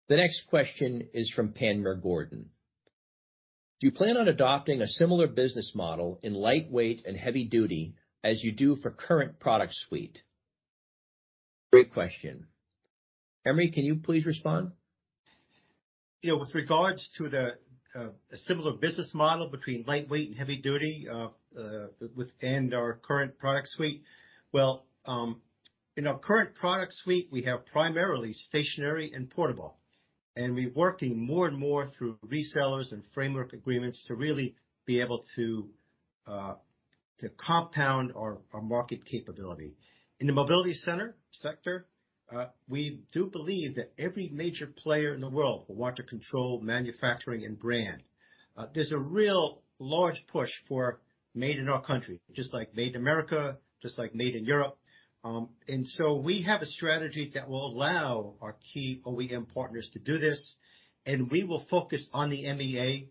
The next question is from Panmure Gordon: Do you plan on adopting a similar business model in lightweight and heavy duty as you do for current product suite? Great question. Emory, can you please respond? You know, with regards to the similar business model between lightweight and heavy duty with our current product suite. Well, in our current product suite, we have primarily stationary and portable, and we're working more and more through resellers and framework agreements to really be able to compound our market capability. In the mobility sector, we do believe that every major player in the world will want to control manufacturing and brand. There's a real large push for made in our country, just like made in America, just like made in Europe. We have a strategy that will allow our key OEM partners to do this, and we will focus on the MEA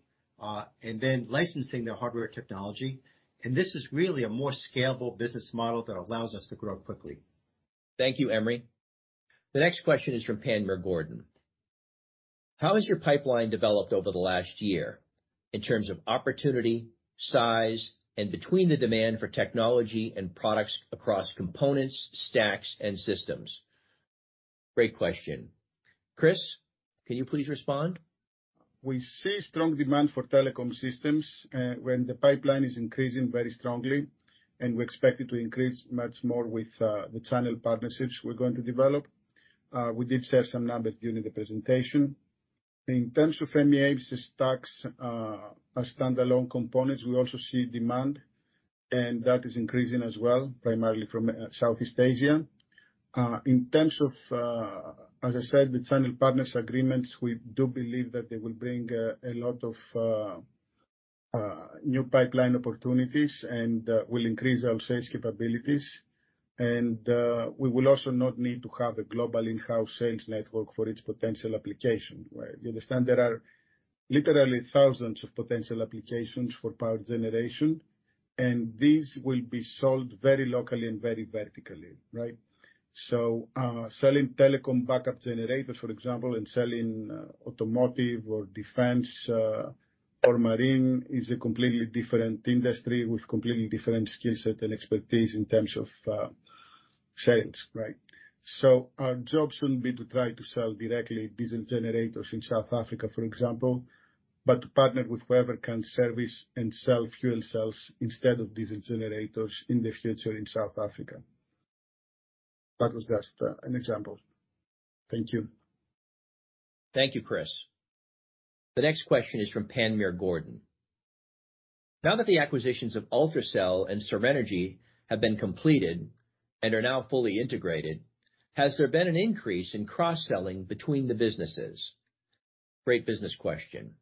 and then licensing their hardware technology. This is really a more scalable business model that allows us to grow quickly. Thank you, Emory. The next question is from Panmure Gordon. How has your pipeline developed over the last year in terms of opportunity, size, and between the demand for technology and products across components, stacks, and systems? Great question. Chris, can you please respond? We see strong demand for telecom systems, when the pipeline is increasing very strongly, and we expect it to increase much more with the channel partnerships we're going to develop. We did share some numbers during the presentation. In terms of MEA stacks, as standalone components, we also see demand, and that is increasing as well, primarily from Southeast Asia. In terms of, as I said, the channel partners agreements, we do believe that they will bring a lot of new pipeline opportunities and will increase our sales capabilities. We will also not need to have a global in-house sales network for its potential application, right? You understand there are literally thousands of potential applications for power generation, and these will be sold very locally and very vertically, right? Selling telecom backup generators, for example, and selling automotive or defense, or marine is a completely different industry with completely different skill set and expertise in terms of, sales, right? Our job shouldn't be to try to sell directly diesel generators in South Africa, for example, but to partner with whoever can service and sell fuel cells instead of diesel generators in the future in South Africa. That was just, an example. Thank you. Thank you, Chris. The next question is from Panmure Gordon. Now that the acquisitions of UltraCell and SerEnergy have been completed and are now fully integrated, has there been an increase in cross-selling between the businesses? Great business question.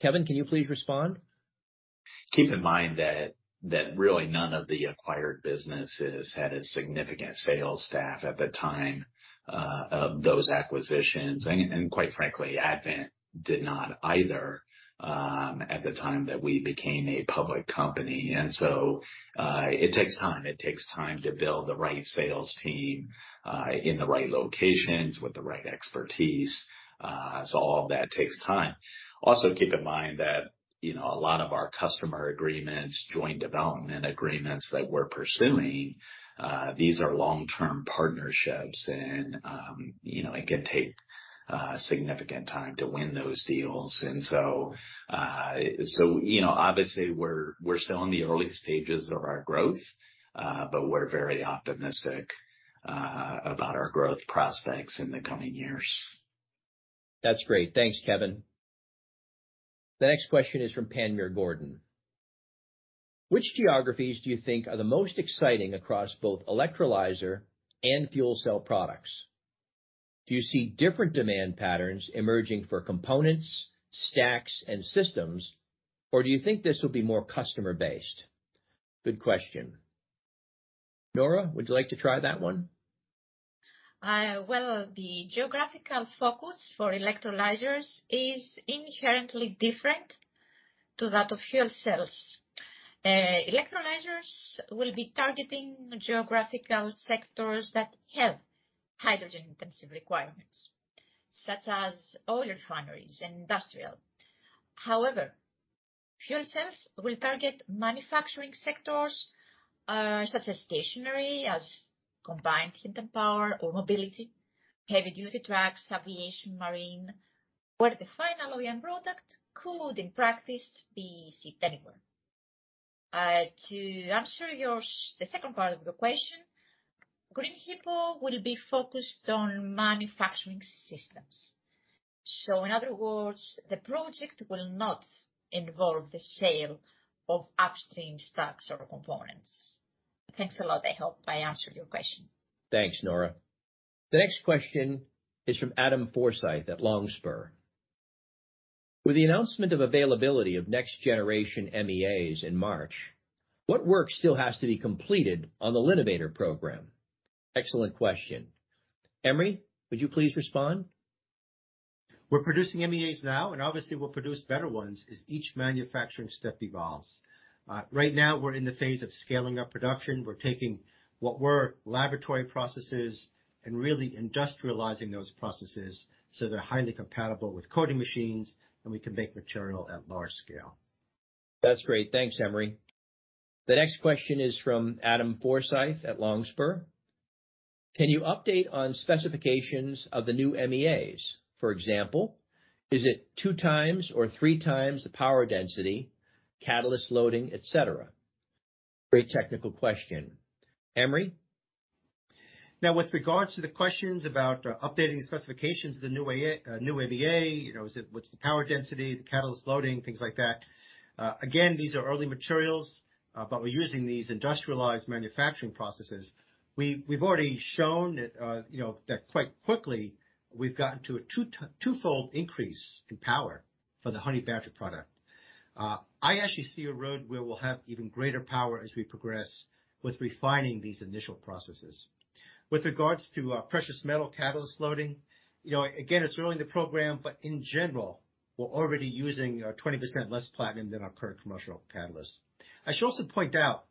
Kevin, can you please respond? Keep in mind that really none of the acquired businesses had a significant sales staff at the time of those acquisitions. Quite frankly, Advent did not either at the time that we became a public company. It takes time. It takes time to build the right sales team in the right locations with the right expertise. All of that takes time. Also, keep in mind that you know a lot of our customer agreements, joint development agreements that we're pursuing, these are long-term partnerships and you know it can take significant time to win those deals. You know, obviously we're still in the early stages of our growth, but we're very optimistic about our growth prospects in the coming years. That's great. Thanks, Kevin. The next question is from Panmure Gordon. Which geographies do you think are the most exciting across both electrolyzer and fuel cell products? Do you see different demand patterns emerging for components, stacks, and systems, or do you think this will be more customer-based? Good question. Nora, would you like to try that one? Well, the geographical focus for electrolyzers is inherently different to that of fuel cells. Electrolyzers will be targeting geographical sectors that have hydrogen-intensive requirements, such as oil refineries and industrial. However, fuel cells will target manufacturing sectors, such as stationary as combined heat and power or mobility, heavy-duty trucks, aviation, marine, where the final OEM product could, in practice, be sited anywhere. To answer the second part of your question, Green HiPo will be focused on manufacturing systems. In other words, the project will not involve the sale of upstream stacks or components. Thanks a lot. I hope I answered your question. Thanks, Nora. The next question is from Adam Forsyth at Longspur. With the announcement of availability of next generation MEAs in March, what work still has to be completed on the L'Innovator program? Excellent question. Emory, would you please respond? We're producing MEAs now, and obviously we'll produce better ones as each manufacturing step evolves. Right now we're in the phase of scaling our production. We're taking what were laboratory processes and really industrializing those processes, so they're highly compatible with coating machines, and we can make material at large scale. That's great. Thanks, Emory. The next question is from Adam Forsyth at Longspur. Can you update on specifications of the new MEAs? For example, is it two times or three times the power density, catalyst loading, et cetera? Very technical question. Emory? Now, with regards to the questions about updating specifications of the new Advent MEA, you know, what's the power density, the catalyst loading, things like that. Again, these are early materials, but we're using these industrialized manufacturing processes. We've already shown that, you know, that quite quickly we've gotten to a twofold increase in power for the Honey Badger product. I actually see a roadmap where we'll have even greater power as we progress with refining these initial processes. With regards to precious metal catalyst loading, you know, again, it's early in the program, but in general, we're already using 20% less platinum than our current commercial catalyst. I should also point out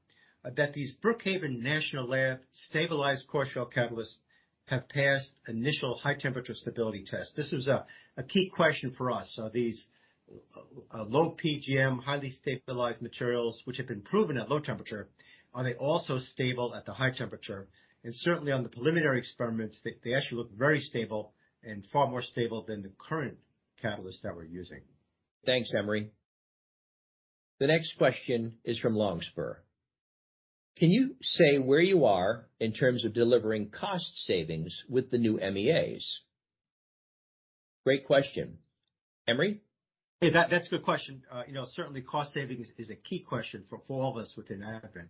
that these Brookhaven National Laboratory stabilized core shell catalysts have passed initial high temperature stability tests. This was a key question for us. Are these low PGM, highly stabilized materials which have been proven at low temperature, are they also stable at the high temperature? Certainly on the preliminary experiments, they actually look very stable and far more stable than the current catalysts that we're using. Thanks, Emory. The next question is from Longspur. Can you say where you are in terms of delivering cost savings with the new MEAs? Great question. Emory? Hey, that's a good question. You know, certainly cost savings is a key question for all of us within Advent.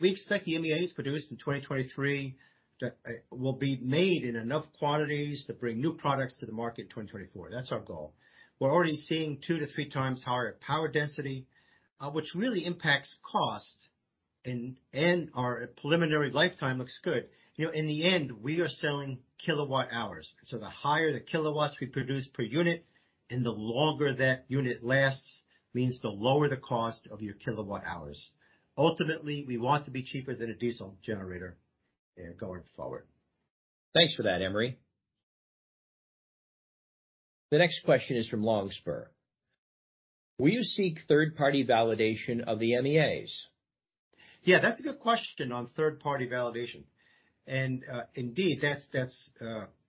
We expect the MEAs produced in 2023 will be made in enough quantities to bring new products to the market in 2024. That's our goal. We're already seeing 2-3 times higher power density, which really impacts cost and our preliminary lifetime looks good. You know, in the end, we are selling kilowatt hours, so the higher the kilowatts we produce per unit and the longer that unit lasts means the lower the cost of your kilowatt hours. Ultimately, we want to be cheaper than a diesel generator going forward. Thanks for that, Emory. The next question is from Longspur. Will you seek third-party validation of the MEAs? Yeah, that's a good question on third-party validation. Indeed, that's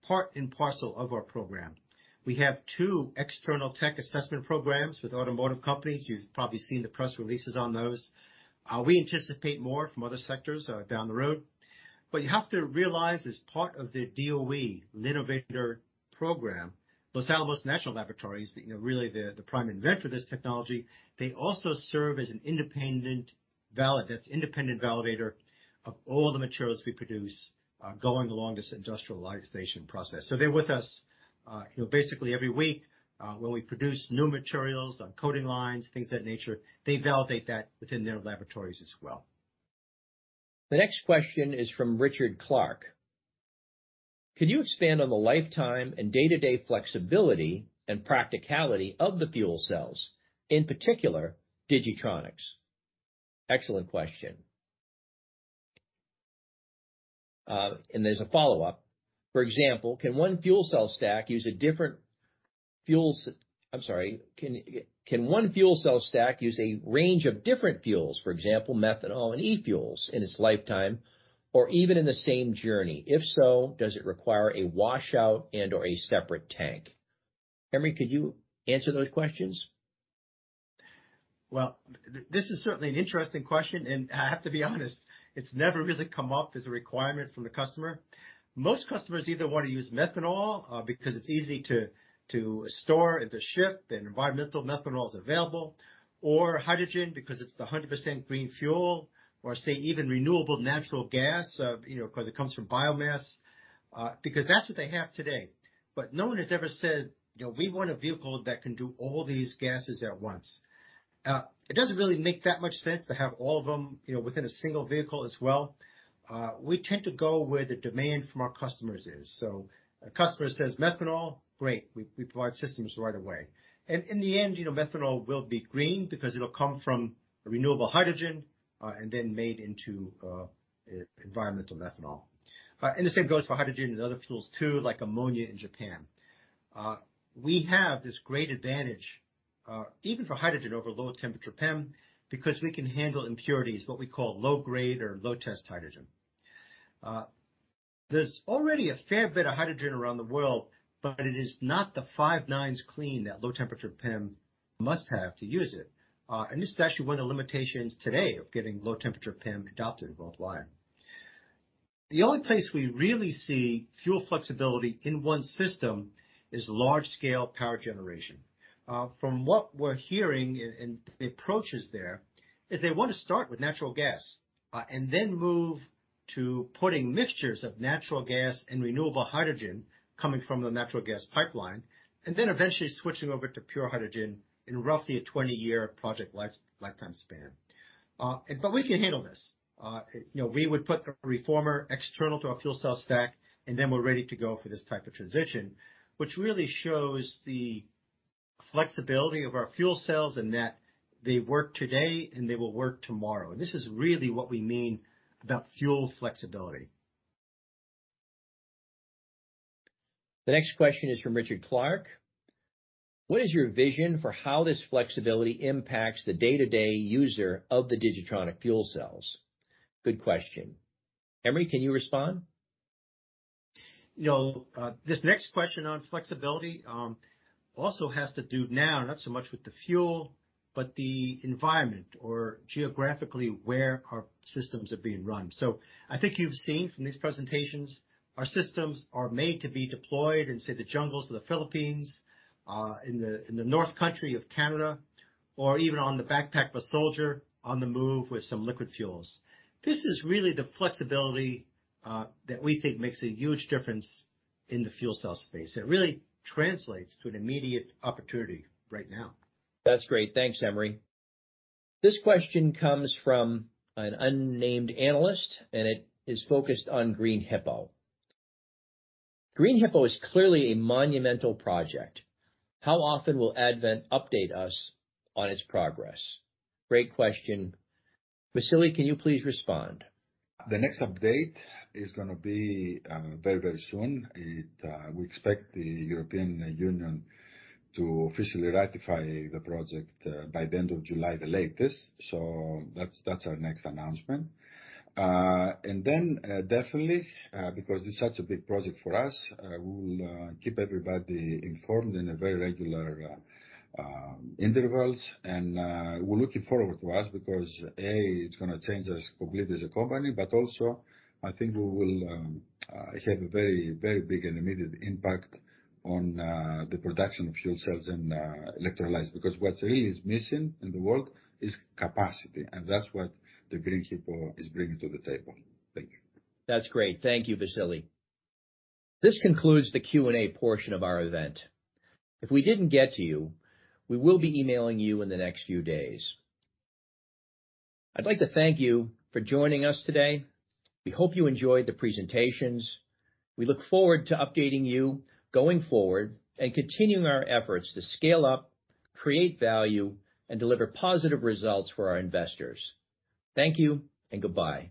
part and parcel of our program. We have two external tech assessment programs with automotive companies. You've probably seen the press releases on those. We anticipate more from other sectors down the road. You have to realize as part of the DOE L'Innovator Program, Los Alamos National Laboratory, you know, really the prime inventor of this technology, they also serve as an independent validator of all the materials we produce going along this industrialization process. They're with us, you know, basically every week when we produce new materials on coating lines, things of that nature, they validate that within their laboratories as well. The next question is from Richard Clarke. Could you expand on the lifetime and day-to-day flexibility and practicality of the fuel cells, in particular, DIGI-TRONIC? Excellent question. There's a follow-up. For example, can one fuel cell stack use a range of different fuels, for example, methanol and e-fuels in its lifetime or even in the same journey? If so, does it require a washout and/or a separate tank? Emory, could you answer those questions? Well, this is certainly an interesting question, and I have to be honest, it's never really come up as a requirement from the customer. Most customers either wanna use methanol because it's easy to store and to ship, and environmental methanol is available, or hydrogen because it's the 100% green fuel or say even renewable natural gas, you know, 'cause it comes from biomass because that's what they have today. No one has ever said, "You know, we want a vehicle that can do all these gases at once." It doesn't really make that much sense to have all of them, you know, within a single vehicle as well. We tend to go where the demand from our customers is. A customer says methanol, great. We provide systems right away. In the end, you know, methanol will be green because it'll come from renewable hydrogen, and then made into environmental methanol. The same goes for hydrogen and other fuels too, like ammonia in Japan. We have this great advantage, even for hydrogen over low temperature PEM, because we can handle impurities, what we call low grade or low test hydrogen. There's already a fair bit of hydrogen around the world, but it is not the five-nines clean that low temperature PEM must have to use it. This is actually one of the limitations today of getting low temperature PEM adopted worldwide. The only place we really see fuel flexibility in one system is large scale power generation. From what we're hearing and the approaches there is they wanna start with natural gas, and then move to putting mixtures of natural gas and renewable hydrogen coming from the natural gas pipeline, and then eventually switching over to pure hydrogen in roughly a 20-year project lifetime span. But we can handle this. You know, we would put the reformer external to our fuel cell stack, and then we're ready to go for this type of transition, which really shows the flexibility of our fuel cells and that they work today and they will work tomorrow. This is really what we mean about fuel flexibility. The next question is from Richard Clarke: What is your vision for how this flexibility impacts the day-to-day user of the DIGI-TRONIC fuel cells? Good question. Emory, can you respond? You know, this next question on flexibility also has to do now, not so much with the fuel, but the environment or geographically where our systems are being run. I think you've seen from these presentations, our systems are made to be deployed in, say, the jungles of the Philippines, in the north country of Canada, or even on the backpack of a soldier on the move with some liquid fuels. This is really the flexibility that we think makes a huge difference in the fuel cell space. It really translates to an immediate opportunity right now. That's great. Thanks, Emory. This question comes from an unnamed analyst, and it is focused on Green HiPo. Green HiPo is clearly a monumental project. How often will Advent update us on its progress? Great question. Vasilis, can you please respond? The next update is gonna be very, very soon. We expect the European Union to officially ratify the project by the end of July, the latest. That's our next announcement. Because it's such a big project for us, we will keep everybody informed in very regular intervals. We're looking forward to it because, A, it's gonna change us completely as a company, but also I think we will have a very, very big and immediate impact on the production of fuel cells and electrolytes. What really is missing in the world is capacity, and that's what the Green HiPo is bringing to the table. Thank you. That's great. Thank you, Vasilis. This concludes the Q&A portion of our event. If we didn't get to you, we will be emailing you in the next few days. I'd like to thank you for joining us today. We hope you enjoyed the presentations. We look forward to updating you going forward and continuing our efforts to scale up, create value, and deliver positive results for our investors. Thank you and goodbye.